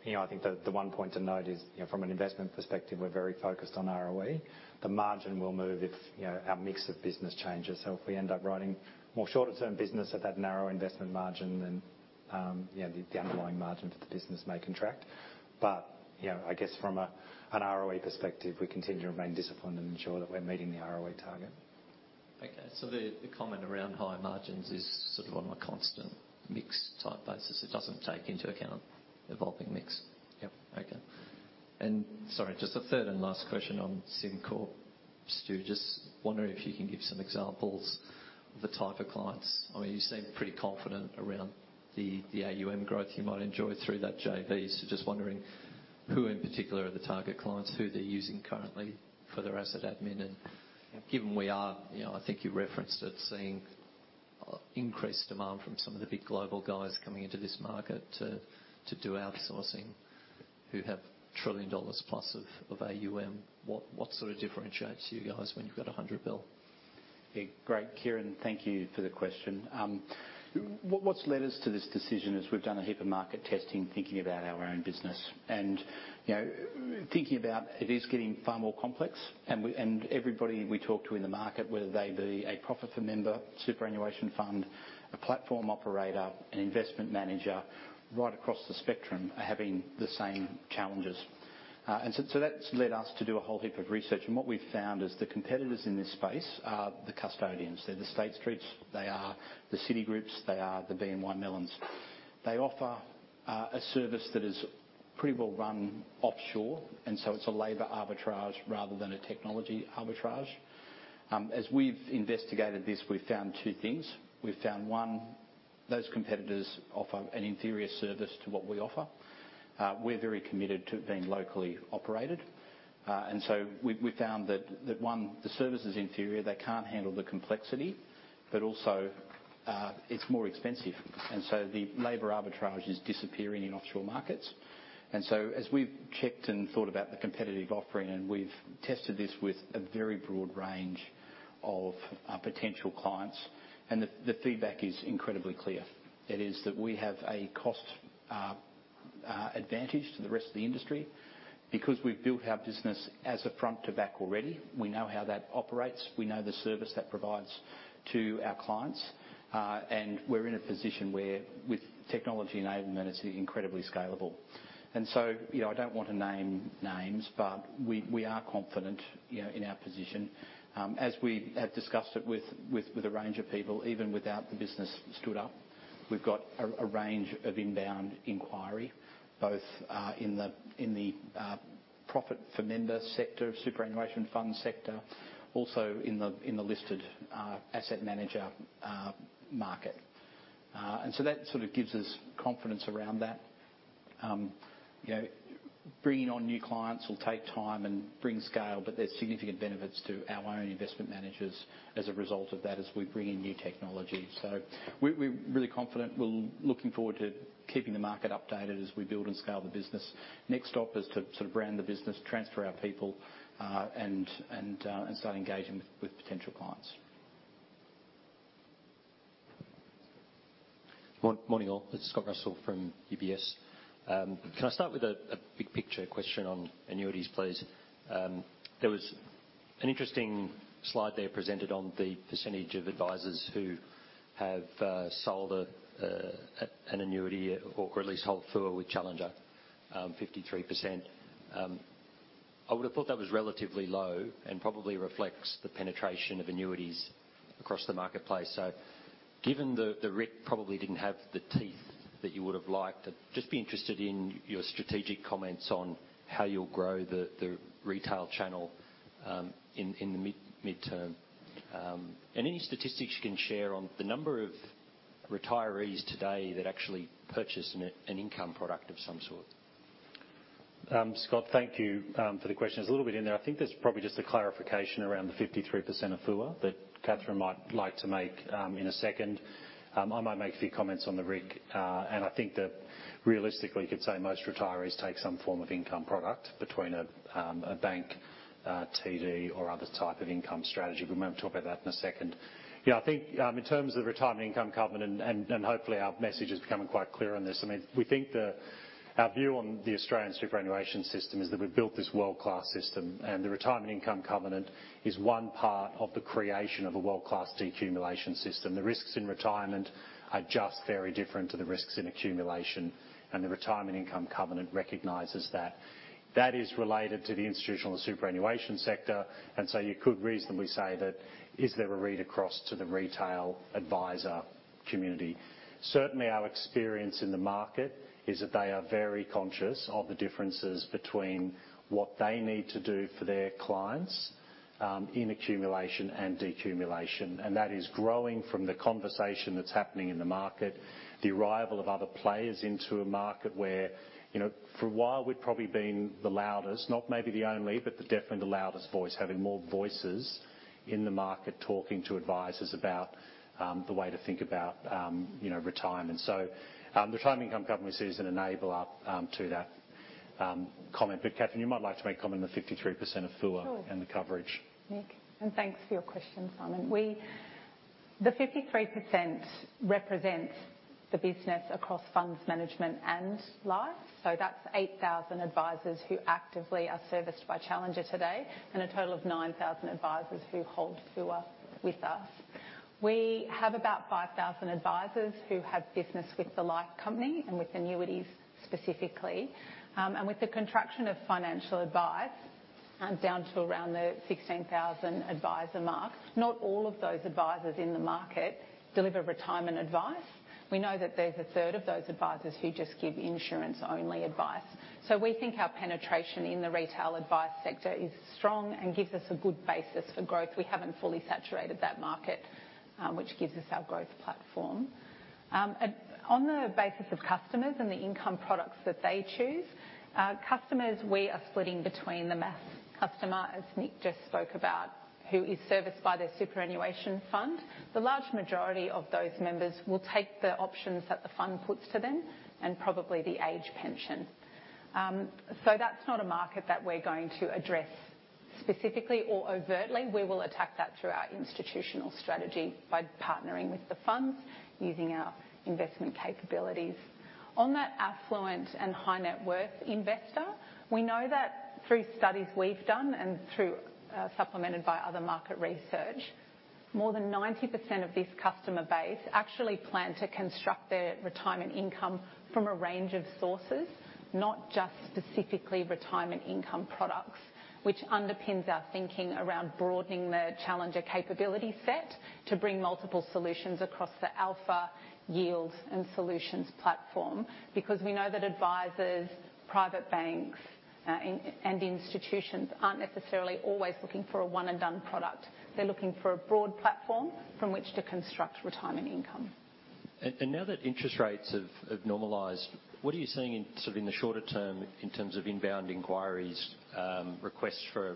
You know, I think the one point to note is you know from an investment perspective, we're very focused on ROE. The margin will move if you know our mix of business changes. If we end up writing more shorter-term business at that narrow investment margin, then you know the underlying margin for the business may contract. You know, I guess from an ROE perspective, we continue to remain disciplined and ensure that we're meeting the ROE target. The comment around high margins is sort of on a constant mix type basis. It doesn't take into account evolving mix. Yep. Okay. Sorry, just a third and last question on SimCorp. Stu, just wondering if you can give some examples of the type of clients. I mean, you seem pretty confident around the AUM growth you might enjoy through that JV. Just wondering who in particular are the target clients, who they're using currently for their asset admin. Given we are, you know, I think you referenced it, seeing increased demand from some of the big global guys coming into this market to do outsourcing, who have $1 trillion+ of AUM. What sort of differentiates you guys when you've got $100 billion? Great, Kieren. Thank you for the question. What's led us to this decision is we've done a heap of market testing, thinking about our own business. You know, thinking about it is getting far more complex. Everybody we talk to in the market, whether they be a profit-for-member, superannuation fund, a platform operator, an investment manager, right across the spectrum, are having the same challenges. That's led us to do a whole heap of research. What we've found is the competitors in this space are the custodians. They're the State Street, they are the Citigroup, they are the BNY Mellon. They offer a service that is pretty well run offshore, and so it's a labor arbitrage rather than a technology arbitrage. As we've investigated this, we've found two things. We've found, one, those competitors offer an inferior service to what we offer. We're very committed to it being locally operated. We found that, one, the service is inferior. They can't handle the complexity, but also, it's more expensive. The labor arbitrage is disappearing in offshore markets. We've checked and thought about the competitive offering, and we've tested this with a very broad range of potential clients, and the feedback is incredibly clear. It is that we have a cost advantage to the rest of the industry because we've built our business as a front to back already. We know how that operates. We know the service that provides to our clients. We're in a position where with technology enablement, it's incredibly scalable. You know, I don't want to name names, but we are confident, you know, in our position, as we have discussed it with a range of people, even without the business stood up. We've got a range of inbound inquiry, both in the profit for member sector, superannuation fund sector, also in the listed asset manager market. That sort of gives us confidence around that. You know, bringing on new clients will take time and bring scale, but there's significant benefits to our own investment managers as a result of that as we bring in new technology. We're really confident. We're looking forward to keeping the market updated as we build and scale the business. Next stop is to sort of brand the business, transfer our people, and start engaging with potential clients. Morning all. It's Scott Russell from UBS. Can I start with a big picture question on annuities, please? There was an interesting slide there presented on the percentage of advisors who have sold an annuity or at least hold FOA with Challenger, 53%. I would have thought that was relatively low and probably reflects the penetration of annuities across the marketplace. Given the RIC probably didn't have the teeth that you would've liked, I'd just be interested in your strategic comments on how you'll grow the retail channel in the midterm. Any statistics you can share on the number of retirees today that actually purchase an income product of some sort. Scott, thank you for the question. There's a little bit in there. I think there's probably just a clarification around the 53% of FOA that Catherine might like to make in a second. I might make a few comments on the RIC, and I think that realistically could say most retirees take some form of income product between a Bank TD or other type of income strategy. We might talk about that in a second. Yeah, I think in terms of Retirement Income Covenant and hopefully our message is becoming quite clear on this. I mean, our view on the Australian superannuation system is that we've built this world-class system, and the Retirement Income Covenant is one part of the creation of a world-class decumulation system. The risks in retirement are just very different to the risks in accumulation, and the Retirement Income Covenant recognizes that. That is related to the institutional and superannuation sector, and so you could reasonably say that, is there a read across to the retail advisor community? Certainly, our experience in the market is that they are very conscious of the differences between what they need to do for their clients in accumulation and decumulation, and that is growing from the conversation that's happening in the market, the arrival of other players into a market where, you know, for a while we'd probably been the loudest, not maybe the only, but definitely the loudest voice, having more voices in the market talking to advisors about the way to think about you know retirement. The Retirement Income Covenant we see as an enabler to that comment. Catherine, you might like to make comment on the 53% of FOA- Sure. the coverage. Nick, thanks for your question, Simon. We the 53% represents the business across Funds Management and Life. That's 8,000 advisors who actively are serviced by Challenger today, and a total of 9,000 advisors who hold FOA with us. We have about 5,000 advisors who have business with the Life Company and with annuities specifically. With the contraction of financial advice, down to around the 16,000 advisor mark, not all of those advisors in the market deliver retirement advice. We know that there's a third of those advisors who just give insurance-only advice. We think our penetration in the retail advice sector is strong and gives us a good basis for growth. We haven't fully saturated that market, which gives us our growth platform. On the basis of customers and the income products that they choose, customers we are splitting between the mass customer, as Nick just spoke about, who is serviced by their superannuation fund. The large majority of those members will take the options that the fund puts to them and probably the age pension. That's not a market that we're going to address specifically or overtly. We will attack that through our institutional strategy by partnering with the funds using our investment capabilities. On that affluent and high-net-worth investor, we know that through studies we've done and through, supplemented by other market research, more than 90% of this customer base actually plan to construct their retirement income from a range of sources, not just specifically retirement income products, which underpins our thinking around broadening the Challenger capability set to bring multiple solutions across the alpha yield and solutions platform. Because we know that advisors, private banks, and institutions aren't necessarily always looking for a one-and-done product. They're looking for a broad platform from which to construct retirement income. Now that interest rates have normalized, what are you seeing sort of in the shorter term in terms of inbound inquiries, requests for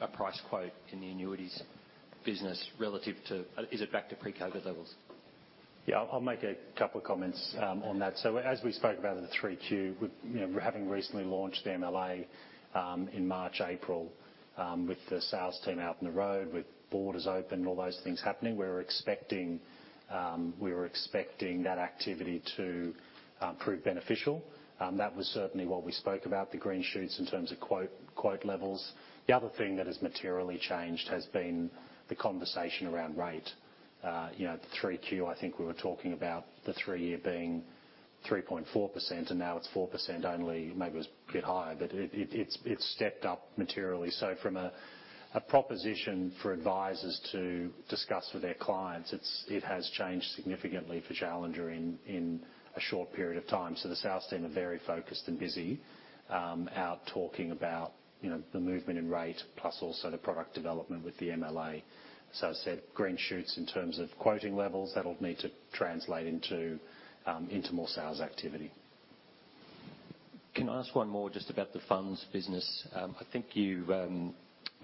a price quote in the annuities business relative to? Is it back to pre-COVID levels? Yeah. I'll make a couple of comments on that. As we spoke about in the 3Q, you know, having recently launched the MLA in March, April, with the sales team out on the road, with borders open, all those things happening, we were expecting that activity to prove beneficial. That was certainly what we spoke about, the green shoots in terms of quota levels. The other thing that has materially changed has been the conversation around rate. You know, the 3Q, I think we were talking about the three-year being 3.4%, and now it's 4% only, maybe it was a bit higher, but it's stepped up materially. From a proposition for advisors to discuss with their clients, it has changed significantly for Challenger in a short period of time. The sales team are very focused and busy out talking about, you know, the movement in rate plus also the product development with the MLA. As I said, green shoots in terms of quoting levels that'll need to translate into more sales activity. Can I ask one more just about the funds business? I think you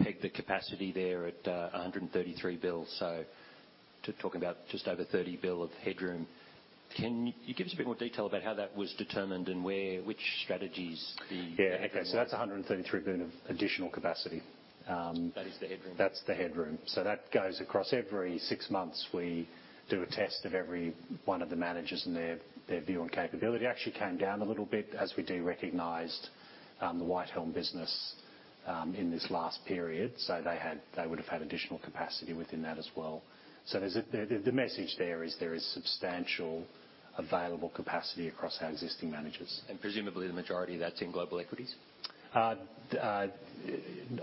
pegged the capacity there at 133 billion, so to talk about just over 30 billion of headroom. Can you give us a bit more detail about how that was determined and which strategies the- Yeah. Okay. That's 133 billion of additional capacity. That is the headroom? That's the headroom. That goes across every six months, we do a test of every one of the managers and their view on capability actually came down a little bit as we derecognized the Whitehelm business in this last period. They would have had additional capacity within that as well. The message there is substantial available capacity across our existing managers. Presumably the majority of that's in global equities? I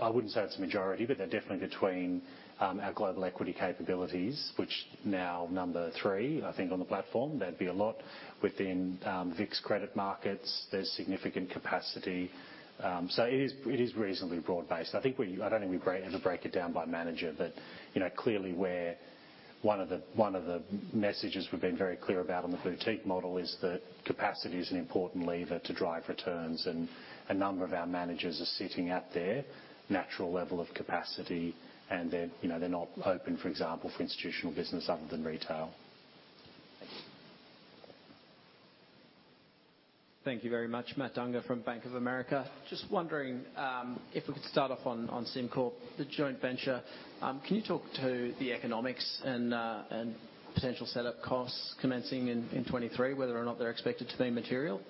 wouldn't say it's a majority, but they're definitely between our global equity capabilities, which now number three, I think on the platform. That'd be a lot within Victor's credit markets. There's significant capacity. So, it is reasonably broad-based. I don't think we ever break it down by manager. You know, clearly where one of the messages, we've been very clear about on the boutique model is that capacity is an important lever to drive returns. A number of our managers are sitting at their natural level of capacity, and there, you know, they're not open, for example, for institutional business other than retail. Thank you. Thank you very much. Matt Dunger from Bank of America. Just wondering if we could start off on SimCorp, the joint venture. Can you talk to the economics and potential setup costs commencing in 2023, whether or not they're expected to be material?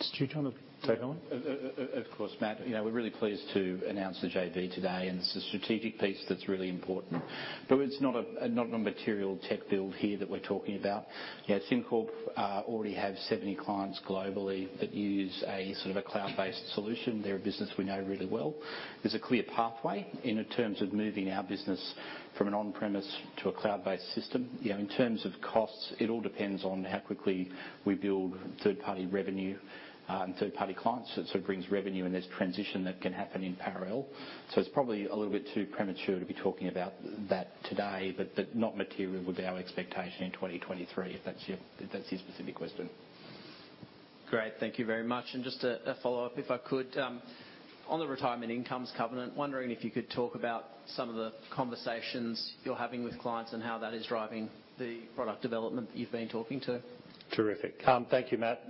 Stu, do you wanna take that one? Of course, Matt. You know, we're really pleased to announce the JV today, and it's a strategic piece that's really important. It's not a material tech build here that we're talking about. You know, SimCorp already have 70 clients globally that use a sort of a cloud-based solution. They're a business we know really well. There's a clear pathway in terms of moving our business from an on-premise to a cloud-based system. You know, in terms of costs, it all depends on how quickly we build third-party revenue and third-party clients. It sort of brings revenue, and there's transition that can happen in parallel. It's probably a little bit too premature to be talking about that today, but not material would be our expectation in 2023, if that's your specific question. Great. Thank you very much. Just a follow-up, if I could. On the Retirement Income Covenant, wondering if you could talk about some of the conversations you're having with clients and how that is driving the product development that you've been talking to. Terrific. Thank you, Matt.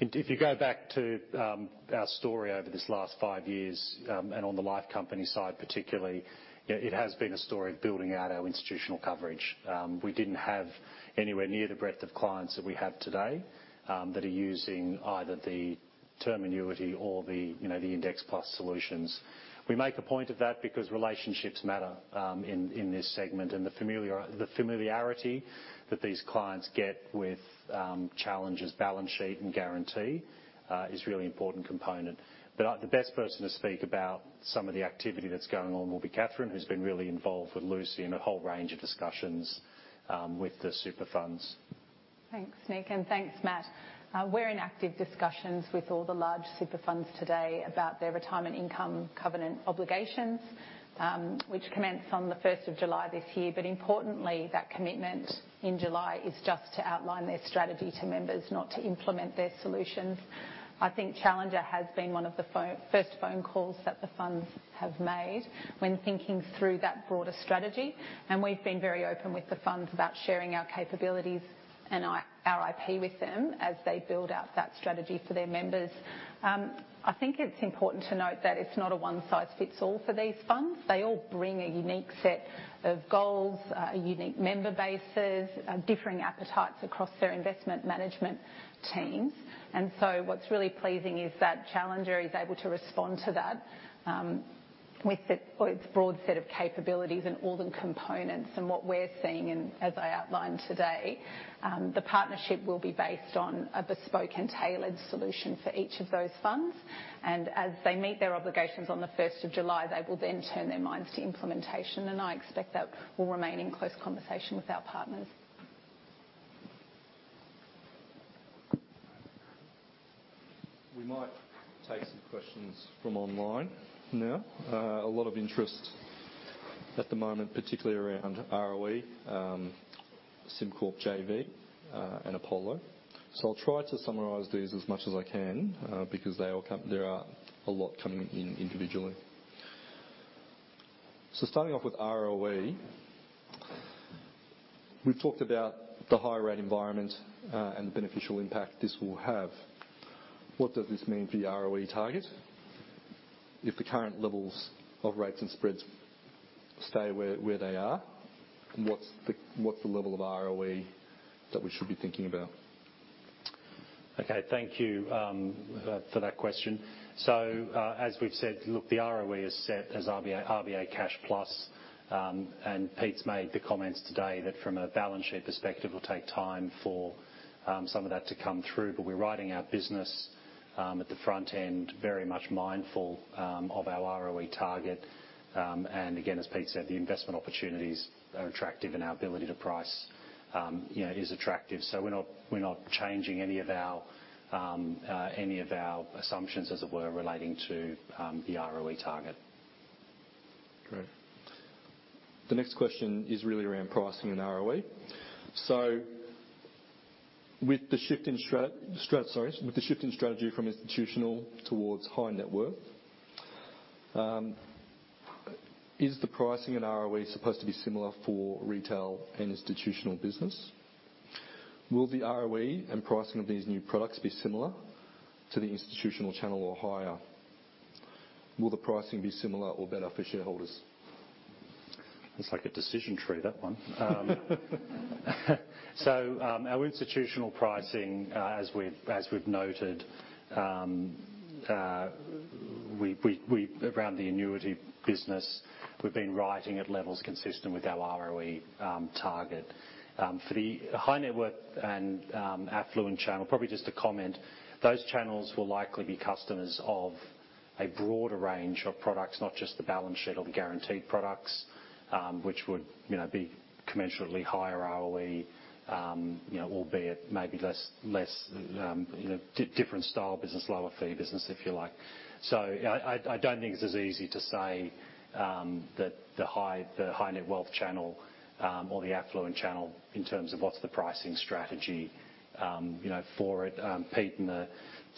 If you go back to our story over this last five years, and on the Life Company side particularly, you know, it has been a story of building out our institutional coverage. We didn't have anywhere near the breadth of clients that we have today, that are using either the term annuity or the Index Plus solutions. We make a point of that because relationships matter, in this segment. The familiarity that these clients get with Challenger's balance sheet and guarantee is really important component. The best person to speak about some of the activity that's going on will be Catherine, who's been really involved with Lucy in a whole range of discussions, with the super funds. Thanks, Nick, and thanks, Matt. We're in active discussions with all the large super funds today about their Retirement Income Covenant obligations, which commence on the first of July this year. Importantly, that commitment in July is just to outline their strategy to members, not to implement their solutions. I think Challenger has been one of the first phone calls that the funds have made when thinking through that broader strategy, and we've been very open with the funds about sharing our capabilities and our IP with them as they build out that strategy for their members. I think it's important to note that it's not a one size fits all for these funds. They all bring a unique set of goals, unique member bases, differing appetites across their investment management teams. What's really pleasing is that Challenger is able to respond to that, with its broad set of capabilities and all the components. What we're seeing, and as I outlined today, the partnership will be based on a bespoke and tailored solution for each of those funds. As they meet their obligations on the first of July, they will then turn their minds to implementation, and I expect that we'll remain in close conversation with our partners. We might take some questions from online now. A lot of interest at the moment, particularly around ROE, SimCorp JV, and Apollo. I'll try to summarize these as much as I can, because there are a lot coming in individually. Starting off with ROE, we've talked about the higher rate environment, and the beneficial impact this will have. What does this mean for your ROE target? If the current levels of rates and spreads stay where they are, what's the level of ROE that we should be thinking about? Okay, thank you for that question. As we've said, look, the ROE is set as RBA cash plus, and Pete's made the comments today that from a balance sheet perspective, it'll take time for some of that to come through. We're writing our business at the front end, very much mindful of our ROE target. Again, as Pete said, the investment opportunities are attractive and our ability to price, you know, is attractive. We're not changing any of our assumptions, as it were, relating to the ROE target. Great. The next question is really around pricing and ROE. With the shift in strategy from institutional towards high-net-worth, is the pricing and ROE supposed to be similar for retail and institutional business? Will the ROE and pricing of these new products be similar to the institutional channel or higher? Will the pricing be similar or better for shareholders? It's like a decision tree, that one. Our institutional pricing, as we've noted, around the annuity business, we've been writing at levels consistent with our ROE target. For the high-net-worth and affluent channel, probably just to comment, those channels will likely be customers of a broader range of products, not just the balance sheet or the guaranteed products, which would, you know, be commensurately higher ROE, you know, albeit maybe less different style business, lower fee business, if you like. I don't think it's as easy to say that the high-net-worth channels or the affluent channel in terms of what's the pricing strategy, you know, for it. Pete and the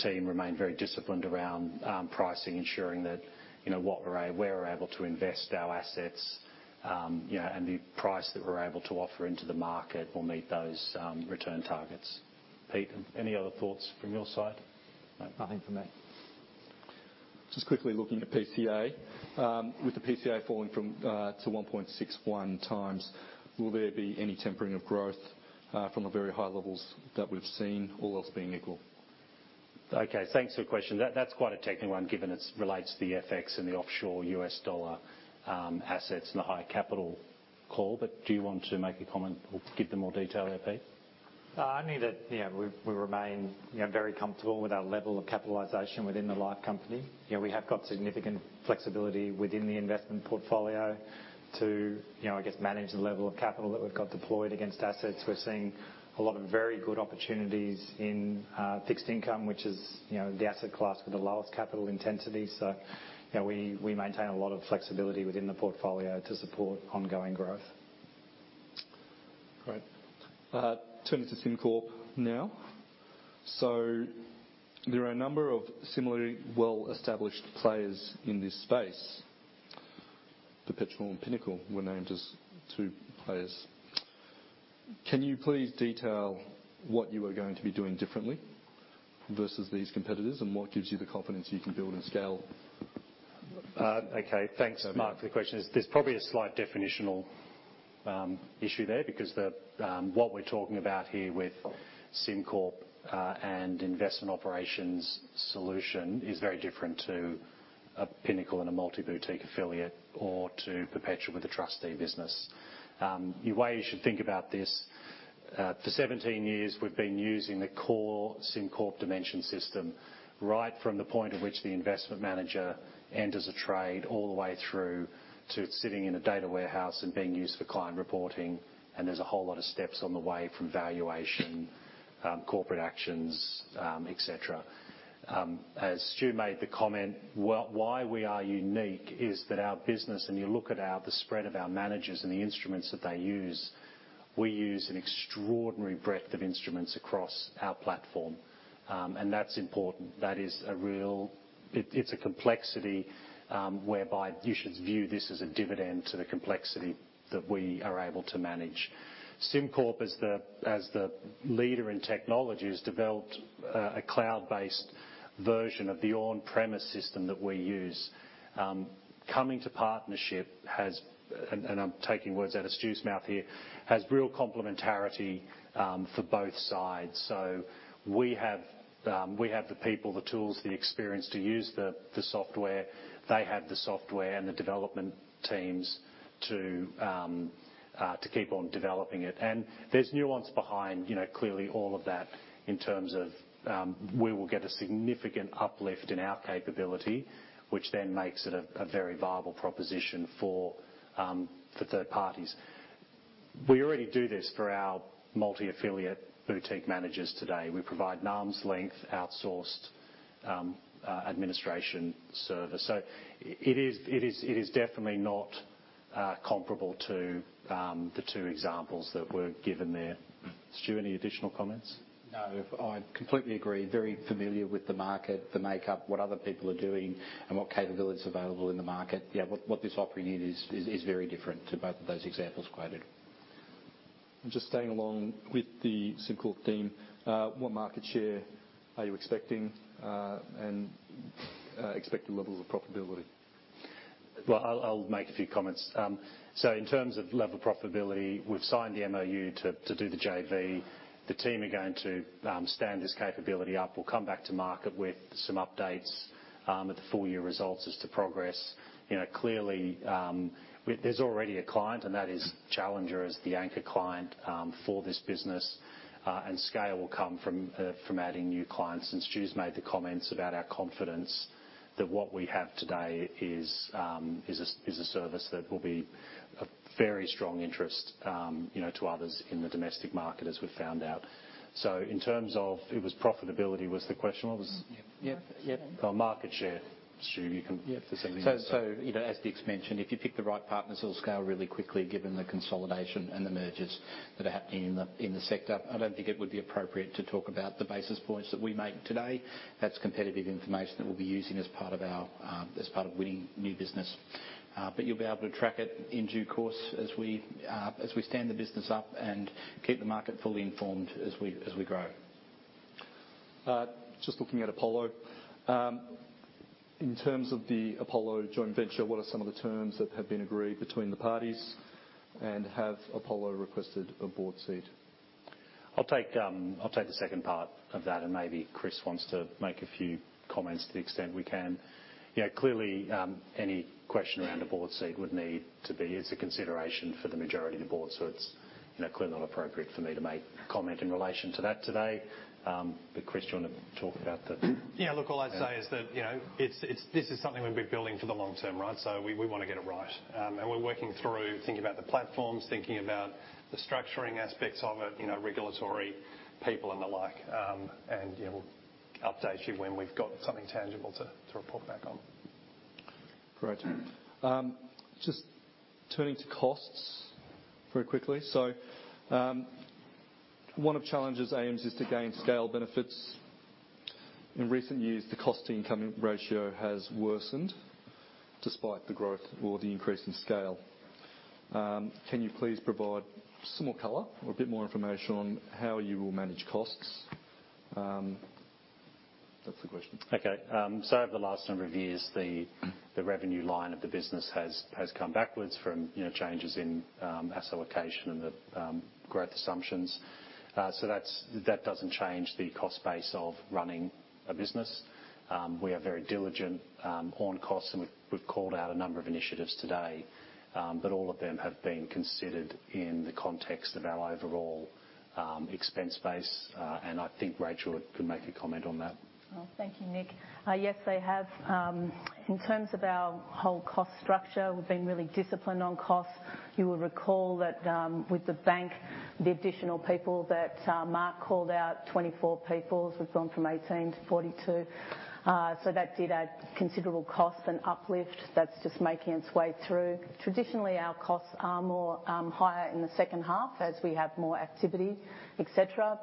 team remain very disciplined around pricing, ensuring that, you know, what we're able to invest our assets, you know, and the price that we're able to offer into the market will meet those return targets. Pete, any other thoughts from your side? No, nothing from me. Just quickly looking at PCA. With the PCA falling from, to 1.61x, will there be any tempering of growth, from the very high levels that we've seen, all else being equal? Okay, thanks for the question. That's quite a technical one, given it relates to the FX and the offshore U.S. dollar assets and the high capital call. Do you want to make a comment or give them more detail there, Pete? Only that, you know, we remain very comfortable with our level of capitalization within the Life Company. You know, we have got significant flexibility within the investment portfolio to, you know, I guess, manage the level of capital that we've got deployed against assets. We're seeing a lot of very good opportunities in fixed income, which is, you know, the asset class with the lowest capital intensity. You know, we maintain a lot of flexibility within the portfolio to support ongoing growth. Great. Turning to SimCorp now. There are a number of similarly well-established players in this space. Perpetual and Pinnacle were named as two players. Can you please detail what you are going to be doing differently versus these competitors, and what gives you the confidence you can build and scale? Okay, thanks, Mark, for the question. There's probably a slight definitional issue there because what we're talking about here with SimCorp and investment operations solution is very different to a Pinnacle and a multi-boutique affiliate or to Perpetual with a trustee business. The way you should think about this, for 17 years, we've been using the core SimCorp Dimension system, right from the point at which the investment manager enters a trade all the way through to it sitting in a data warehouse and being used for client reporting. There's a whole lot of steps on the way from valuation, corporate actions, et cetera. As Stu made the comment, well, why we are unique is that our business, and you look at our, the spread of our managers and the instruments that they use, we use an extraordinary breadth of instruments across our platform. That's important. That is a real complexity, whereby you should view this as a dividend to the complexity that we are able to manage. SimCorp, as the leader in technology, has developed a cloud-based version of the on premise system that we use. The SimCorp partnership has, and I'm taking words out of Stu's mouth here, real complementarity for both sides. We have the people, the tools, the experience to use the software. They have the software and the development teams to keep on developing it. There's nuance behind, you know, clearly all of that in terms of we will get a significant uplift in our capability, which then makes it a very viable proposition for third parties. We already do this for our multi-affiliate boutique managers today. We provide arm's length outsourced administration service. It is definitely not comparable to the two examples that were given there. Stu, any additional comments? No. I completely agree. Very familiar with the market, the makeup, what other people are doing and what capability is available in the market. Yeah, what this offering is is very different to both of those examples quoted. Just staying along with the SimCorp theme, what market share are you expecting, and expected levels of profitability? Well, I'll make a few comments. In terms of level profitability, we've signed the MoU to do the JV. The team are going to stand this capability up. We'll come back to market with some updates at the full year results as to progress. You know, clearly, there's already a client, and that is Challenger as the anchor client for this business. Scale will come from adding new clients. Stu's made the comments about our confidence that what we have today is a service that will be a very strong interest, you know, to others in the domestic market as we found out. In terms of profitability, it was profitability was the question, what was- Yep. Oh, market share. Stu, you can- Yep. Say a few words there. You know, as Nick Hamilton mentioned, if you pick the right partners, it'll scale really quickly given the consolidation and the mergers that are happening in the sector. I don't think it would be appropriate to talk about the basis points that we make today. That's competitive information that we'll be using as part of winning new business. You'll be able to track it in due course as we stand the business up and keep the market fully informed as we grow. Just looking at Apollo. In terms of the Apollo joint venture, what are some of the terms that have been agreed between the parties? Have Apollo requested a board seat? I'll take the second part of that, and maybe Chris wants to make a few comments to the extent we can. Yeah, clearly, any question around a board seat would need to be as a consideration for the majority of the board, so it's, you know, clearly not appropriate for me to make comment in relation to that today. Chris, do you want to talk about the- Yeah. Look, all I'd say is that, you know, this is something we've been building for the long term, right? We wanna get it right. We're working through thinking about the platforms, thinking about the structuring aspects of it, you know, regulatory people and the like. You know, we'll update you when we've got something tangible to report back on. Great. Just turning to costs very quickly. One of Challenger's aims is to gain scale benefits. In recent years, the cost to income ratio has worsened despite the growth or the increase in scale. Can you please provide some more color or a bit more information on how you will manage costs? That's the question. Okay. Over the last number of years, the revenue line of the business has come backwards from, you know, changes in asset allocation and the growth assumptions. That doesn't change the cost base of running a business. We are very diligent on costs, and we've called out a number of initiatives today. All of them have been considered in the context of our overall expense base. I think Rachel could make a comment on that. Oh, thank you, Nick. Yes, they have. In terms of our whole cost structure, we've been really disciplined on costs. You will recall that, with the Bank, the additional people that, Mark called out, 24 people, so we've gone from 18 to 42. So that did add considerable costs and uplift. That's just making its way through. Traditionally, our costs are more, higher in the second half as we have more activity, et cetera.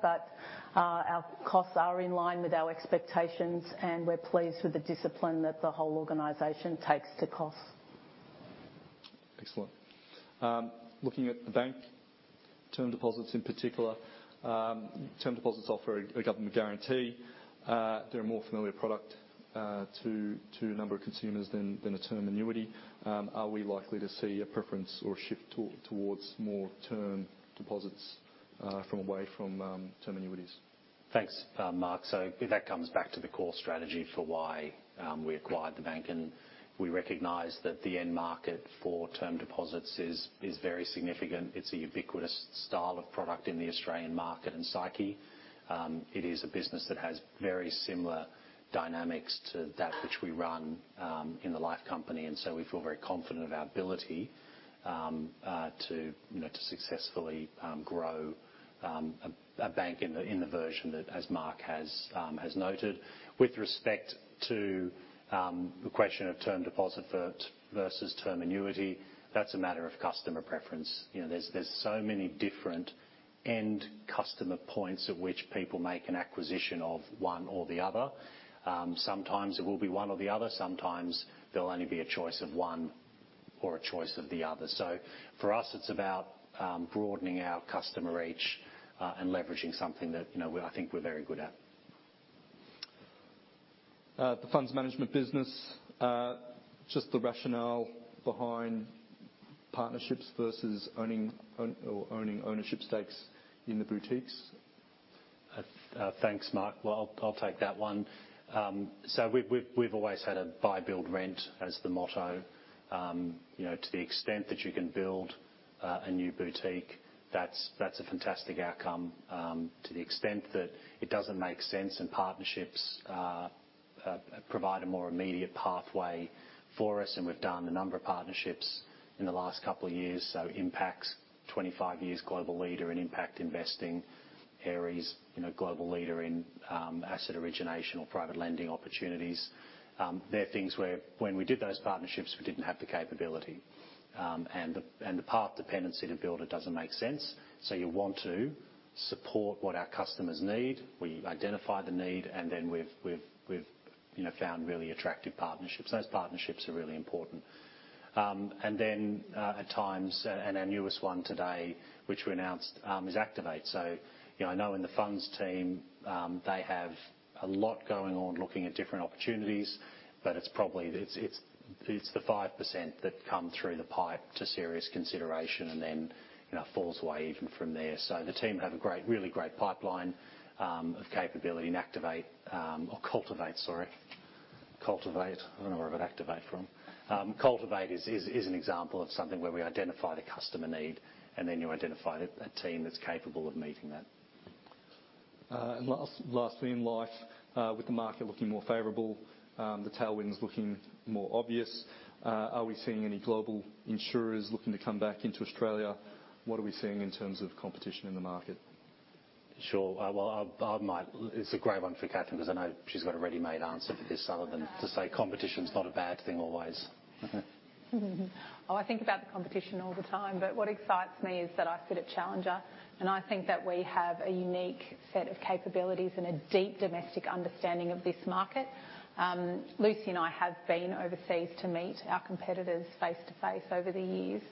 Our costs are in line with our expectations, and we're pleased with the discipline that the whole organization takes to costs. Excellent. Looking at the Bank term deposits in particular, term deposits offer a government guarantee. They're a more familiar product to a number of consumers than a term annuity. Are we likely to see a preference or shift towards more term deposits away from term annuities? Thanks, Mark. That comes back to the core strategy for why we acquired the Bank, and we recognize that the end market for term deposits is very significant. It's a ubiquitous style of product in the Australian market and psyche. It is a business that has very similar dynamics to that which we run in the Life Company. We feel very confident of our ability, you know, to successfully grow a Bank in the version that, as Mark has noted. With respect to the question of term deposit versus term annuity, that's a matter of customer preference. You know, there's so many different end customer points at which people make an acquisition of one or the other. Sometimes it will be one or the other. Sometimes there'll only be a choice of one or a choice of the other. For us, it's about broadening our customer reach, and leveraging something that, you know, we, I think we're very good at. The Funds Management business, just the rationale behind partnerships versus owning ownership stakes in the boutiques. Thanks, Mark. Well, I'll take that one. We've always had a buy, build, rent as the motto. You know, to the extent that you can build a new boutique, that's a fantastic outcome. To the extent that it doesn't make sense and partnerships provide a more immediate pathway for us, and we've done a number of partnerships in the last couple of years. Impax, 25 years global leader in impact investing. Ares, you know, global leader in asset origination or private lending opportunities. They're things where when we did those partnerships, we didn't have the capability. And the path dependency to build it doesn't make sense. You want to support what our customers need. We identify the need, and then we've, you know, found really attractive partnerships. Those partnerships are really important. Then, at times, and our newest one today, which we announced, is Cultivate. You know, I know in the funds team, they have a lot going on, looking at different opportunities, but it's probably the 5% that come through the pipe to serious consideration and then, you know, falls away even from there. The team have a great, really great pipeline of capability in Activate, or Cultivate, sorry. Cultivate. I don't know where I got Activate from. Cultivate is an example of something where we identify the customer need, and then we identify a team that's capable of meeting that. Lastly, in Life, with the market looking more favorable, the tailwinds looking more obvious, are we seeing any global insurers looking to come back into Australia? What are we seeing in terms of competition in the market? It's a great one for Catherine, 'cause I know she's got a ready-made answer for this other than to say competition's not a bad thing always. Oh, I think about the competition all the time, but what excites me is that I sit at Challenger, and I think that we have a unique set of capabilities and a deep domestic understanding of this market. Lucy and I have been overseas to meet our competitors face to face over the years.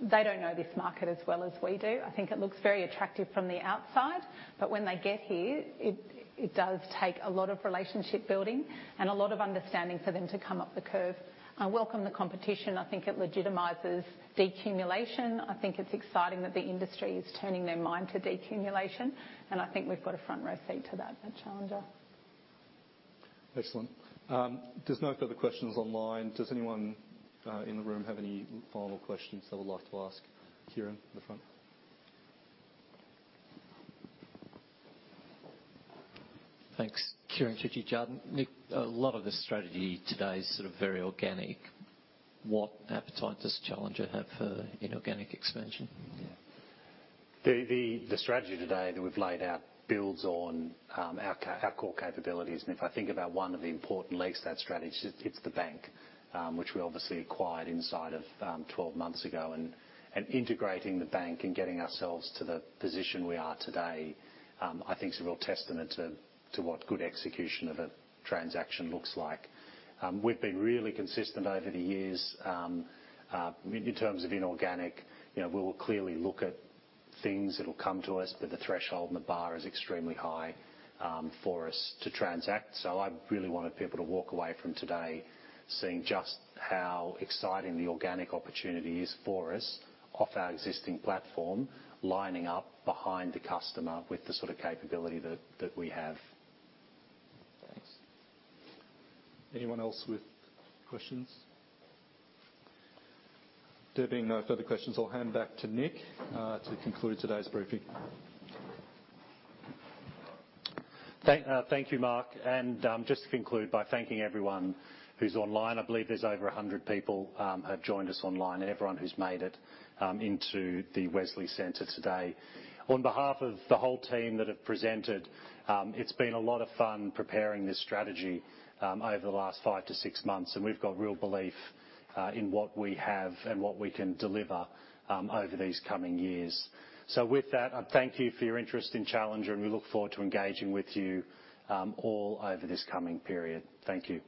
They don't know this market as well as we do. I think it looks very attractive from the outside, but when they get here, it does take a lot of relationship building and a lot of understanding for them to come up the curve. I welcome the competition. I think it legitimizes decumulation. I think it's exciting that the industry is turning their mind to decumulation, and I think we've got a front row seat to that at Challenger. Excellent. There's no further questions online. Does anyone in the room have any final questions they would like to ask Kieran in the front? Thanks. Kieren Chidgey. Nick, a lot of the strategy today is sort of very organic. What appetite does Challenger have for inorganic expansion? Yeah. The strategy today that we've laid out builds on our core capabilities, and if I think about one of the important legs to that strategy, it's the Bank, which we obviously acquired inside of 12 months ago. Integrating the Bank and getting ourselves to the position we are today, I think is a real testament to what good execution of a transaction looks like. We've been really consistent over the years in terms of inorganic. You know, we will clearly look at things that'll come to us, but the threshold and the bar is extremely high for us to transact. I really wanted people to walk away from today seeing just how exciting the organic opportunity is for us off our existing platform, lining up behind the customer with the sort of capability that we have. Thanks. Anyone else with questions? There being no further questions, I'll hand back to Nick, to conclude today's briefing. Thank you, Mark. Just to conclude by thanking everyone who's online, I believe there's over 100 people have joined us online, and everyone who's made it into the Wesley Centre today. On behalf of the whole team that have presented, it's been a lot of fun preparing this strategy over the last five to six months, and we've got real belief in what we have and what we can deliver over these coming years. With that, I thank you for your interest in Challenger, and we look forward to engaging with you all over this coming period. Thank you.